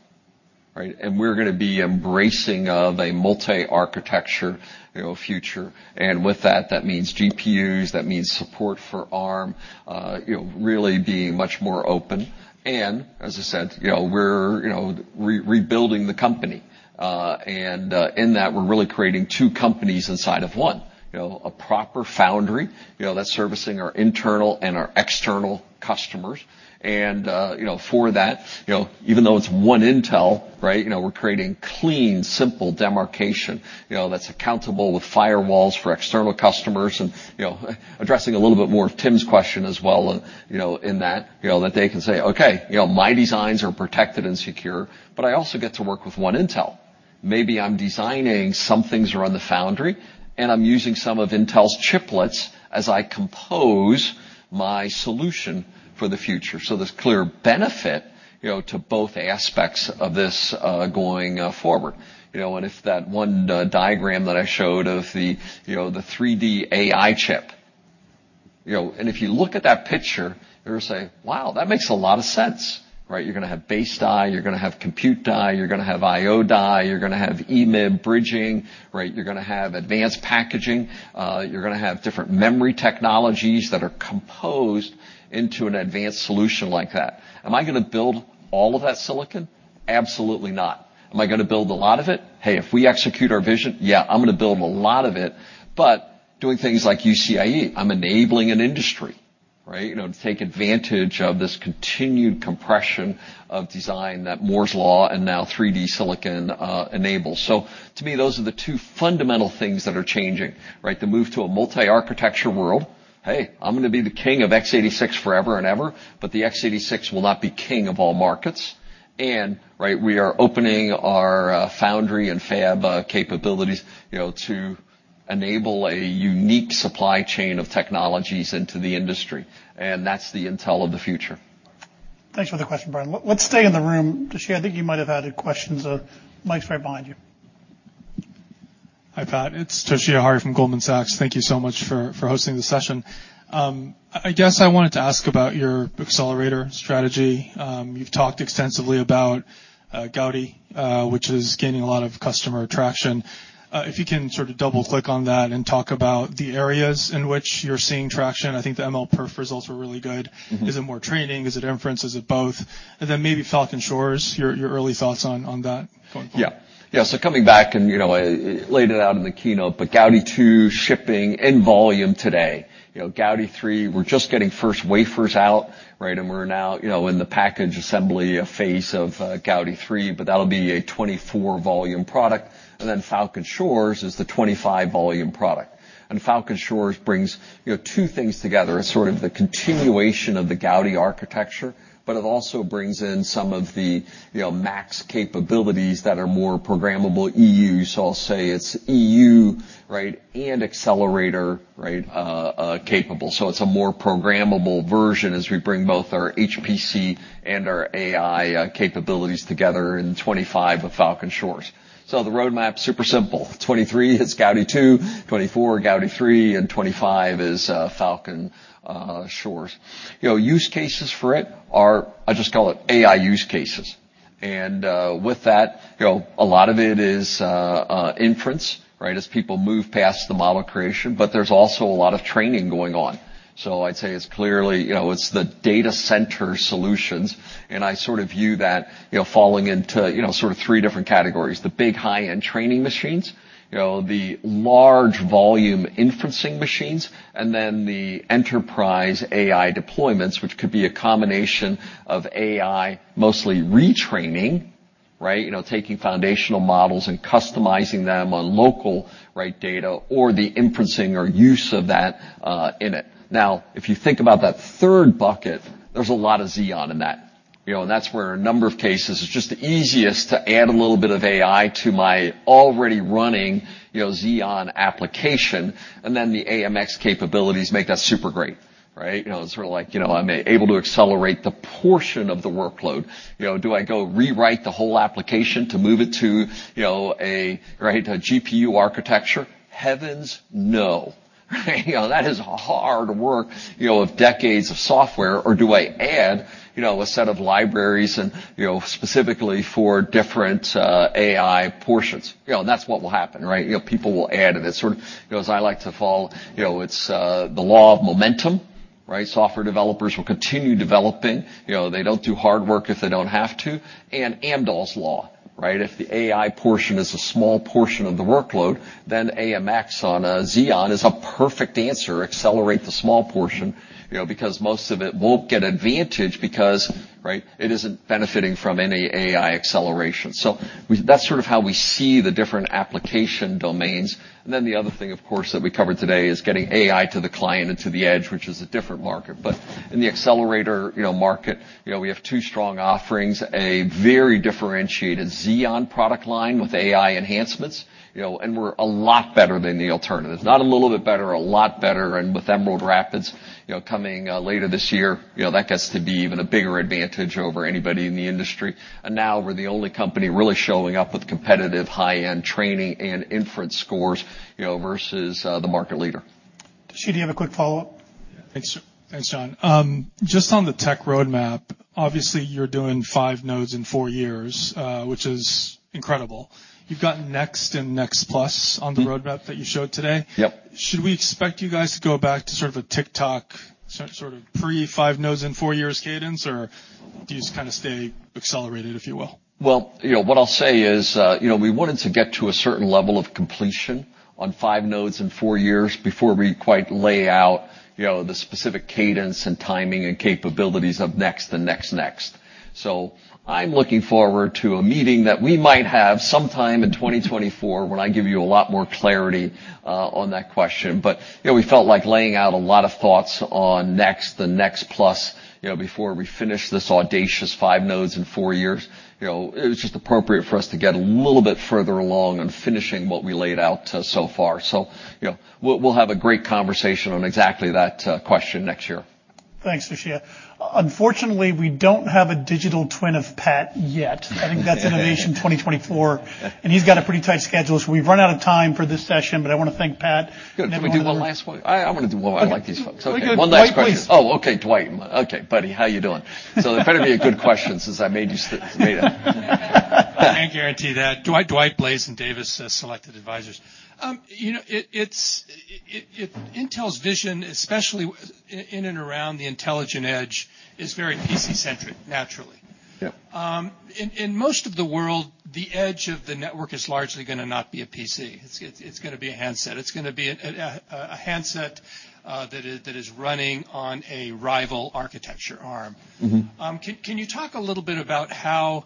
right? And we're gonna be embracing of a multi-architecture, you know, future, and with that, that means GPUs, that means support for Arm, you know, really being much more open. And as I said, you know, we're, you know, rebuilding the company, and in that, we're really creating two companies inside of one. You know, a proper foundry, you know, that's servicing our internal and our external customers. And, you know, for that, you know, even though it's one Intel, right, you know, we're creating clean, simple demarcation, you know, that's accountable with firewalls for external customers. You know, addressing a little bit more of Tim's question as well, you know, in that, you know, that they can say, "Okay, you know, my designs are protected and secure, but I also get to work with one Intel." Maybe I'm designing some things around the foundry, and I'm using some of Intel's chiplets as I compose my solution for the future. So there's clear benefit, you know, to both aspects of this, going forward. You know, and if that one diagram that I showed of the, you know, the 3D AI chip, you know, and if you look at that picture, you're going to say, "Wow, that makes a lot of sense!" Right? You're going to have base die, you're going to have compute die, you're going to have IO die, you're going to have EMIB bridging, right? You're going to have advanced packaging, you're going to have different memory technologies that are composed into an advanced solution like that. Am I going to build all of that silicon? Absolutely not. Am I going to build a lot of it? Hey, if we execute our vision, yeah, I'm going to build a lot of it, but doing things like UCIe, I'm enabling an industry, right, you know, to take advantage of this continued compression of design that Moore's Law and now 3D silicon enables. So to me, those are the two fundamental things that are changing, right? The move to a multi-architecture world. Hey, I'm going to be the king of x86 forever and ever, but the x86 will not be king of all markets. Right, we are opening our foundry and fab capabilities, you know, to enable a unique supply chain of technologies into the industry, and that's the Intel of the future. Thanks for the question, Brian. Let's stay in the room. Toshi, I think you might have had a question. Mic's right behind you. Hi, Pat. It's Toshiya Hari from Goldman Sachs. Thank you so much for hosting this session. I guess I wanted to ask about your accelerator strategy. You've talked extensively about Gaudi, which is gaining a lot of customer traction. If you can sort of double-click on that and talk about the areas in which you're seeing traction, I think the MLPerf results were really good. Mm-hmm. Is it more training? Is it inference? Is it both? And then maybe Falcon Shores, your early thoughts on that going forward. Yeah. Yeah, so coming back and, you know, I laid it out in the keynote, but Gaudi 2 shipping in volume today. You know, Gaudi 3, we're just getting first wafers out, right, and we're now, you know, in the package assembly phase of Gaudi 3, but that'll be a 2024 volume product. And then Falcon Shores is the 2025 volume product. And Falcon Shores brings, you know, two things together as sort of the continuation of the Gaudi architecture, but it also brings in some of the, you know, max capabilities that are more programmable GPU. So I'll say it's GPU, right, and accelerator, right, capable. So it's a more programmable version as we bring both our HPC and our AI capabilities together in 2025 of Falcon Shores. So the roadmap, super simple: 2023 is Gaudi 2, 2024, Gaudi 3, and 2025 is Falcon Shores. You know, use cases for it are - I just call it AI use cases. And with that, you know, a lot of it is inference, right? As people move past the model creation, but there's also a lot of training going on. So I'd say it's clearly, you know, it's the data center solutions, and I sort of view that, you know, falling into, you know, sort of three different categories: the big high-end training machines, you know, the large volume inferencing machines, and then the enterprise AI deployments, which could be a combination of AI, mostly retraining, right? You know, taking foundational models and customizing them on local, right, data or the inferencing or use of that in it. Now, if you think about that third bucket, there's a lot of Xeon in that. You know, and that's where a number of cases, it's just the easiest to add a little bit of AI to my already running, you know, Xeon application, and then the AMX capabilities make that super great, right? You know, sort of like, you know, I'm able to accelerate the portion of the workload. You know, do I go rewrite the whole application to move it to, you know, a, right, a GPU architecture? Heavens, no. You know, that is hard work, you know, of decades of software. Or do I add, you know, a set of libraries and, you know, specifically for different, AI portions? You know, and that's what will happen, right? You know, people will add, and it sort of... You know, as I like to follow, you know, it's the law of momentum, right? Software developers will continue developing. You know, they don't do hard work if they don't have to. And Amdahl's law, right? If the AI portion is a small portion of the workload, then AMX on a Xeon is a perfect answer. Accelerate the small portion, you know, because most of it won't get advantage because, right, it isn't benefiting from any AI acceleration. So that's sort of how we see the different application domains. And then the other thing, of course, that we covered today is getting AI to the client and to the edge, which is a different market. But in the accelerator market, you know, we have two strong offerings, a very differentiated Xeon product line with AI enhancements, you know, and we're a lot better than the alternatives. Not a little bit better, a lot better, and with Emerald Rapids, you know, coming later this year, you know, that gets to be even a bigger advantage over anybody in the industry. And now we're the only company really showing up with competitive high-end training and inference scores, you know, versus the market leader. Does she have a quick follow-up? Yeah. Thanks, thanks, John. Just on the tech roadmap, obviously, you're doing 5 nodes in 4 years, which is incredible. You've got Next and Next Plus on the roadmap that you showed today. Yep. Should we expect you guys to go back to sort of a tick-tock, sort of pre-five nodes in four years cadence, or do you just kind of stay accelerated, if you will? Well, you know, what I'll say is, you know, we wanted to get to a certain level of completion on five nodes in four years before we quite lay out, you know, the specific cadence and timing and capabilities of Next and Next, next. So I'm looking forward to a meeting that we might have sometime in 2024, when I give you a lot more clarity, on that question. But, you know, we felt like laying out a lot of thoughts on Next, the Next Plus, you know, before we finish this audacious five nodes in four years. You know, it was just appropriate for us to get a little bit further along on finishing what we laid out, so far. So, you know, we'll, we'll have a great conversation on exactly that, question next year.... Thanks, Toshiya. Unfortunately, we don't have a digital twin of Pat yet. I think that's Innovation 2024, and he's got a pretty tight schedule, so we've run out of time for this session, but I want to thank Pat. Good. Can we do one last one? I, I wanna do one. I like these folks. Okay, good. Dwight Blazin. Oh, okay, Dwight. Okay, buddy, how you doing? So it better be a good question since I made you stand up. I can guarantee that. Dwight, Dwight Blazin and Davis Selected Advisors. You know, it's Intel's vision, especially within and around the intelligent edge, is very PC-centric, naturally. Yep. In most of the world, the edge of the network is largely gonna not be a PC. It's gonna be a handset. It's gonna be a handset that is running on a rival architecture Arm. Mm-hmm. Can you talk a little bit about how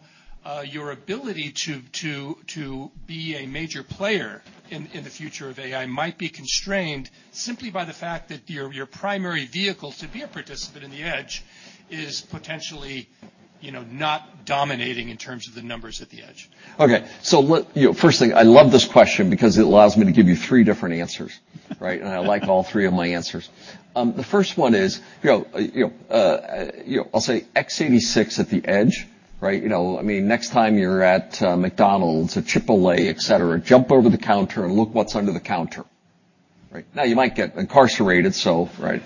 your ability to be a major player in the future of AI might be constrained simply by the fact that your primary vehicle to be a participant in the edge is potentially, you know, not dominating in terms of the terms at the edge? Okay, so you know, first thing, I love this question because it allows me to give you three different answers, right? And I like all three of my answers. The first one is, you know, you know, you know, I'll say x86 at the edge, right? You know, I mean, next time you're at, McDonald's or Chipotle, et cetera, jump over the counter and look what's under the counter. Right? Now, you might get incarcerated, so, right?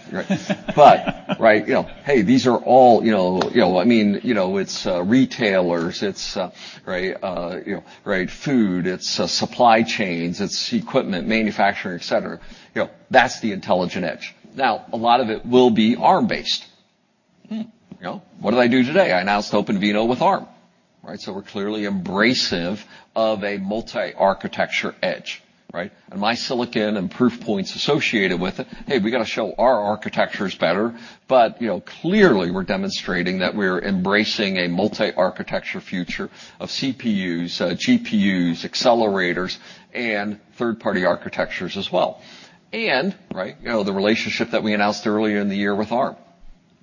But right, you know, hey, these are all, you know, you know, I mean, you know, it's, retailers, it's, right, you know, right, food, it's, supply chains, it's equipment, manufacturing, et cetera. You know, that's the intelligent edge. Now, a lot of it will be Arm-based. Hmm. You know, what did I do today? I announced OpenVINO with Arm, right? So we're clearly embracing a multi-architecture edge, right? And my silicon and proof points associated with it, hey, we've got to show our architecture is better, but, you know, clearly, we're demonstrating that we're embracing a multi-architecture future of CPUs, GPUs, accelerators, and third-party architectures as well. Right, you know, the relationship that we announced earlier in the year with Arm.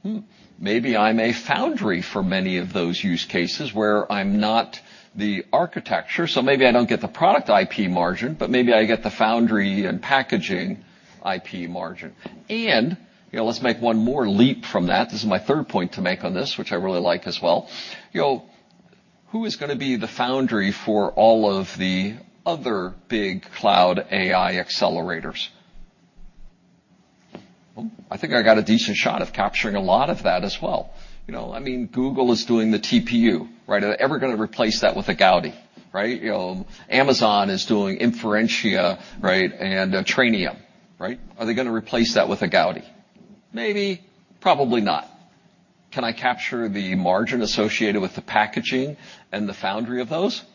Hmm. Maybe I'm a foundry for many of those use cases, where I'm not the architecture, so maybe I don't get the product IP margin, but maybe I get the foundry and packaging IP margin. You know, let's make one more leap from that. This is my third point to make on this, which I really like as well. You know, who is gonna be the foundry for all of the other big cloud AI accelerators? Well, I think I got a decent shot of capturing a lot of that as well. You know, I mean, Google is doing the TPU, right? Are they ever gonna replace that with a Gaudi, right? You know, Amazon is doing Inferentia, right, and Trainium, right? Are they gonna replace that with a Gaudi? Maybe, probably not. Can I capture the margin associated with the packaging and the foundry of those? Hmm,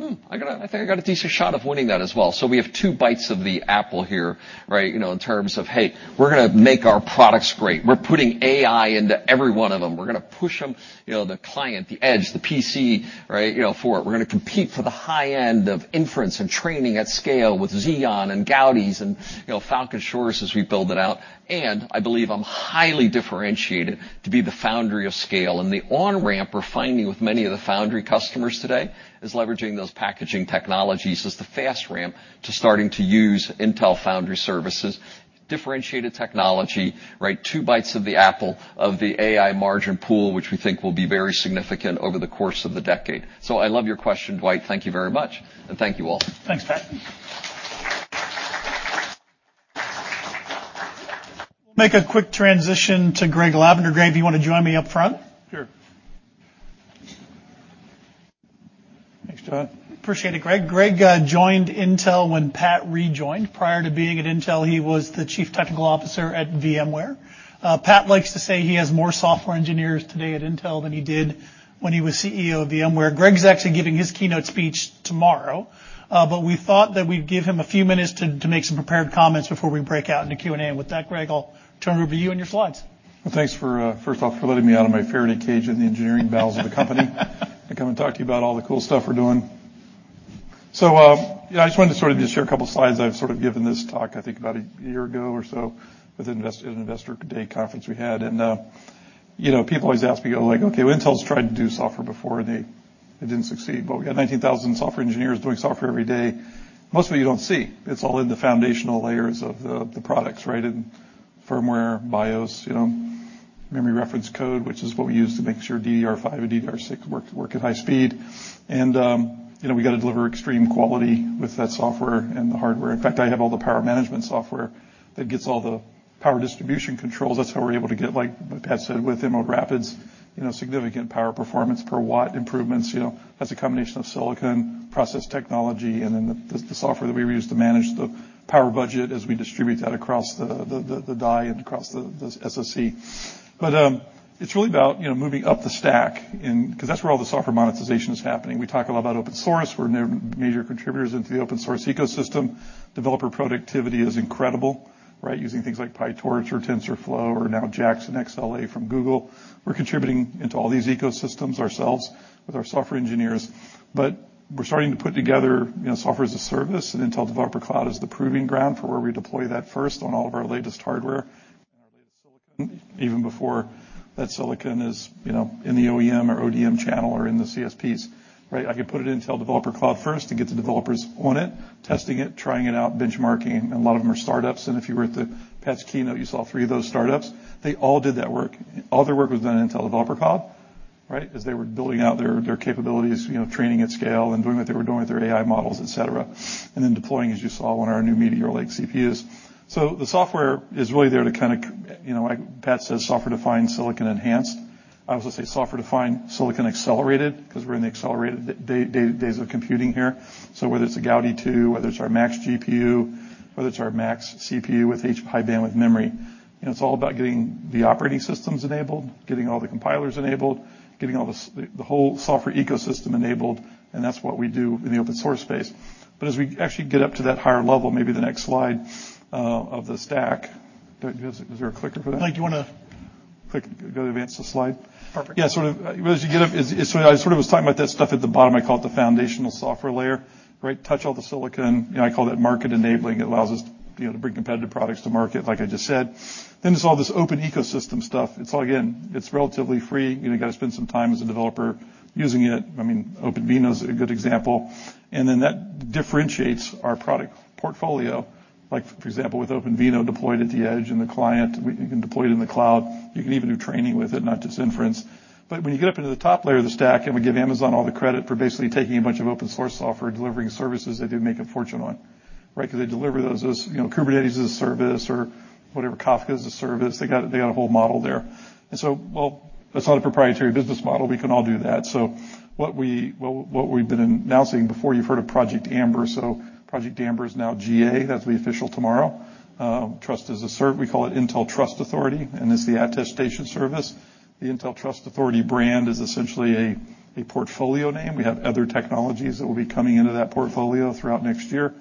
I think I got a decent shot of winning that as well. So we have two bites of the apple here, right, you know, in terms of, hey, we're gonna make our products great. We're putting AI into every one of them. We're gonna push them, you know, the client, the edge, the PC, right, you know, for it. We're gonna compete for the high end of inference and training at scale with Xeon and Gaudi and, you know, Falcon Shores as we build it out, and I believe I'm highly differentiated to be the foundry of scale. And the on-ramp we're finding with many of the foundry customers today is leveraging those packaging technologies as the fast ramp to starting to use Intel Foundry Services, differentiated technology, right? Two bites of the apple of the AI margin pool, which we think will be very significant over the course of the decade. So I love your question, Dwight. Thank you very much, and thank you all. Thanks, Pat. Make a quick transition to Greg Lavender. Greg, do you want to join me up front? Sure. Thanks, John. Appreciate it, Greg. Greg joined Intel when Pat rejoined. Prior to being at Intel, he was the Chief Technical Officer at VMware. Pat likes to say he has more software engineers today at Intel than he did when he was CEO of VMware. Greg's actually giving his keynote speech tomorrow, but we thought that we'd give him a few minutes to make some prepared comments before we break out into Q&A. With that, Greg, I'll turn it over to you and your slides. Well, thanks for first off, for letting me out of my Faraday cage in the engineering bowels of the company to come and talk to you about all the cool stuff we're doing. So, yeah, I just wanted to sort of just share a couple slides. I've sort of given this talk, I think, about a year ago or so with an investor day conference we had. And, you know, people always ask me, like, "Okay, well, Intel's tried to do software before, and they, they didn't succeed." But we got 19,000 software engineers doing software every day. Most of it you don't see. It's all in the foundational layers of the products, right? In firmware, BIOS, you know, memory reference code, which is what we use to make sure DDR5 and DDR6 work at high speed. You know, we got to deliver extreme quality with that software and the hardware. In fact, I have all the power management software that gets all the power distribution controls. That's how we're able to get, like Pat said, with Emerald Rapids, you know, significant power performance per watt improvements. You know, that's a combination of silicon, process technology, and then the software that we use to manage the power budget as we distribute that across the die and across the SoC. But, it's really about, you know, moving up the stack and... 'cause that's where all the software monetization is happening. We talk a lot about open source. We're major contributors into the open-source ecosystem. Developer productivity is incredible, right? Using things like PyTorch or TensorFlow or now JAX and XLA from Google. We're contributing into all these ecosystems ourselves with our software engineers, but we're starting to put together, you know, software as a service, and Intel Developer Cloud is the proving ground for where we deploy that first on all of our latest hardware, and our latest silicon, even before that silicon is, you know, in the OEM or ODM channel or in the CSPs, right? I could put it in Intel Developer Cloud first to get the developers on it, testing it, trying it out, benchmarking, and a lot of them are startups. And if you were at Pat's keynote, you saw three of those startups. They all did that work. All their work was done in Intel Developer Cloud, right? As they were building out their, their capabilities, you know, training at scale and doing what they were doing with their AI models, et cetera. Then deploying, as you saw, on our new Meteor Lake CPUs. So the software is really there to kind of, you know, like Pat says, software-defined, silicon-enhanced. I would just say software-defined, silicon-accelerated, 'cause we're in the accelerated days of computing here. So whether it's a Gaudi 2, whether it's our Arc GPU, whether it's our Xeon Max CPU with HBM high-bandwidth memory, you know, it's all about getting the operating systems enabled, getting all the compilers enabled, getting all the the whole software ecosystem enabled, and that's what we do in the open source space. But as we actually get up to that higher level, maybe the next slide, of the stack. Don't you guys, is there a clicker for that? I think you want to click to advance the slide. Perfect. Yeah, sort of, as you get up, it's so I sort of was talking about that stuff at the bottom. I call it the foundational software layer. Right? It touches all the silicon. You know, I call that market enabling. It allows us to, you know, to bring competitive products to market, like I just said. Then there's all this open ecosystem stuff. It's all, again, it's relatively free. You know, you gotta spend some time as a developer using it. I mean, OpenVINO is a good example. And then that differentiates our product portfolio. Like for example, with OpenVINO deployed at the edge, and the client, we, you can deploy it in the cloud. You can even do training with it, not just inference. But when you get up into the top layer of the stack, and we give Amazon all the credit for basically taking a bunch of open source software, delivering services they did make a fortune on, right? 'Cause they deliver those as, you know, Kubernetes as a service or whatever, Kafka as a service. They got, they got a whole model there. And so, well, that's not a proprietary business model. We can all do that. So what we, well, what we've been announcing before, you've heard of Project Amber. So Project Amber is now GA. That's the official tomorrow. trust is a cert. We call it Intel Trust Authority, and it's the attestation service. The Intel Trust Authority brand is essentially a, a portfolio name. We have other technologies that will be coming into that portfolio throughout next year,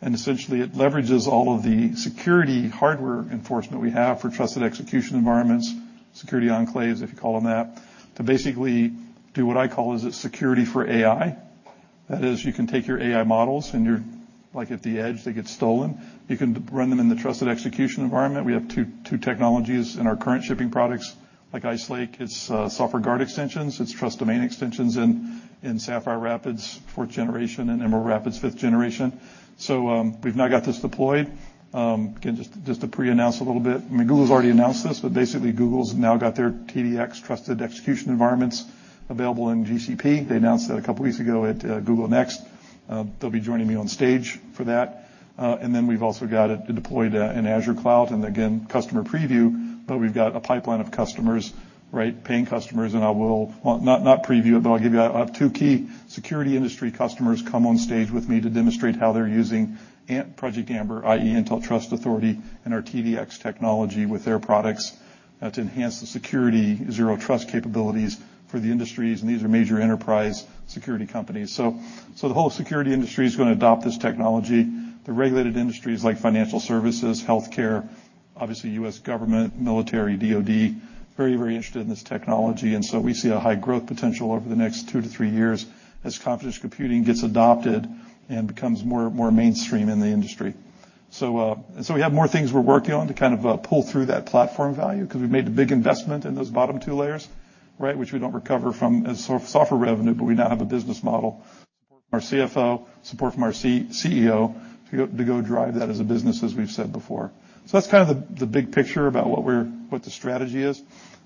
and essentially, it leverages all of the security hardware enforcement we have for trusted execution environments, security enclaves, if you call them that, to basically do what I call as a security for AI. That is, you can take your AI models and your, like, at the edge, they get stolen. You can run them in the trusted execution environment. We have two, two technologies in our current shipping products, like Ice Lake, it's Software Guard Extensions, it's Trust Domain Extensions in Sapphire Rapids, fourth generation, and Emerald Rapids, fifth generation. So, we've now got this deployed. Again, just to pre-announce a little bit, I mean, Google's already announced this, but basically Google's now got their TDX Trusted Execution Environments available in GCP. They announced that a couple weeks ago at Google Next. They'll be joining me on stage for that. And then we've also got it deployed in Azure Cloud, and again, customer preview, but we've got a pipeline of customers, right? Paying customers, and I will, well, not preview it, but I'll give you, I have two key security industry customers come on stage with me to demonstrate how they're using our Project Amber, i.e., Intel Trust Authority and our TDX technology with their products to enhance the security zero trust capabilities for the industries, and these are major enterprise security companies. So the whole security industry is gonna adopt this technology. The regulated industries like financial services, healthcare, obviously U.S. government, military, DoD, very, very interested in this technology. And so we see a high growth potential over the next 2-3 years as confidential computing gets adopted and becomes more, more mainstream in the industry. So, and so we have more things we're working on to kind of, pull through that platform value, 'cause we've made a big investment in those bottom 2 layers, right? Which we don't recover from as software revenue, but we now have a business model, support from our CFO, support from our CEO, to go, to go drive that as a business, as we've said before. So that's kind of the, the big picture about what we're... What the strategy is.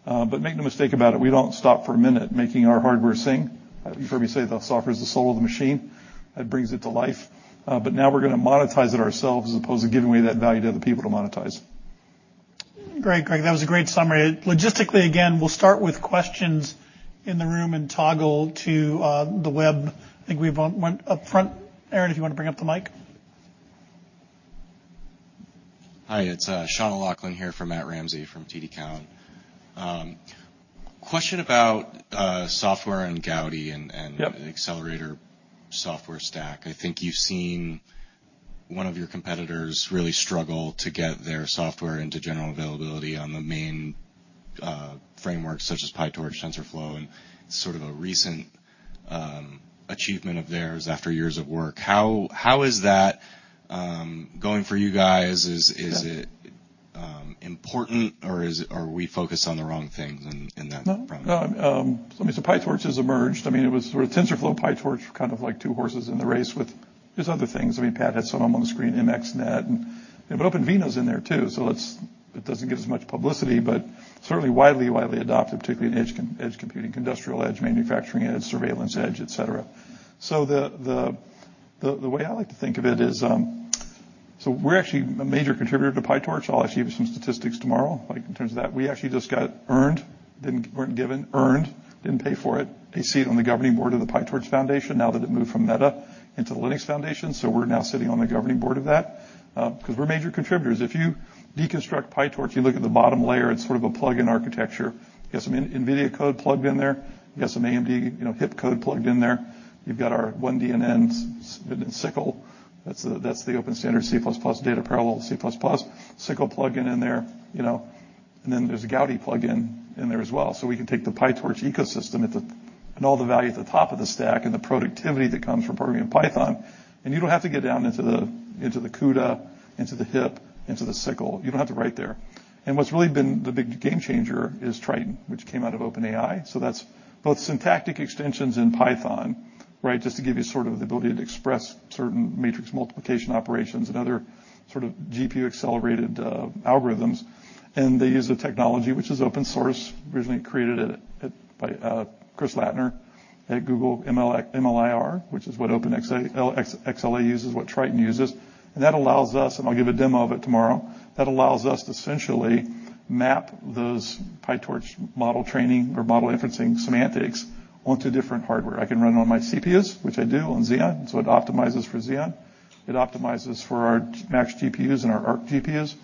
But make no mistake about it, we don't stop for a minute making our hardware sing. You've heard me say the software is the soul of the machine that brings it to life. But now we're gonna monetize it ourselves, as opposed to giving away that value to other people to monetize. Great, Greg. That was a great summary. Logistically, again, we'll start with questions in the room and toggle to the web. I think we've went up front. Aaron, if you wanna bring up the mic. Hi, it's Sean O'Loughlin here from Matt Ramsey, from TD Cowen. Question about software and Gaudi and- Yep... and accelerator software stack. I think you've seen one of your competitors really struggle to get their software into general availability on the main frameworks, such as PyTorch, TensorFlow, and sort of a recent achievement of theirs after years of work. How is that going for you guys? Is it important or are we focused on the wrong things in that front? No, no. I mean, so PyTorch has emerged. I mean, it was sort of TensorFlow, PyTorch, kind of like two horses in the race with just other things. I mean, Pat had some of them on the screen, MXNet, and but OpenVINO is in there, too. It doesn't get as much publicity, but certainly widely, widely adopted, particularly in edge computing, industrial edge, manufacturing edge, surveillance edge, et cetera. So the way I like to think of it is, so we're actually a major contributor to PyTorch. I'll actually give you some statistics tomorrow, like, in terms of that. We actually just earned it, didn't pay for it. A seat on the governing board of the PyTorch Foundation, now that it moved from Meta into the Linux Foundation, so we're now sitting on the governing board of that, 'cause we're major contributors. If you deconstruct PyTorch, you look at the bottom layer, it's sort of a plug-in architecture. You have some NVIDIA code plugged in there. You have some AMD, you know, HIP code plugged in there. You've got our oneDNN SYCL. That's the, that's the open standard C++, data parallel C++ SYCL plugin in there, you know, and then there's a Gaudi plugin in there as well. So we can take the PyTorch ecosystem at the and all the value at the top of the stack, and the productivity that comes from programming in Python, and you don't have to get down into the, into the CUDA, into the HIP, into the SYCL. You don't have to write there. What's really been the big game changer is Triton, which came out of OpenAI. So that's both syntactic extensions in Python, right? Just to give you sort of the ability to express certain matrix multiplication operations and other sort of GPU-accelerated algorithms. They use a technology which is open source, originally created at by Chris Lattner at Google MLIR, which is what OpenXLA uses, what Triton uses. That allows us, and I'll give a demo of it tomorrow, that allows us to essentially map those PyTorch model training or model inferencing semantics onto different hardware. I can run it on my CPUs, which I do on Xeon, so it optimizes for Xeon. It optimizes for our Max GPUs and our Arc GPUs,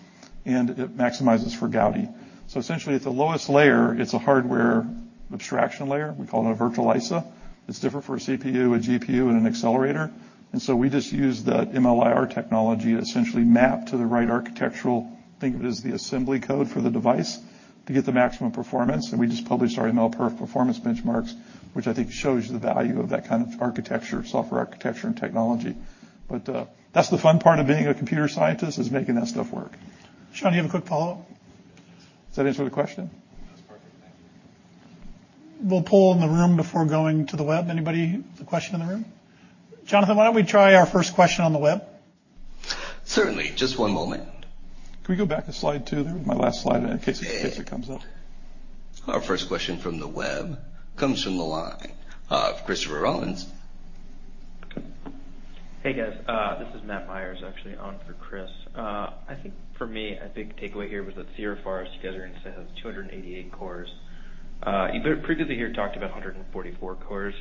and it maximizes for Gaudi. So essentially, at the lowest layer, it's a hardware abstraction layer. We call it a virtual ISA. It's different for a CPU, a GPU, and an accelerator, and so we just use that MLIR technology to essentially map to the right architectural, think of it as the assembly code for the device, to get the maximum performance. And we just published our MLPerf performance benchmarks, which I think shows you the value of that kind of architecture, software architecture, and technology. But, that's the fun part of being a computer scientist, is making that stuff work. Sean, do you have a quick follow-up? Does that answer the question? That's perfect. Thank you. We'll poll in the room before going to the web. Anybody with a question in the room? Jonathan, why don't we try our first question on the web? Certainly. Just one moment. Can we go back a slide, too? That was my last slide, in case, in case it comes up. Our first question from the web comes from the line of Christopher Rolland. Hey, guys. This is Matt Myers, actually, on for Chris. I think for me, a big takeaway here was that Sierra Forest together instead has 288 cores. You previously here talked about 144 cores.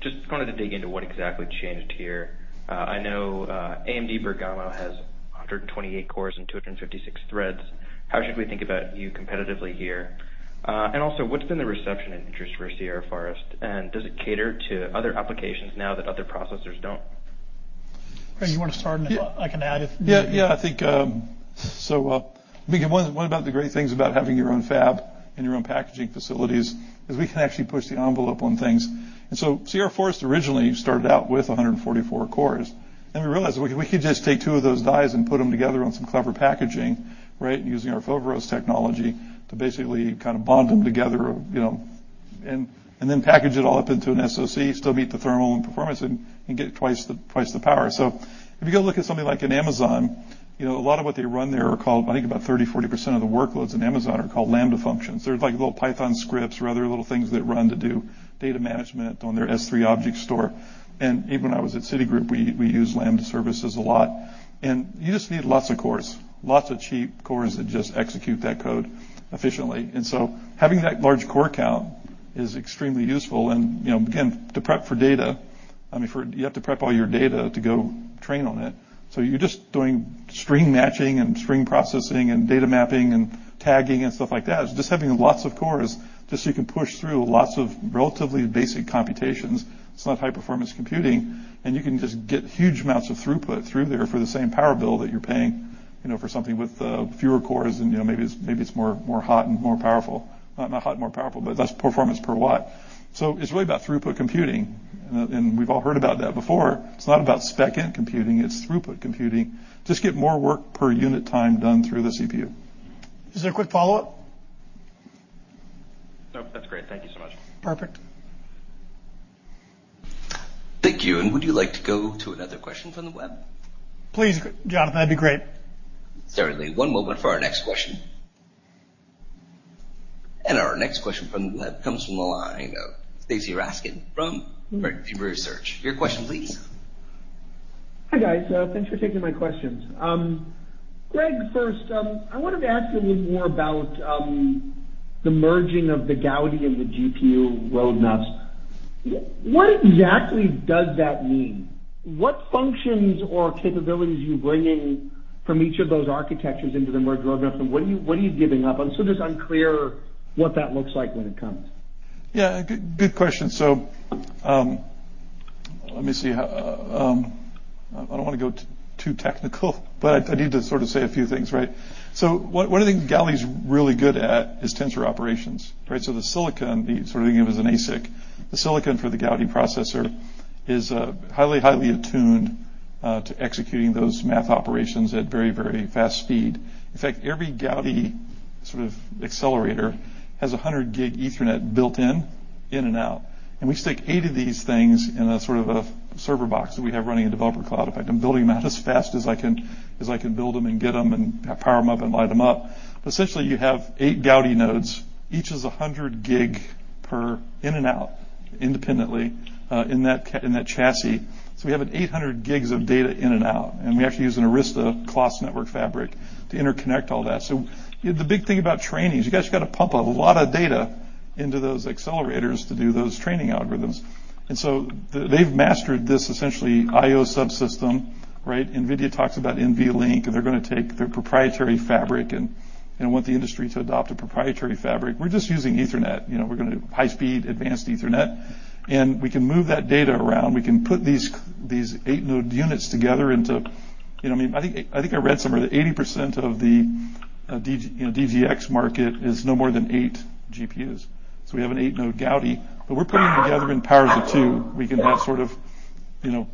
Just wanted to dig into what exactly changed here. I know AMD Bergamo has 128 cores and 256 threads. How should we think about you competitively here? And also, what's been the reception and interest for Sierra Forest, and does it cater to other applications now that other processors don't? Greg, you want to start, and I can add if- Yeah, yeah, I think, so, again, one about the great things about having your own fab and your own packaging facilities is we can actually push the envelope on things. And so Sierra Forest originally started out with 144 cores, and we realized we could just take two of those dies and put them together on some clever packaging, right? Using our Foveros technology to basically kind of bond them together, you know, and then package it all up into an SOC, still meet the thermal and performance and get twice the power. So if you go look at something like Amazon, you know, a lot of what they run there are called... I think about 30%-40% of the workloads in Amazon are called Lambda functions. They're like little Python scripts or other little things that run to do data management on their S3 object store. And even when I was at Citigroup, we used Lambda services a lot, and you just need lots of cores, lots of cheap cores that just execute that code efficiently. And so having that large core count is extremely useful and, you know, again, to prep for data, I mean, for... You have to prep all your data to go train on it. So you're just doing string matching and string processing and data mapping and tagging and stuff like that. Just having lots of cores, just so you can push through lots of relatively basic computations. It's not high-performance computing, and you can just get huge amounts of throughput through there for the same power bill that you're paying, you know, for something with fewer cores and, you know, maybe it's more hot and more powerful. Not hot and more powerful, but less performance per watt. So it's really about throughput computing, and we've all heard about that before. It's not about SPECint computing; it's throughput computing. Just get more work per unit time done through the CPU. Is there a quick follow-up? Nope, that's great. Thank you so much. Perfect. Thank you, and would you like to go to another question from the web? Please, Jonathan, that'd be great. Certainly. One moment for our next question. Our next question from the web comes from the line of Stacy Rasgon from Bernstein. Your question, please. Hi, guys. Thanks for taking my questions. Greg, first, I wanted to ask a little more about the merging of the Gaudi and the GPU roadmaps. What exactly does that mean? What functions or capabilities are you bringing from each of those architectures into the merged roadmaps, and what are you giving up? I'm still just unclear what that looks like when it comes. Yeah, good, good question. So, let me see how... I don't want to go too technical, but I, I need to sort of say a few things, right? So one, one of the things Gaudis really good at is tensor operations, right? So the silicon, sort of think of it as an ASIC. The silicon for the Gaudi processor is highly, highly attuned to executing those math operations at very, very fast speed. In fact, every Gaudi sort of accelerator has 100 gig Ethernet built in, in and out, and we stick eight of these things in a sort of a server box that we have running in Developer Cloud. In fact, I'm building them out as fast as I can, as I can build them and get them and power them up and light them up. But essentially, you have eight Gaudi nodes. Each is 100 gig per in and out independently in that chassis. So we have 800 gigs of data in and out, and we actually use an Arista Clos network fabric to interconnect all that. So the big thing about training is you guys have got to pump a lot of data into those accelerators to do those training algorithms. And so they've mastered this essentially IO subsystem, right? NVIDIA talks about NVLink, and they're gonna take their proprietary fabric and want the industry to adopt a proprietary fabric. We're just using Ethernet. You know, we're gonna do high speed, advanced Ethernet, and we can move that data around. We can put these, these eight-node units together into... You know, I mean, I think, I think I read somewhere that 80% of the, DG, you know, DGX market is no more than 8 GPUs. So we have an 8-node Gaudi, but we're putting them together in powers of two. We can have sort of, you know.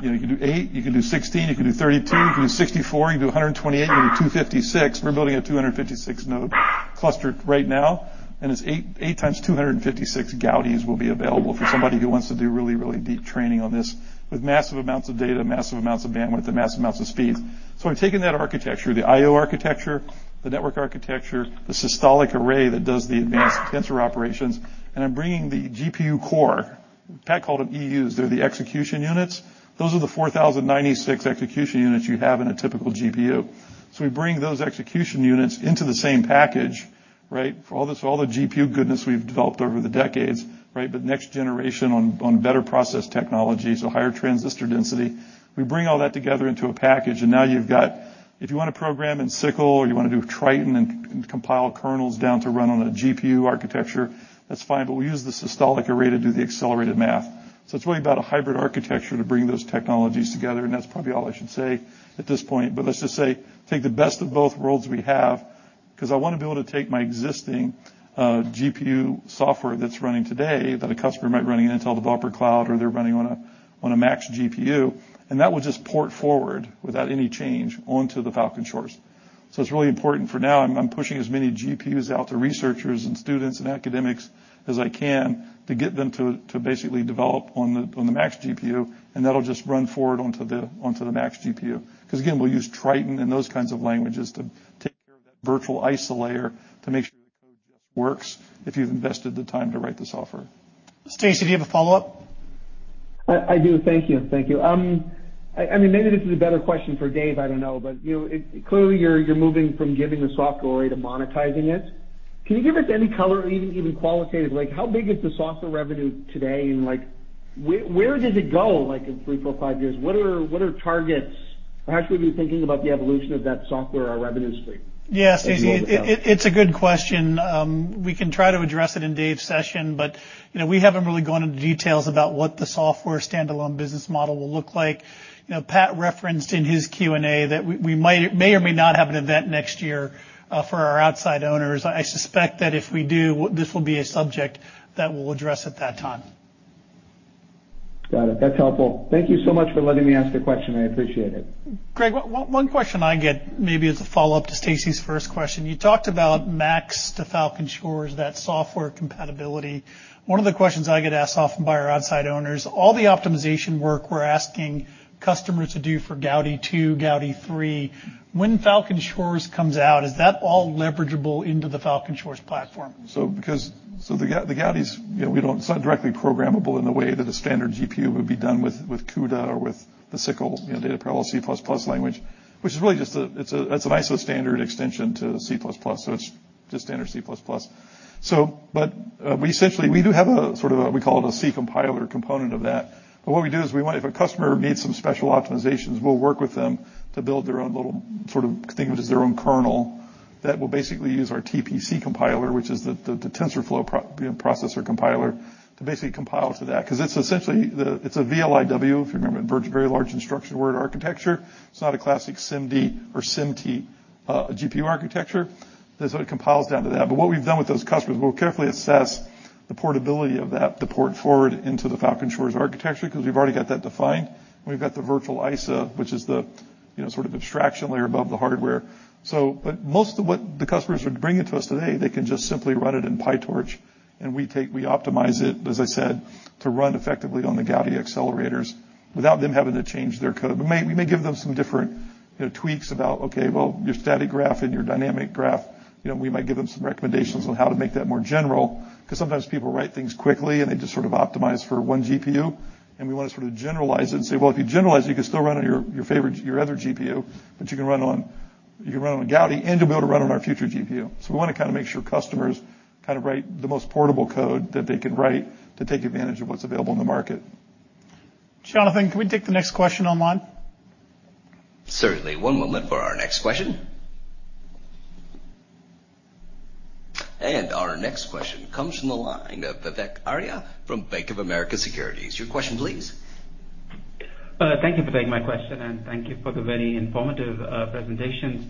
You know, you can do 8, you can do 16, you can do 32, you can do 64, you can do 128, you can do 256. We're building a 256-node cluster right now, and it's 8, 8 times 256 Gaudis will be available for somebody who wants to do really, really deep training on this with massive amounts of data, massive amounts of bandwidth, and massive amounts of speed. So I've taken that architecture, the I/O architecture, the network architecture, the systolic array that does the advanced tensor operations, and I'm bringing the GPU core. Pat called them EUs. They're the execution units. Those are the 4,096 execution units you have in a typical GPU. So we bring those execution units into the same package, right? For all this, all the GPU goodness we've developed over the decades, right, but next generation on, on better process technology, so higher transistor density. We bring all that together into a package, and now you've got, if you want to program in SYCL or you want to do Triton and compile kernels down to run on a GPU architecture, that's fine, but we use the systolic array to do the accelerated math. So it's really about a hybrid architecture to bring those technologies together, and that's probably all I should say at this point. But let's just say, take the best of both worlds we have, 'cause I want to be able to take my existing GPU software that's running today, that a customer might run in an Intel Developer Cloud, or they're running on a Xeon Max, and that will just port forward without any change onto the Falcon Shores. So it's really important for now, I'm pushing as many GPUs out to researchers and students and academics as I can, to get them to basically develop on the Xeon Max, and that'll just run forward onto the Xeon Max. 'Cause again, we'll use Triton and those kinds of languages to take care of that virtual ISA Layer to make sure the code just works, if you've invested the time to write the software. Stacy, do you have a follow-up? I, I do. Thank you. Thank you. I mean, maybe this is a better question for Dave, I don't know. But, you know, clearly you're, you're moving from giving the software away to monetizing it. Can you give us any color, or even, even qualitatively, like, how big is the software revenue today, and, like, where, where does it go, like, in three, four, five years? What are, what are targets, or how should we be thinking about the evolution of that software or revenue stream? Yeah, Stacy, it's a good question. We can try to address it in Dave's session, but, you know, we haven't really gone into details about what the software standalone business model will look like. You know, Pat referenced in his Q&A that we might, may or may not have an event next year, for our outside owners. I suspect that if we do, this will be a subject that we'll address at that time. Got it. That's helpful. Thank you so much for letting me ask the question. I appreciate it. Greg, one question I get, maybe as a follow-up to Stacy's first question. You talked about Max to Falcon Shores, that software compatibility. One of the questions I get asked often by our outside owners, all the optimization work we're asking customers to do for Gaudi 2, Gaudi 3, when Falcon Shores comes out, is that all leverageable into the Falcon Shores platform? So the Gaudis, you know, we don't, it's not directly programmable in the way that a standard GPU would be done with CUDA or with the SYCL, you know, Data Parallel C++ language, which is really just a, it's an ISO standard extension to C++, so it's just standard C++. So, but we essentially, we do have a sort of a, we call it a C compiler component of that. But what we do is we want, if a customer needs some special optimizations, we'll work with them to build their own little sort of thing, which is their own kernel, that will basically use our TPC compiler, which is the TensorFlow processor compiler, to basically compile to that. 'Cause it's essentially the, it's a VLIW, if you remember, Very Large Instruction Word architecture. It's not a classic SIMD or SIMT GPU architecture. So it compiles down to that. But what we've done with those customers, we'll carefully assess the portability of that, to port forward into the Falcon Shores architecture, because we've already got that defined. We've got the virtual ISA, which is the, you know, sort of abstraction layer above the hardware. So, but most of what the customers are bringing to us today, they can just simply run it in PyTorch, and we take, we optimize it, as I said, to run effectively on the Gaudi accelerators without them having to change their code. But may, we may give them some different, you know, tweaks about, okay, well, your static graph and your dynamic graph, you know, we might give them some recommendations on how to make that more general, 'cause sometimes people write things quickly, and they just sort of optimize for one GPU, and we want to sort of generalize it and say, "Well, if you generalize it, you can still run on your, your favorite, your other GPU, but you can run on, you can run on a Gaudi, and you'll be able to run on our future GPU." So we wanna kind of make sure customers kind of write the most portable code that they can write to take advantage of what's available in the market. Jonathan, can we take the next question online? Certainly. One moment for our next question. Our next question comes from the line of Vivek Arya from Bank of America Securities. Your question, please. Thank you for taking my question, and thank you for the very informative presentations.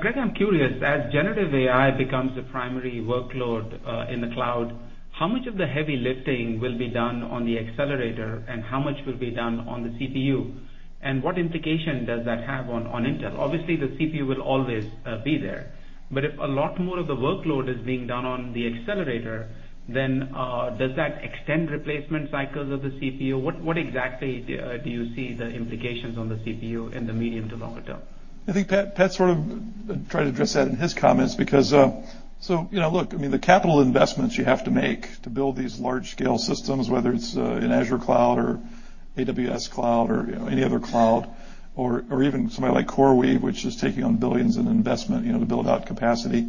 Greg, I'm curious, as generative AI becomes the primary workload in the cloud, how much of the heavy lifting will be done on the accelerator, and how much will be done on the CPU? And what implication does that have on Intel? Obviously, the CPU will always be there, but if a lot more of the workload is being done on the accelerator, then does that extend replacement cycles of the CPU? What exactly do you see the implications on the CPU in the medium to longer term? I think Pat sort of tried to address that in his comments because so you know, look, I mean, the capital investments you have to make to build these large-scale systems, whether it's in Azure cloud or AWS cloud or, you know, any other cloud or even somebody like CoreWeave, which is taking on billions in investment, you know, to build out capacity.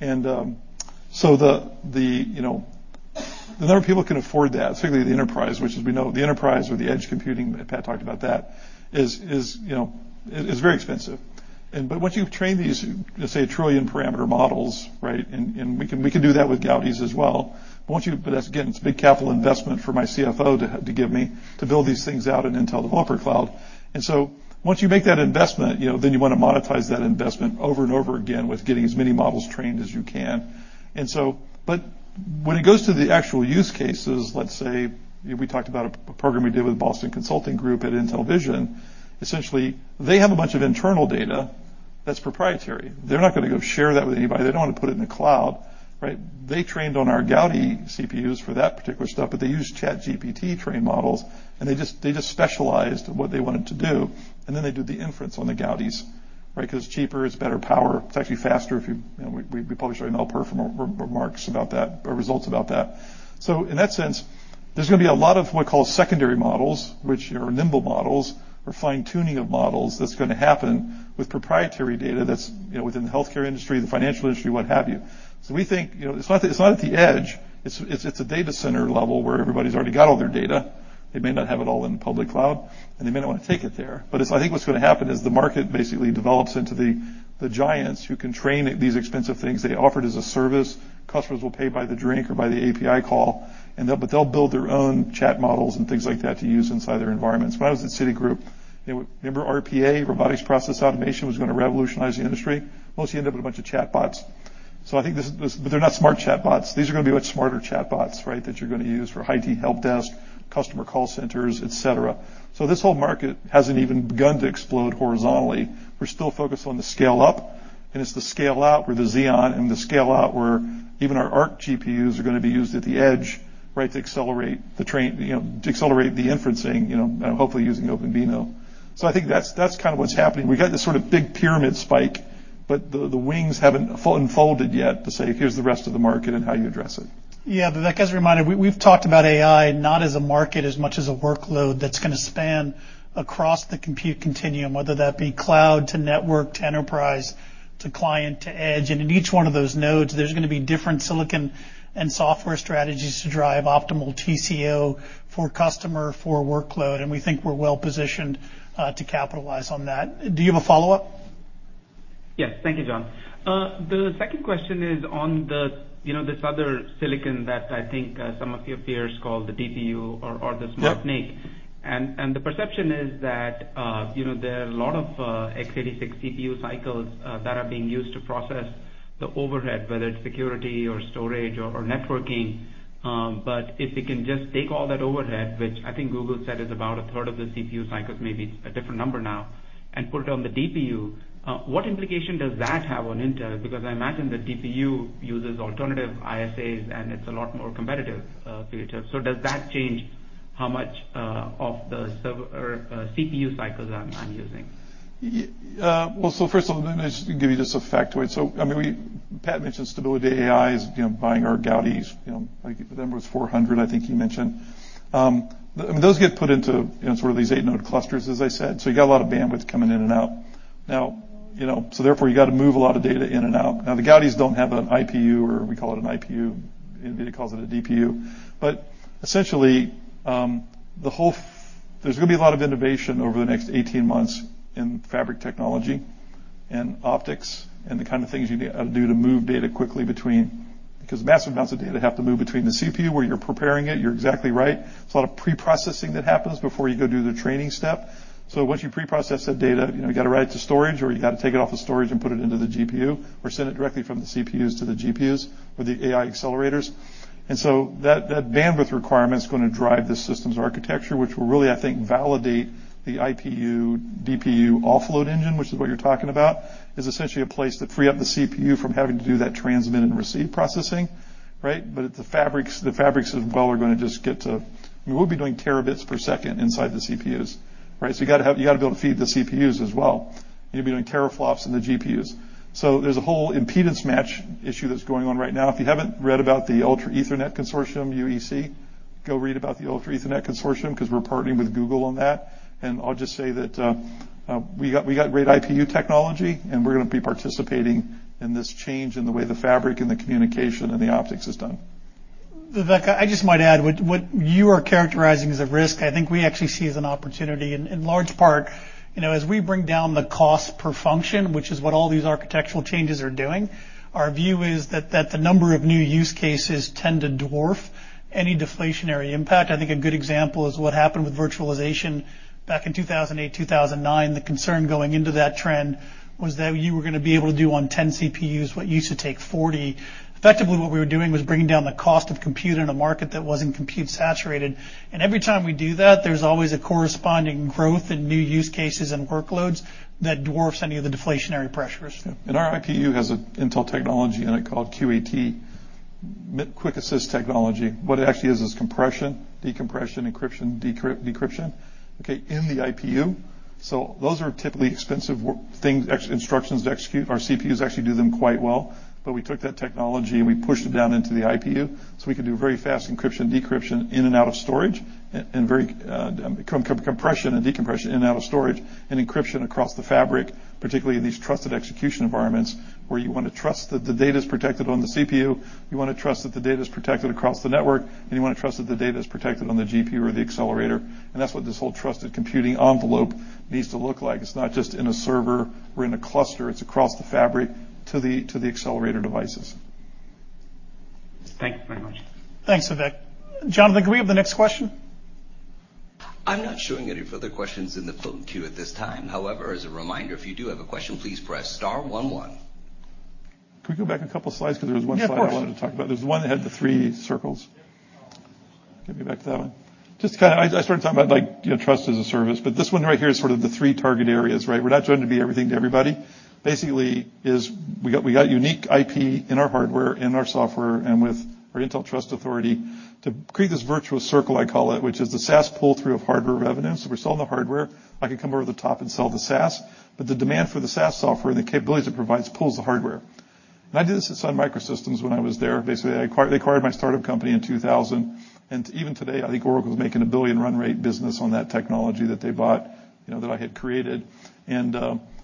And so the you know, the number of people can afford that, particularly the enterprise, which as we know, the enterprise or the edge computing, Pat talked about that, is you know, is very expensive. And but once you've trained these, let's say, a trillion parameter models, right? And we can do that with Gaudis as well. But once you... But that's again, it's a big capital investment for my CFO to give me to build these things out in Intel Developer Cloud.... And so once you make that investment, you know, then you want to monetize that investment over and over again with getting as many models trained as you can. And so, but when it goes to the actual use cases, let's say, we talked about a program we did with Boston Consulting Group at Intel Vision. Essentially, they have a bunch of internal data that's proprietary. They're not going to go share that with anybody. They don't want to put it in the cloud, right? They trained on our Gaudi CPUs for that particular stuff, but they used ChatGPT train models, and they just specialized what they wanted to do, and then they did the inference on the Gaudis, right? Because it's cheaper, it's better power. It's actually faster if you—you know, we, we, we published our MLPerf remarks about that or results about that. So in that sense, there's gonna be a lot of what we call secondary models, which are nimble models or fine-tuning of models that's gonna happen with proprietary data that's, you know, within the healthcare industry, the financial industry, what have you. So we think, you know, it's not, it's not at the edge. It's, it's, it's a data center level where everybody's already got all their data. They may not have it all in the public cloud, and they may not want to take it there. But it's I think what's gonna happen is the market basically develops into the, the giants who can train these expensive things. They offer it as a service. Customers will pay by the drink or by the API call, and they'll... but they'll build their own chat models and things like that to use inside their environments. When I was at Citigroup, they would—remember RPA, Robotics Process Automation, was gonna revolutionize the industry? Mostly end up with a bunch of chatbots. So I think this, this—but they're not smart chatbots. These are gonna be much smarter chatbots, right, that you're gonna use for IT helpdesk, customer call centers, et cetera. So this whole market hasn't even begun to explode horizontally. We're still focused on the scale up, and it's the scale out where the Xeon and the scale out, where even our Arc GPUs are gonna be used at the edge, right, to accelerate the training, you know, to accelerate the inferencing, you know, hopefully using OpenVINO. So I think that's, that's kind of what's happening. We got this sort of big pyramid spike, but the, the wings haven't fully unfolded yet to say, "Here's the rest of the market and how you address it. Yeah, but that gets reminded, we, we've talked about AI, not as a market, as much as a workload that's gonna span across the compute continuum, whether that be cloud to network, to enterprise, to client, to edge. And in each one of those nodes, there's gonna be different silicon and software strategies to drive optimal TCO for customer, for workload, and we think we're well-positioned to capitalize on that. Do you have a follow-up? Yes. Thank you, John. The second question is on the, you know, this other silicon that I think some of your peers call the DPU or, or the SmartNIC. Yeah. And the perception is that, you know, there are a lot of x86 CPU cycles that are being used to process the overhead, whether it's security or storage or networking. But if we can just take all that overhead, which I think Google said is about a third of the CPU cycles, maybe it's a different number now, and put it on the DPU. What implication does that have on Intel? Because I imagine the DPU uses alternative ISAs, and it's a lot more competitive for you to... So does that change how much of the server CPU cycles I'm, I'm using? Well, so first of all, let me just give you just a factoid. So I mean, we Pat mentioned Stability AI is, you know, buying our Gaudis. You know, the number was 400, I think he mentioned. Those get put into, you know, sort of these 8-node clusters, as I said. So you got a lot of bandwidth coming in and out. Now, you know, so therefore, you got to move a lot of data in and out. Now, the Gaudis don't have an IPU, or we call it an IPU. NVIDIA calls it a DPU. But essentially, the whole... There's gonna be a lot of innovation over the next 18 months in fabric technology and optics, and the kind of things you need to do to move data quickly between... Because massive amounts of data have to move between the CPU where you're preparing it. You're exactly right. It's a lot of preprocessing that happens before you go do the training step. So once you pre-process that data, you know, you got to write it to storage, or you got to take it off the storage and put it into the GPU, or send it directly from the CPUs to the GPUs or the AI accelerators. And so that, that bandwidth requirement is gonna drive the systems architecture, which will really, I think, validate the IPU, DPU offload engine, which is what you're talking about, is essentially a place to free up the CPU from having to do that transmit and receive processing, right? But the fabrics, the fabrics as well are gonna just get to... We will be doing terabits per second inside the CPUs, right? So you gotta have you gotta be able to feed the CPUs as well. You'll be doing teraflops in the GPUs. So there's a whole impedance match issue that's going on right now. If you haven't read about the Ultra Ethernet Consortium, UEC, go read about the Ultra Ethernet Consortium because we're partnering with Google on that. And I'll just say that, we got, we got great IPU technology, and we're gonna be participating in this change in the way the fabric and the communication and the optics is done. Vivek, I just might add, what, what you are characterizing as a risk, I think we actually see as an opportunity in, in large part. You know, as we bring down the cost per function, which is what all these architectural changes are doing, our view is that, that the number of new use cases tend to dwarf any deflationary impact. I think a good example is what happened with virtualization back in 2008, 2009. The concern going into that trend was that you were gonna be able to do on 10 CPUs what used to take 40. Effectively, what we were doing was bringing down the cost of compute in a market that wasn't compute saturated. Every time we do that, there's always a corresponding growth in new use cases and workloads that dwarfs any of the deflationary pressures. Yeah. And our IPU has an Intel technology in it called QAT, QuickAssist Technology. What it actually is, is compression, decompression, encryption, decryption, okay, in the IPU. So those are typically expensive work things, instructions to execute. Our CPUs actually do them quite well, but we took that technology, and we pushed it down into the IPU. So we can do very fast encryption, decryption in and out of storage, and very compression and decompression in and out of storage, and encryption across the fabric, particularly in these trusted execution environments, where you want to trust that the data is protected on the CPU, you want to trust that the data is protected across the network, and you want to trust that the data is protected on the GPU or the accelerator. That's what this whole trusted computing envelope needs to look like. It's not just in a server or in a cluster, it's across the fabric to the accelerator devices.... Thank you very much. Thanks, Vivek. Jonathan, can we have the next question? I'm not showing any further questions in the phone queue at this time. However, as a reminder, if you do have a question, please press star one, one. Can we go back a couple slides? Because there was one slide- Yeah, of course. I wanted to talk about. There's one that had the three circles. Get me back to that one. Just to kind of—I started talking about, like, you know, trust as a service, but this one right here is sort of the three target areas, right? We're not trying to be everything to everybody. Basically, we got unique IP in our hardware and our software, and with our Intel Trust Authority, to create this virtuous circle, I call it, which is the SaaS pull-through of hardware revenue. So we're selling the hardware. I can come over the top and sell the SaaS, but the demand for the SaaS software and the capabilities it provides pulls the hardware. And I did this at Sun Microsystems when I was there. Basically, they acquired my startup company in 2000, and even today, I think Oracle is making a $1 billion run rate business on that technology that they bought, you know, that I had created. And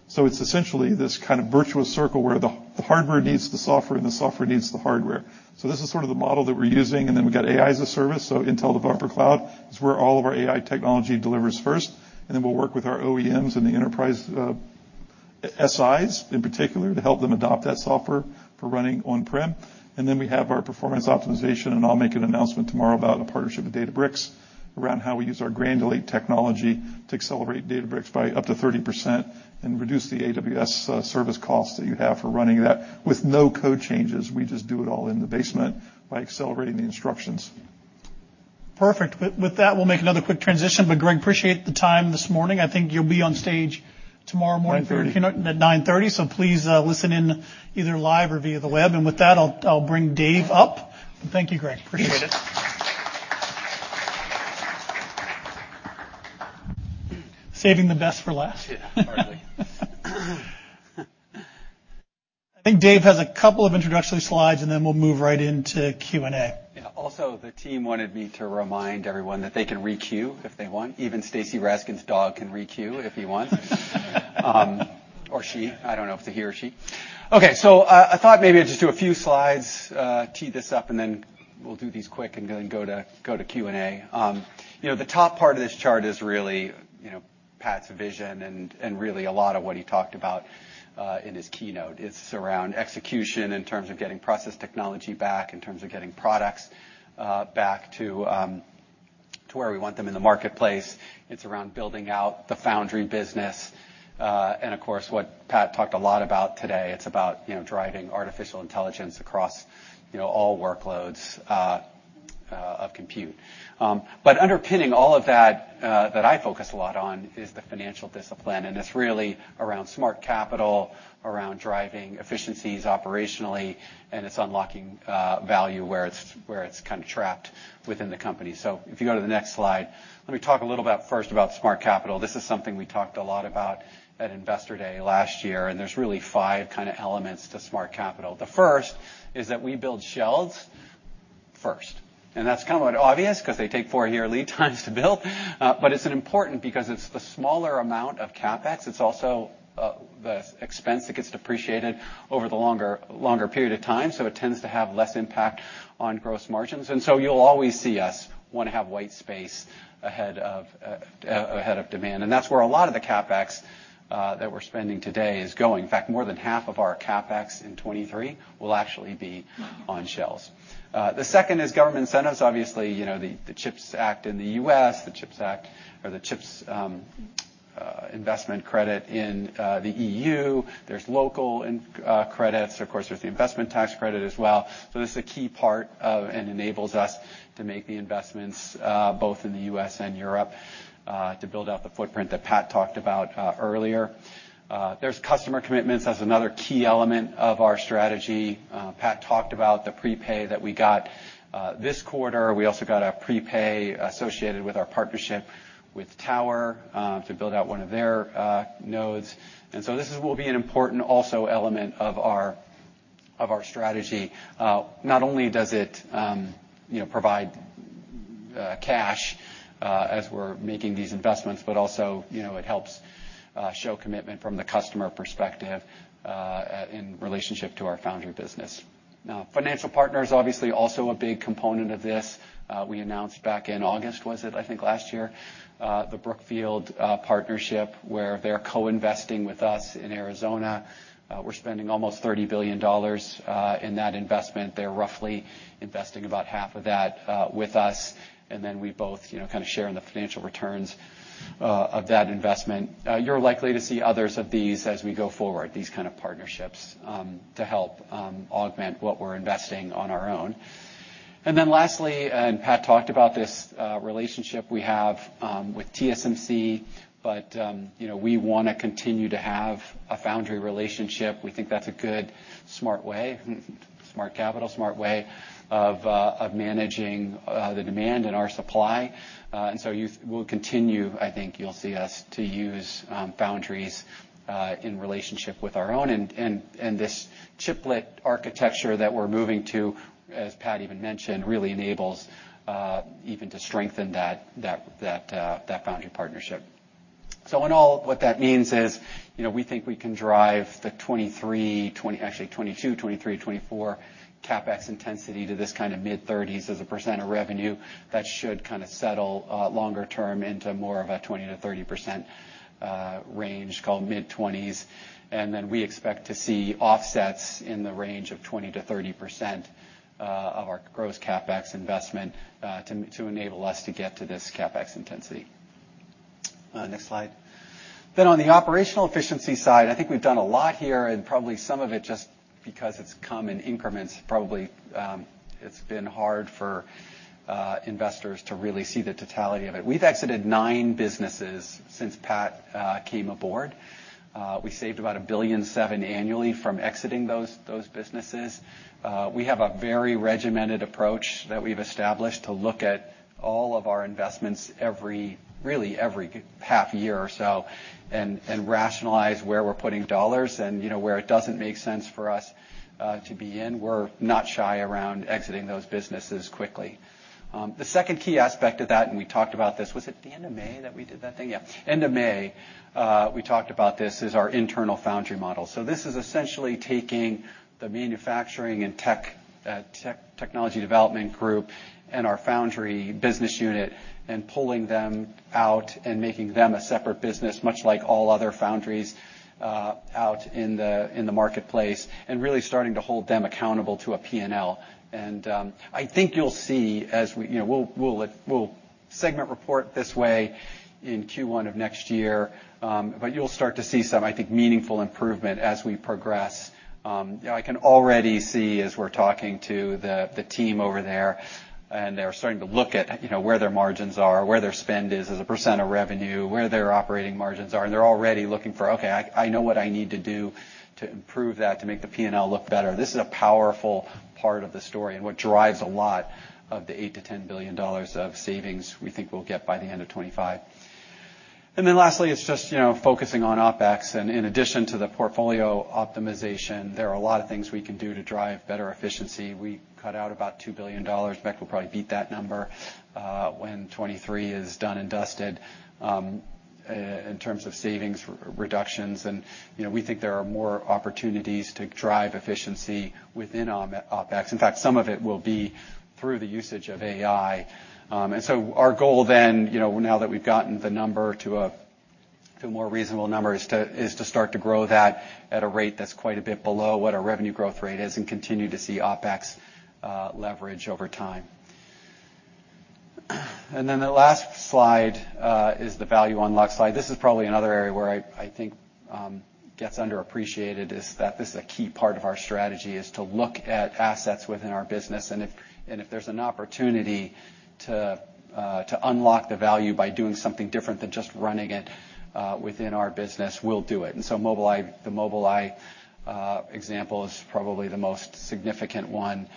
so it's essentially this kind of virtuous circle where the hardware needs the software and the software needs the hardware. So this is sort of the model that we're using, and then we've got AI as a service. So Intel Developer Cloud is where all of our AI technology delivers first, and then we'll work with our OEMs and the enterprise, SIs in particular, to help them adopt that software for running on-prem. We have our performance optimization, and I'll make an announcement tomorrow about a partnership with Databricks around how we use our Granulate technology to accelerate Databricks by up to 30% and reduce the AWS service costs that you'd have for running that with no code changes. We just do it all in the basement by accelerating the instructions. Perfect. With that, we'll make another quick transition. But Greg, appreciate the time this morning. I think you'll be on stage tomorrow m At 9:30A.M. So please, listen in either live or via the web. And with that, I'll bring Dave up. Thank you, Greg. Appreciate it. Saving the best for last. Yeah, hardly. I think Dave has a couple of introductory slides, and then we'll move right into Q&A. Yeah. Also, the team wanted me to remind everyone that they can re-queue if they want. Even Stacy Rasgon's dog can re-queue if he wants. Or she, I don't know if it's a he or she. Okay, so I thought maybe I'd just do a few slides, tee this up, and then we'll do these quick and then go to Q&A. You know, the top part of this chart is really, you know, Pat's vision and really a lot of what he talked about in his keynote. It's around execution in terms of getting process technology back, in terms of getting products back to where we want them in the marketplace. It's around building out the foundry business, and of course, what Pat talked a lot about today, it's about, you know, driving artificial intelligence across, you know, all workloads of compute. But underpinning all of that, that I focus a lot on is the financial discipline, and it's really around smart capital, around driving efficiencies operationally, and it's unlocking value where it's, where it's kind of trapped within the company. So if you go to the next slide, let me talk a little about, first about smart capital. This is something we talked a lot about at Investor Day last year, and there's really 5 kind of elements to smart capital. The first is that we build fabs first, and that's kind of obvious because they take 4-year lead times to build. But it's important because it's the smaller amount of CapEx. It's also, the expense that gets depreciated over the longer, longer period of time, so it tends to have less impact on gross margins. So you'll always see us want to have white space ahead of, ahead of demand. And that's where a lot of the CapEx, that we're spending today is going. In fact, more than half of our CapEx in 2023 will actually be on shelves. The second is government incentives. Obviously, you know, the CHIPS Act in the U.S., the CHIPS Act or the CHIPS investment credit in, the EU. There's local incentives. Of course, there's the investment tax credit as well. So this is a key part of, and enables us to make the investments, both in the U.S. and Europe, to build out the footprint that Pat talked about, earlier. There's customer commitments. That's another key element of our strategy. Pat talked about the prepay that we got this quarter. We also got a prepay associated with our partnership with Tower to build out one of their nodes. And so this is will be an important also element of our strategy. Not only does it you know provide cash as we're making these investments, but also you know it helps show commitment from the customer perspective in relationship to our foundry business. Now, financial partners, obviously, also a big component of this. We announced back in August, was it, I think last year, the Brookfield partnership, where they're co-investing with us in Arizona. We're spending almost $30 billion in that investment. They're roughly investing about half of that with us, and then we both, you know, share in the financial returns of that investment. You're likely to see others of these as we go forward, these kind of partnerships to help augment what we're investing on our own. And then lastly, and Pat talked about this relationship we have with TSMC, but you know, we want to continue to have a foundry relationship. We think that's a good, smart way, smart capital, smart way of managing the demand and our supply. And so you-- we'll continue, I think you'll see us to use foundries in relationship with our own and this chiplet architecture that we're moving to, as Pat even mentioned, really enables even to strengthen that foundry partnership. So in all, what that means is, you know, we think we can drive the 2022, 2023, 2024 CapEx intensity to this kind of mid-30s% of revenue. That should settle, longer term into more of a 20%-30% range, call it mid-20s. And then we expect to see offsets in the range of 20%-30% of our gross CapEx investment to enable us to get to this CapEx intensity. Next slide. Then on the operational efficiency side, I think we've done a lot here, and probably some of it, just because it's come in increments, probably, it's been hard for investors to really see the totality of it. We've exited 9 businesses since Pat came aboard. We saved about $1.7 billion annually from exiting those businesses. We have a very regimented approach that we've established to look at all of our investments every half year or so, and rationalize where we're putting dollars, and, you know, where it doesn't make sense for us to be in, we're not shy around exiting those businesses quickly. The second key aspect of that, and we talked about this. Was it the end of May that we did that thing? Yeah, end of May, we talked about this, is our Internal Foundry Model. So this is essentially taking the manufacturing and technology development group and our foundry business unit and pulling them out and making them a separate business, much like all other foundries out in the marketplace, and really starting to hold them accountable to a P&L. I think you'll see as we... You know, we'll segment report this way in Q1 of next year, but you'll start to see some, I think, meaningful improvement as we progress. I can already see, as we're talking to the team over there, and they're starting to look at, you know, where their margins are, where their spend is as a % of revenue, where their operating margins are, and they're already looking for: "Okay, I know what I need to do to improve that, to make the P&L look better." This is a powerful part of the story and what drives a lot of the $8 billion-$10 billion of savings we think we'll get by the end of 2025. And then lastly, it's just, you know, focusing on OpEx. In addition to the portfolio optimization, there are a lot of things we can do to drive better efficiency. We cut out about $2 billion. Zinsner will probably beat that number when 2023 is done and dusted in terms of savings reductions. And, you know, we think there are more opportunities to drive efficiency within OpEx. In fact, some of it will be through the usage of AI. And so our goal then, you know, now that we've gotten the number to a more reasonable number, is to start to grow that at a rate that's quite a bit below what our revenue growth rate is and continue to see OpEx leverage over time. Then the last slide is the value unlock slide. This is probably another area where I think gets underappreciated, is that this is a key part of our strategy, is to look at assets within our business, and if there's an opportunity to unlock the value by doing something different than just running it within our business, we'll do it. And so Mobileye example is probably the most significant one,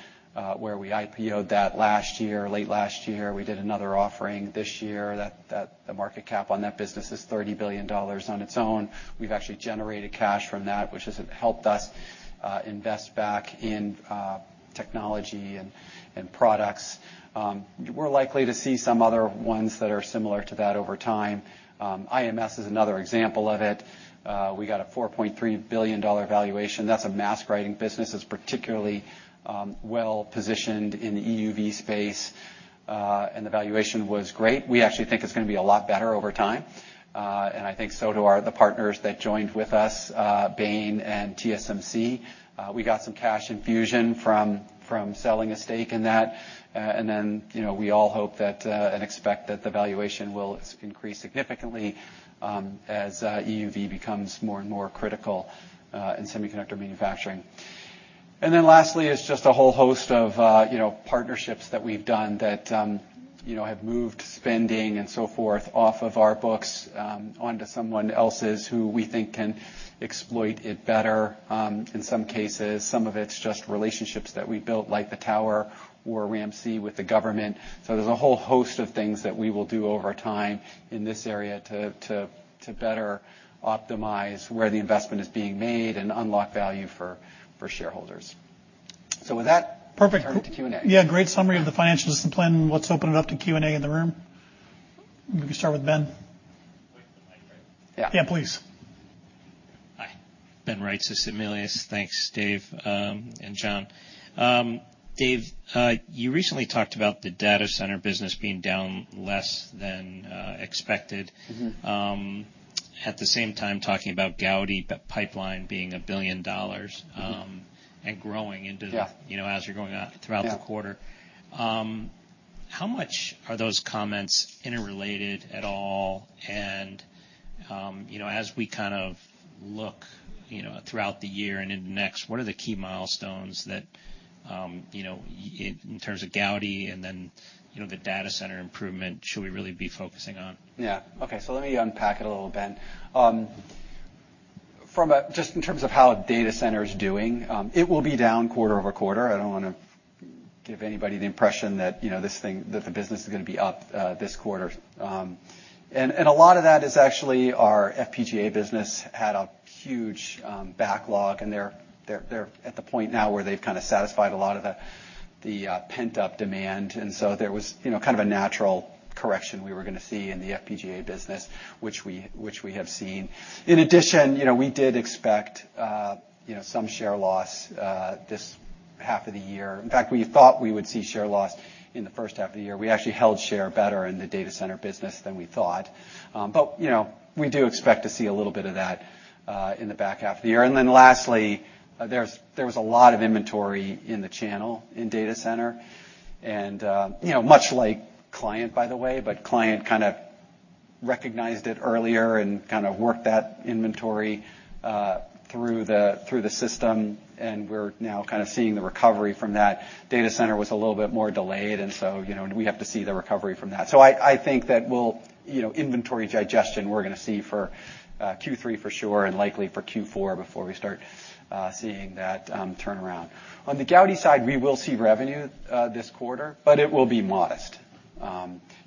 where we IPO'd that last year, late last year. We did another offering this year, that the market cap on that business is $30 billion on its own. We've actually generated cash from that, which has helped us invest back in technology and products. We're likely to see some other ones that are similar to that over time. IMS is another example of it. We got a $4.3 billion valuation. That's a mask-writing business. It's particularly well-positioned in the EUV space, and the valuation was great. We actually think it's gonna be a lot better over time, and I think so do our the partners that joined with us, Bain and TSMC. We got some cash infusion from selling a stake in that. And then, you know, we all hope that and expect that the valuation will increase significantly, as EUV becomes more and more critical in semiconductor manufacturing. And then lastly, it's just a whole host of, you know, partnerships that we've done that, you know, have moved spending and so forth off of our books, onto someone else's, who we think can exploit it better, in some cases. Some of it's just relationships that we've built, like the Tower or RAMP-C with the government. So there's a whole host of things that we will do over time in this area to better optimize where the investment is being made and unlock value for shareholders. So with that- Perfect. Turn it to Q&A. Yeah, great summary of the financial discipline. Let's open it up to Q&A in the room. We can start with Ben. Wait for the mic, right? Yeah. Yeah, please. Hi, Ben Wright, Susquehanna. Thanks, Dave, and John. Dave, you recently talked about the data center business being down less than expected- Mm-hmm. at the same time, talking about Gaudi, the pipeline being $1 billion Mm-hmm And growing into the you know, as you're going out throughout- Yeah the quarter. How much are those comments interrelated at all? And, you know, as we kind of look, you know, throughout the year and into next, what are the key milestones that, you know, in terms of Gaudi and then, you know, the data center improvement, should we really be focusing on? Yeah. Okay, so let me unpack it a little, Ben. From a... Just in terms of how a data center is doing, it will be down quarter-over-quarter. I don't wanna give anybody the impression that, you know, this thing-- that the business is gonna be up, this quarter. And a lot of that is actually our FPGA business had a huge backlog, and they're at the point now where they've kind of satisfied a lot of the pent-up demand. And so there was, you know, kind of a natural correction we were gonna see in the FPGA business, which we have seen. In addition, you know, we did expect some share loss, this half of the year. In fact, we thought we would see share loss in the first half of the year. We actually held share better in the data center business than we thought. But, you know, we do expect to see a little bit of that in the back half of the year. And then lastly, there was a lot of inventory in the channel, in data center and, you know, much like client, by the way, but client kind of recognized it earlier and kind of worked that inventory through the system, and we're now kind of seeing the recovery from that. Data center was a little bit more delayed, and so, you know, we have to see the recovery from that. So I think that we'll, you know, inventory digestion, we're gonna see for Q3 for sure, and likely for Q4 before we start seeing that turnaround. On the Gaudi side, we will see revenue this quarter, but it will be modest.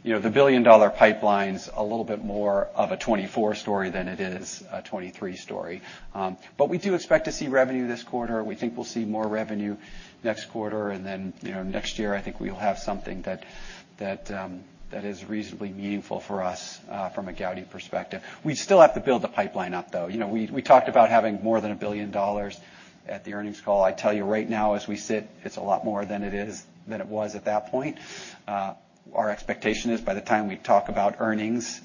You know, the billion-dollar pipeline's a little bit more of a 2024 story than it is a 2023 story. But we do expect to see revenue this quarter. We think we'll see more revenue next quarter, and then, you know, next year, I think we'll have something that is reasonably meaningful for us from a Gaudi perspective. We still have to build the pipeline up, though. You know, we talked about having more than $1 billion at the earnings call. I tell you, right now, as we sit, it's a lot more than it is than it was at that point. Our expectation is, by the time we talk about earnings,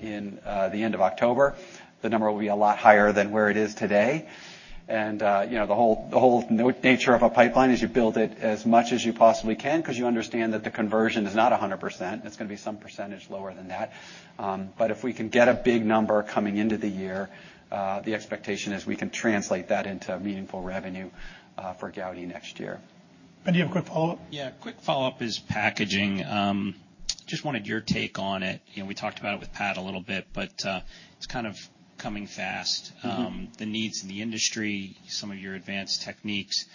in the end of October, the number will be a lot higher than where it is today. And, you know, the whole, the whole nature of a pipeline is you build it as much as you possibly can because you understand that the conversion is not 100%. It's gonna be some percentage lower than that. But if we can get a big number coming into the year, the expectation is we can translate that into meaningful revenue, for Gaudi next year. Do you have a quick follow-up? Yeah, quick follow-up is packaging. Just wanted your take on it. You know, we talked about it with Pat a little bit, but it's kind of coming fast. Mm-hmm. The needs in the industry, some of your advanced techniques,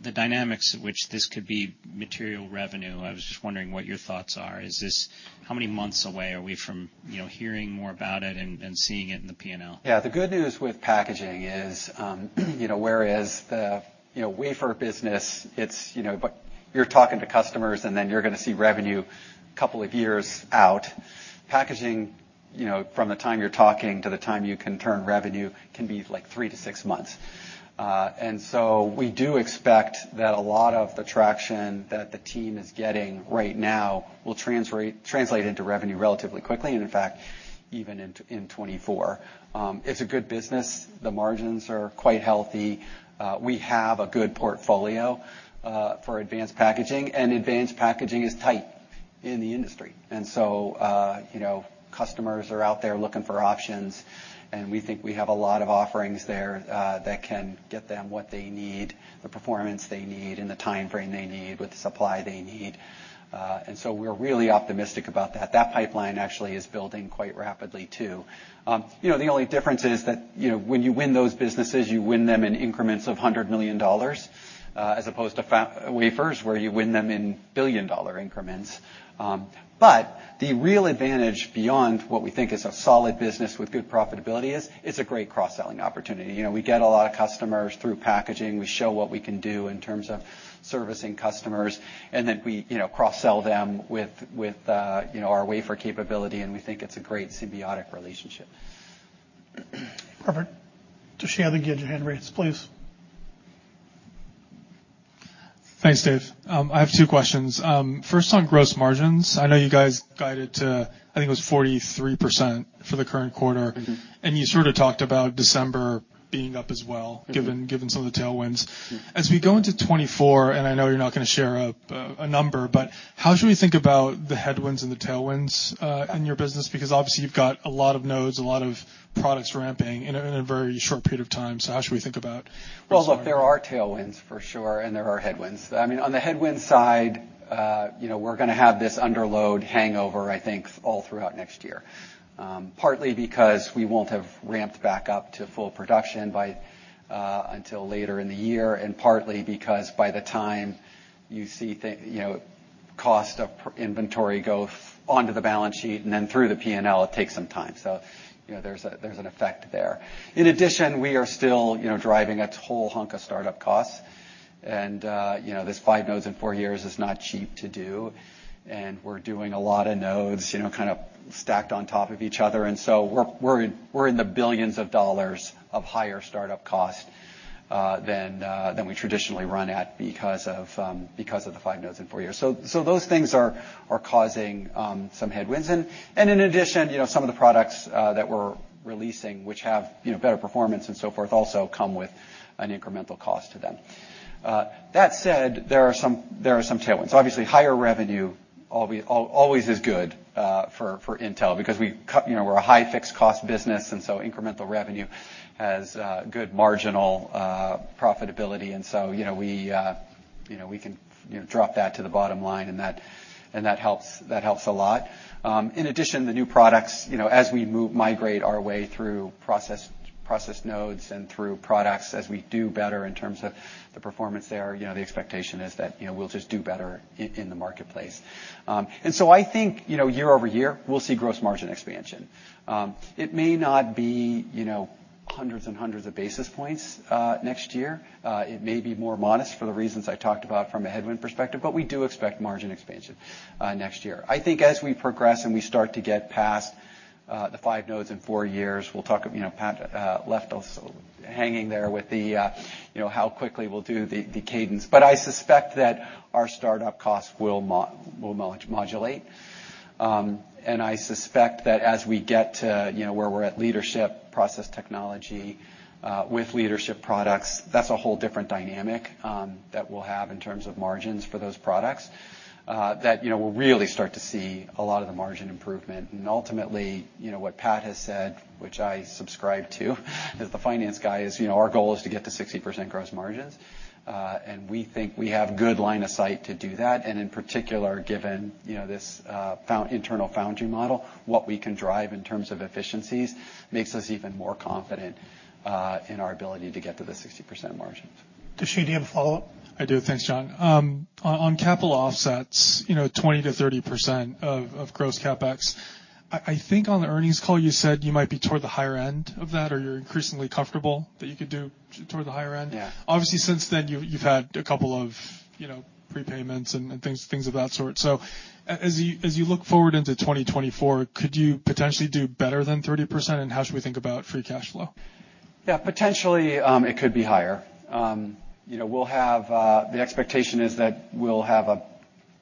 the dynamics at which this could be material revenue, I was just wondering what your thoughts are. Is this how many months away are we from, you know, hearing more about it and seeing it in the P&L? Yeah. The good news with packaging is, you know, whereas the, you know, wafer business, it's, you know, but you're talking to customers, and then you're gonna see revenue couple of years out. Packaging, you know, from the time you're talking to the time you can turn revenue, can be, like, 3-6 months. And so we do expect that a lot of the traction that the team is getting right now will translate into revenue relatively quickly, and in fact, even in 2024. It's a good business. The margins are quite healthy. We have a good portfolio for advanced packaging, and advanced packaging is tight in the industry. You know, customers are out theree really optimistic about that. That pipeline actually is building quite rapidly, too. You know, the only difference is that, you know, when you win those businesses, you win them in increments of $100 million, as opposed to wafers, where you win them in $1 billion increments. The real advantage beyond what we think is a solid business with good profitability is, it's a great cross-selling opportunity. You know, we get a lot of customers through packaging. We show what we can do in terms of servicing customers, and then we, you know, cross-sell them with, with, you know, our wafer capability, and we think it's a great symbiotic relationship. Perfect. Toshiya, again, your hand raised, please. Thanks, Dave. I have two questions. First, on gross margins, I know you guys guided to, I think, it was 43% for the current quarter. Mm-hmm. You sort of talked about December being up as well- Mm-hmm given some of the tailwinds. Yeah. As we go into 2024, and I know you're not gonna share a number, but how should we think about the headwinds and the tailwinds on your business? Because, obviously, you've got a lot of nodes, a lot of products ramping in a very short period of time, so how should we think about this one? Well, look, there are tailwinds, for sure, and there are headwinds. I mean, on the headwinds side, you know, we're gonna have this underload hangover, I think, all throughout next year, partly because we won't have ramped back up to full production by until later in the year, and partly because by the time you see the cost of production inventory go onto the balance sheet and then through the P&L, it takes some time. So, you know, there's an effect there. In addition, we are still, you know, driving a whole hunk of startup costs, and, you know, this 5 nodes in 4 years is not cheap to do, and we're doing a lot of nodes, you know, kind of stacked on top of each other. And so we're in the $ billions of higher startup cost than we traditionally run at because of the 5 nodes in 4 years. So those things are causing some headwinds. And in addition, you know, some of the products that we're releasing, which have, you know, better performance and so forth, also come with an incremental cost to them. That said, there are some tailwinds. Obviously, higher revenue always is good for Intel, because we've cut. You know, we're a high-fixed cost business, and so incremental revenue has good marginal profitability, and so, you know, we can, you know, drop that to the bottom line, and that helps a lot. In addition, the new products, you know, as we migrate our way through process nodes and through products, as we do better in terms of the performance there, you know, the expectation is that, you know, we'll just do better in the marketplace. And so I think, you know, year over year, we'll see gross margin expansion. It may not be, you know, hundreds and hundreds of basis points next year. It may be more modest for the reasons I talked about from a headwind perspective, but we do expect margin expansion next year. I think as we progress, and we start to get past the five nodes in four years, we'll talk of, you know, Pat left us hanging there with the, you know, how quickly we'll do the cadence. But I suspect that our startup costs will modulate. And I suspect that as we get to, you know, where we're at leadership, process technology, with leadership products, that's a whole different dynamic, that we'll have in terms of margins for those products, that, you know, we'll really start to see a lot of the margin improvement. And ultimately, you know, what Pat has said, which I subscribe to, as the finance guy, is, you know, our goal is to get to 60% gross margins. And we think we have good line of sight to do that, and in particular, given, you know, this, Internal Foundry Model, what we can drive in terms of efficiencies makes us even more confident, in our ability to get to the 60% margins. Toshiya, do you have a follow-up? I do. Thanks, John. On capital offsets, you know, 20%-30% of gross CapEx, I think on the earnings call, you said you might be toward the higher end of that, or you're increasingly comfortable that you could do toward the higher end. Yeah. Obviously, since then, you've had a couple of, you know, prepayments and things of that sort. So as you look forward into 2024, could you potentially do better than 30%, and how should we think about free cash flow? Yeah, potentially, it could be higher. You know, we'll have... The expectation is that we'll have a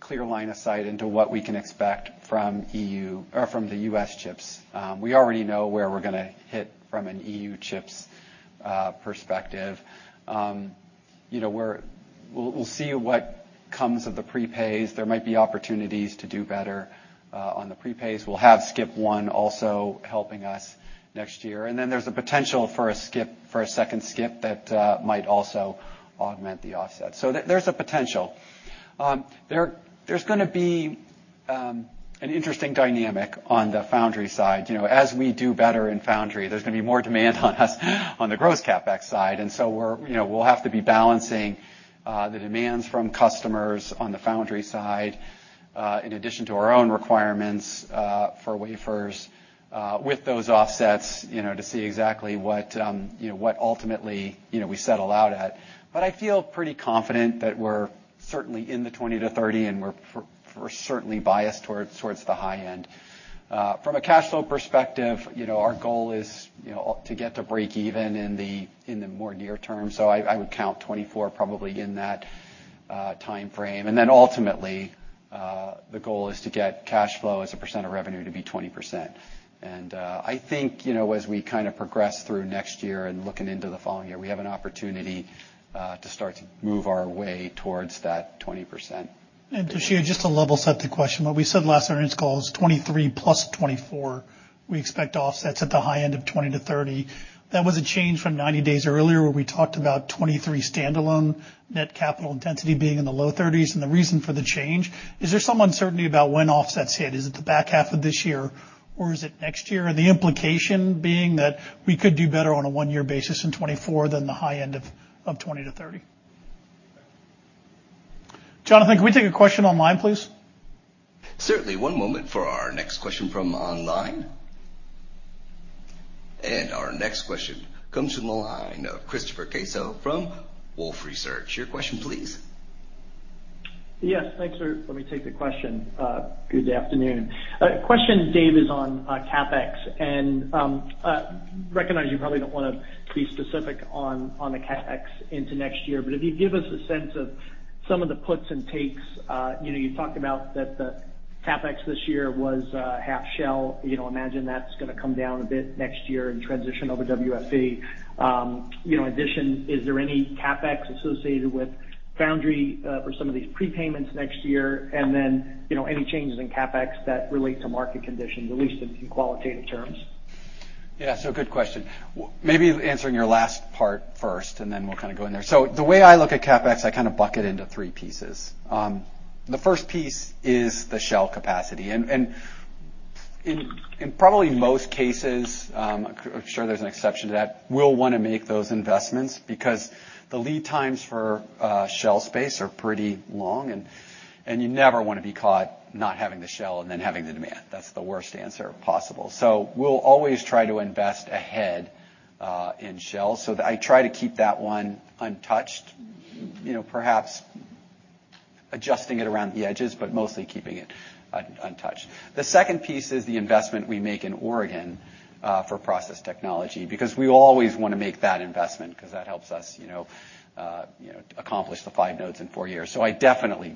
clear line of sight into what we can expect from the U.S. CHIPS. We already know where we're gonna hit from an EU Chips perspective. You know, we'll see what comes of the prepays. There might be opportunities to do better on the prepays. We'll have SCIP 1 also helping us next year, and then there's a potential for a second SCIP that might also augment the offset. There's a potential. There's gonna be an interesting dynamic on the foundry side. You know, as we do better in foundry, there's gonna be more demand on us on the gross CapEx side. You know, we'll have to be balancing the demands from customers on the foundry side, in addition to our own requirements for wafers, with those offsets, you know, to see exactly what, you know, what ultimately, you know, we settle out at. But I feel pretty confident that we're certainly in the 20-30, and we're certainly biased towards the high end. From a cash flow perspective, you know, our goal is, you know, to get to breakeven in the more near term, so I would count 2024 probably in that time frame. And then ultimately, the goal is to get cash flow as a percent of revenue to be 20%. I think, you know, as we kind of progress through next year and looking into the following year, we have an opportunity to start to move our way towards that 20%. Toshiya, just to level set the question, what we said in last earnings call is '2023 plus 2024, we expect offsets at the high end of 20-30.' That was a change from 90 days earlier, where we talked about 2023 standalone net capital intensity being in the low 30s, and the reason for the change: Is there some uncertainty about when offsets hit? Is it the back half of this year, or is it next year? The implication being that we could do better on a one-year basis in 2024 than the high end of 20-30. Jonathan, can we take a question online, please? Certainly. One moment for our next question from online. Our next question comes from the line of Christopher Caso from Wolfe Research. Your question, please. Yes, thanks, sir. Let me take the question. Good afternoon. Question, Dave, is on CapEx, and recognize you probably don't want to be specific on the CapEx into next year, but if you give us a sense of some of the puts and takes... You know, you talked about that the CapEx this year was half shell. You know, imagine that's gonna come down a bit next year and transition over to WFE. You know, addition, is there any CapEx associated with foundry for some of these prepayments next year? And then, you know, any changes in CapEx that relate to market conditions, at least in qualitative terms? Yeah, so good question. Maybe answering your last part first, and then we'll kind of go in there. So the way I look at CapEx, I kind of bucket into three pieces. The first piece is the shell capacity, and, and in, in probably most cases, I'm sure there's an exception to that, we'll want to make those investments because the lead times for shell space are pretty long, and, and you never want to be caught not having the shell and then having the demand. That's the worst answer possible. So we'll always try to invest ahead in shell. So I try to keep that one untouched, you know, perhaps adjusting it around the edges, but mostly keeping it untouched. The second piece is the investment we make in Oregon, for process technology, because we always want to make that investment because that helps us, you know, accomplish the five nodes in four years. So I definitely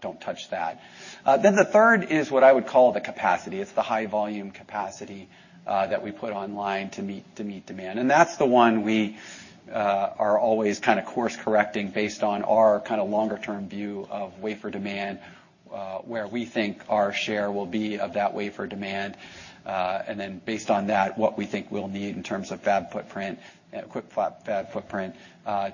don't touch that. Then the third is what I would call the capacity. It's the high volume capacity, that we put online to meet demand. And that's the one we are always kind of course-correcting based on our kind of longer term view of wafer demand, where we think our share will be of that wafer demand, and then based on that, what we think we'll need in terms of fab footprint, equipped fab footprint,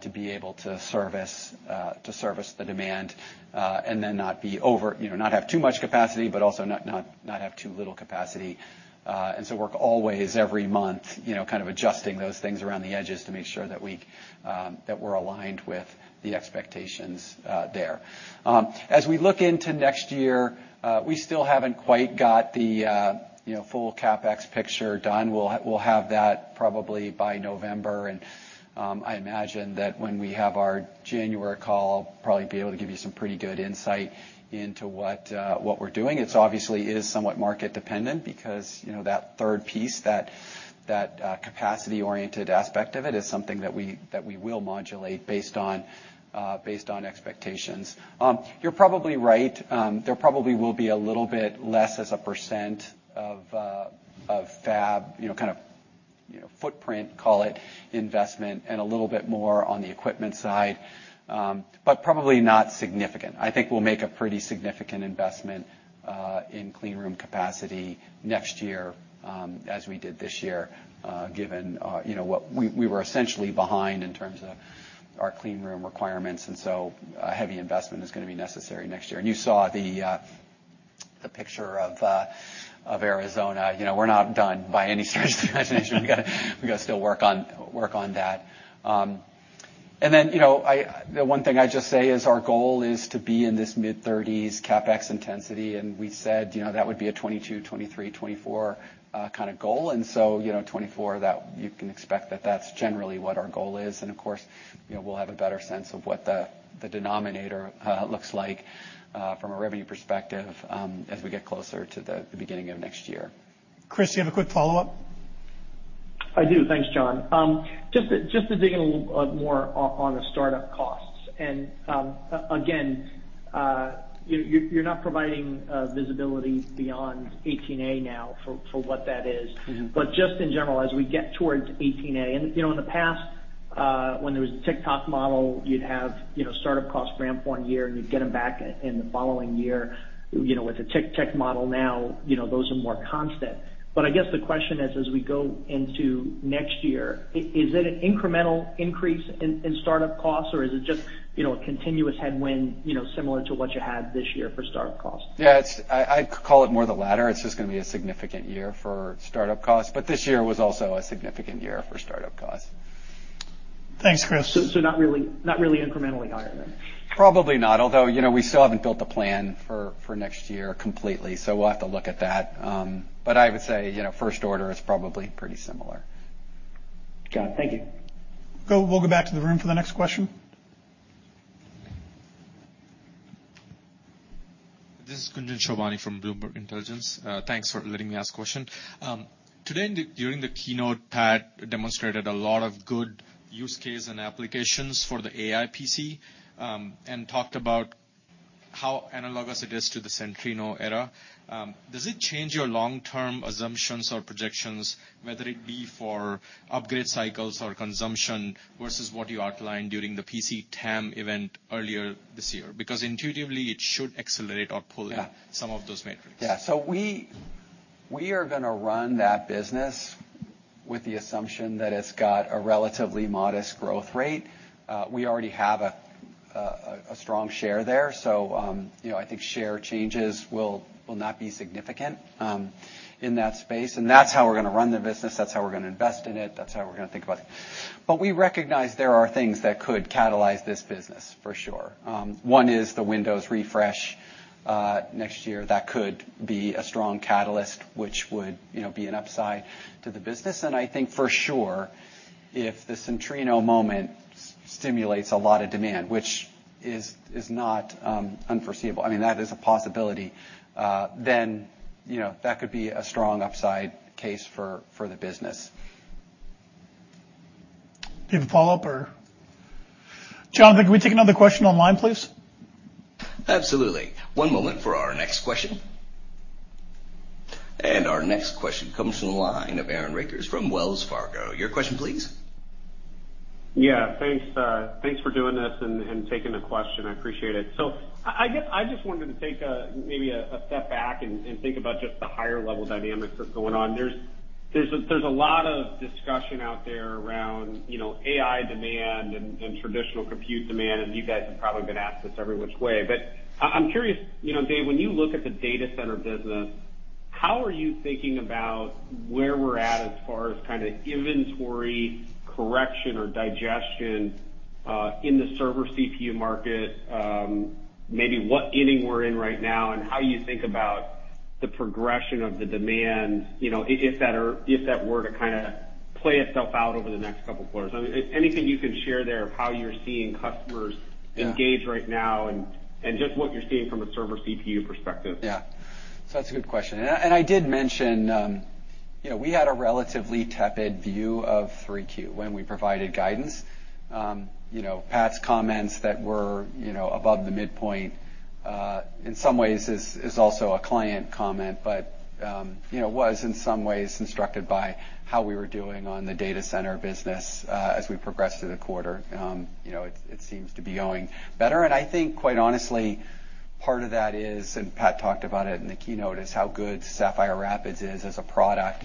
to be able to service the demand, and then not be over... You know, not have too much capacity, but also not have too little capacity. And so we're always, every month, you know, kind of adjusting those things around the edges to make sure that we, that we're aligned with the expectations, there. As we look into next year, we still haven't quite got the, you know, full CapEx picture done. We'll have that probably by November, and, I imagine that when we have our January call, I'll probably be able to give you some pretty good insight into what, what we're doing. It's obviously is somewhat market dependent because, you know, that third piece, that, that, capacity-oriented aspect of it, is something that we, that we will modulate based on, based on expectations. You're probably right. There probably will be a little bit less as a % of fab, you know, kind of, you know, footprint, call it investment, and a little bit more on the equipment side. But probably not significant. I think we'll make a pretty significant investment in clean room capacity next year, as we did this year, given you know, we were essentially behind in terms of our clean room requirements, and so a heavy investment is gonna be necessary next year. And you saw the picture of Arizona. You know, we're not done by any stretch of the imagination. We gotta still work on that. And then, you know, the one thing I'd just say is our goal is to be in this mid-30s CapEx intensity, and we said, you know, that would be a 2022, 2023, 2024, kind of goal. And so, you know, 2024, that you can expect that that's generally what our goal is. And, of course, you know, we'll have a better sense of what the, the denominator, looks like, from a revenue perspective, as we get closer to the beginning of next year. Chris, do you have a quick follow-up? I do. Thanks, John. Just to dig in a little more on the startup costs. And again, you're not providing visibility beyond 18A now for what that is. Mm-hmm. But just in general, as we get towards 18A. And, you know, in the past, when there was a tick-tock model, you'd have, you know, startup costs ramp one year, and you'd get them back in the following year. You know, with a tick-tick model now, you know, those are more constant. But I guess the question is, as we go into next year, is it an incremental increase in startup costs, or is it just, you know, a continuous headwind, you know, similar to what you had this year for startup costs? Yeah, it's I call it more the latter. It's just gonna be a significant year for startup costs, but this year was also a significant year for startup costs. Thanks, Chris. So, not really incrementally higher then? Probably not, although, you know, we still haven't built the plan for next year completely, so we'll have to look at that. But I would say, you know, first order is probably pretty similar. Got it. Thank you. Cool. We'll go back to the room for the next question. This is Kunjan Sobhani from Bloomberg Intelligence. Thanks for letting me ask a question. Today, during the keynote, Pat demonstrated a lot of good use case and applications for the AI PC, and talked about how analogous it is to the Centrino era. Does it change your long-term assumptions or projections, whether it be for upgrade cycles or consumption, versus what you outlined during the PC TAM event earlier this year? Because intuitively, it should accelerate or pull in- Yeah some of those metrics. Yeah. So we are gonna run that business with the assumption that it's got a relatively modest growth rate. We already have a strong share there, so, you know, I think share changes will not be significant in that space, and that's how we're gonna run the business. That's how we're gonna invest in it. That's how we're gonna think about it. But we recognize there are things that could catalyze this business for sure. One is the Windows refresh next year. That could be a strong catalyst, which would, you know, be an upside to the business. And I think for sure, if the Centrino moment stimulates a lot of demand, which is not unforeseeable, I mean, that is a possibility, then, you know, that could be a strong upside case for the business. Do you have a follow-up or... John, can we take another question online, please? Absolutely. One moment for our next question. Our next question comes from the line of Aaron Rakers from Wells Fargo. Your question, please. Yeah, thanks. Thanks for doing this and, and taking the question. I appreciate it. So I, I guess I just wanted to take, maybe a, a step back and, and think about just the higher-level dynamics that's going on. There's, there's a, there's a lot of discussion out there around, you know, AI demand and, and traditional compute demand, and you guys have probably been asked this every which way. But I, I'm curious, you know, Dave, when you look at the data center business, how are you thinking about where we're at as far as kind of inventory correction or digestion, in the server CPU market? Maybe what inning we're in right now and how you think about the progression of the demand, you know, if that are- if that were to kinda play itself out over the next couple of quarters? I mean, if anything you can share there of how you're seeing customers? Yeah engage right now and just what you're seeing from a server CPU perspective. Yeah. So that's a good question. And I did mention, you know, we had a relatively tepid view of Q3 when we provided guidance. You know, Pat's comments that were, you know, above the midpoint, in some ways is also a client comment, but, you know, was in some ways instructed by how we were doing on the data center business, as we progressed through the quarter. You know, it seems to be going better, and I think, quite honestly, part of that is, and Pat talked about it in the keynote, is how good Sapphire Rapids is as a product,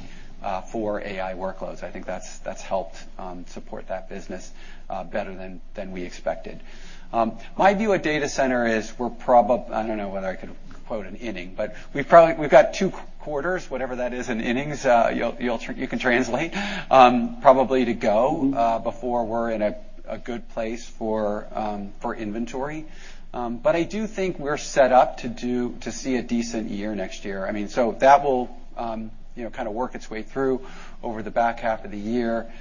for AI workloads. I think that's helped, support that business, better than we expected. My view of data center is, we're probably—I don't know whether I could quote an inning, but we've probably—we've got two quarters, whatever that is in innings, you'll, you'll try—you can translate, probably to go, before we're in a good place for, for inventory. I do think we're set up to do... to see a decent year next year. I mean, that will, you know, kind of work its way through over the back half of the year.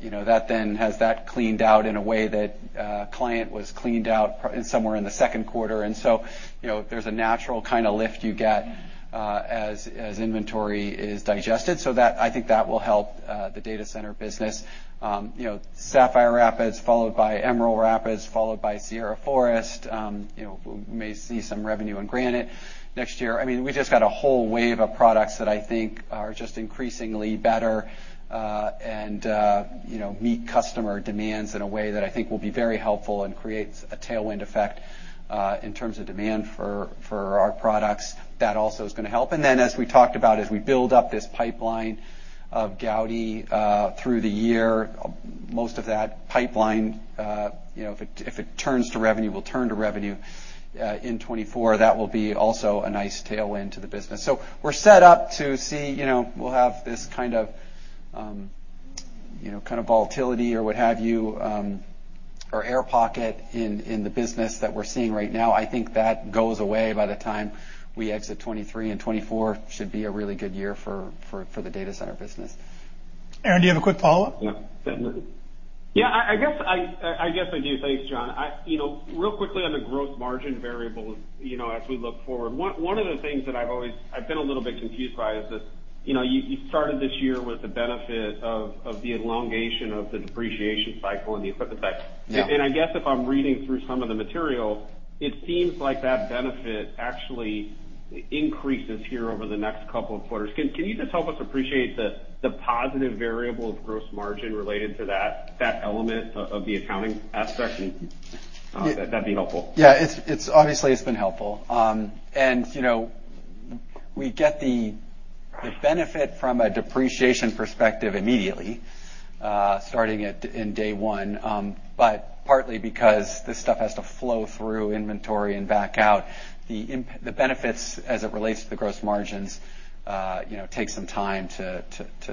You know, that then has that cleaned out in a way that client was cleaned out probably somewhere in the second quarter, and so, you know, there's a natural kind of lift you get, as, as inventory is digested. That—I think that will help, the data center business. You know, Sapphire Rapids, followed by Emerald Rapids, followed by Sierra Forest, you know, we may see some revenue on Granite next year. I mean, we just got a whole wave of products that I think are just increasingly better, and, you know, meet customer demands in a way that I think will be very helpful and creates a tailwind effect, in terms of demand for, for our products. That also is gonna help. And then, as we talked about, as we build up this pipeline of Gaudi, through the year, most of that pipeline, you know, if it, if it turns to revenue, will turn to revenue, in 2024, that will be also a nice tailwind to the business. So we're set up to see, you know, we'll have this kind of, you know, kind of volatility or what have you, or air pocket in, in the business that we're seeing right now. I think that goes away by the time we exit 2023, and 2024 should be a really good year for, for, for the data center business. Aaron, do you have a quick follow-up? Yeah. Yeah, I guess I do. Thanks, John. You know, real quickly on the growth margin variable, you know, as we look forward, one of the things that I've always been a little bit confused by is that, you know, you started this year with the benefit of the elongation of the depreciation cycle and the equipment cycle. Yeah. I guess if I'm reading through some of the material, it seems like that benefit actually increases here over the next couple of quarters. Can you just help us appreciate the positive variable of gross margin related to that element of the accounting aspect? And that'd be helpful. Yeah, it's obviously been helpful. And, you know, we get the benefit from a depreciation perspective immediately, starting in day one. But partly because this stuff has to flow through inventory and back out the benefits as it relates to the gross margins, you know, take some time to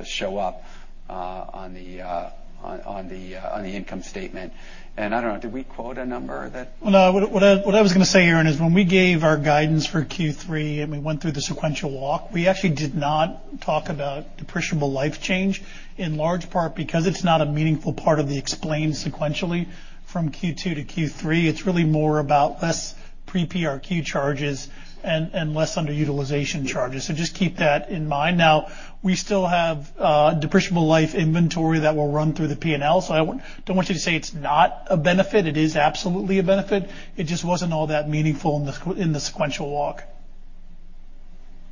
show up on the income statement. And I don't know, did we quote a number that? No. What I was gonna say, Aaron, is when we gave our guidance for Q3 and we went through the sequential walk, we actually did not talk about depreciable life change, in large part because it's not a meaningful part of the explained sequentially from Q2 to Q3. It's really more about less pre-PRQ charges and less underutilization charges. So just keep that in mind. Now, we still have depreciable life inventory that will run through the P&L, so I don't want you to say it's not a benefit. It is absolutely a benefit. It just wasn't all that meaningful in the sequential walk.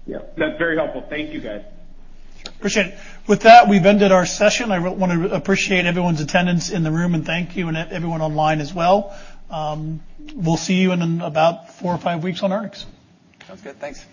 Yeah, that's very helpful. Thank you, guys. Appreciate it. With that, we've ended our session. I want to appreciate everyone's attendance in the room, and thank you and everyone online as well. We'll see you in about 4 or 5 weeks on earnin. Sounds good. Thanks.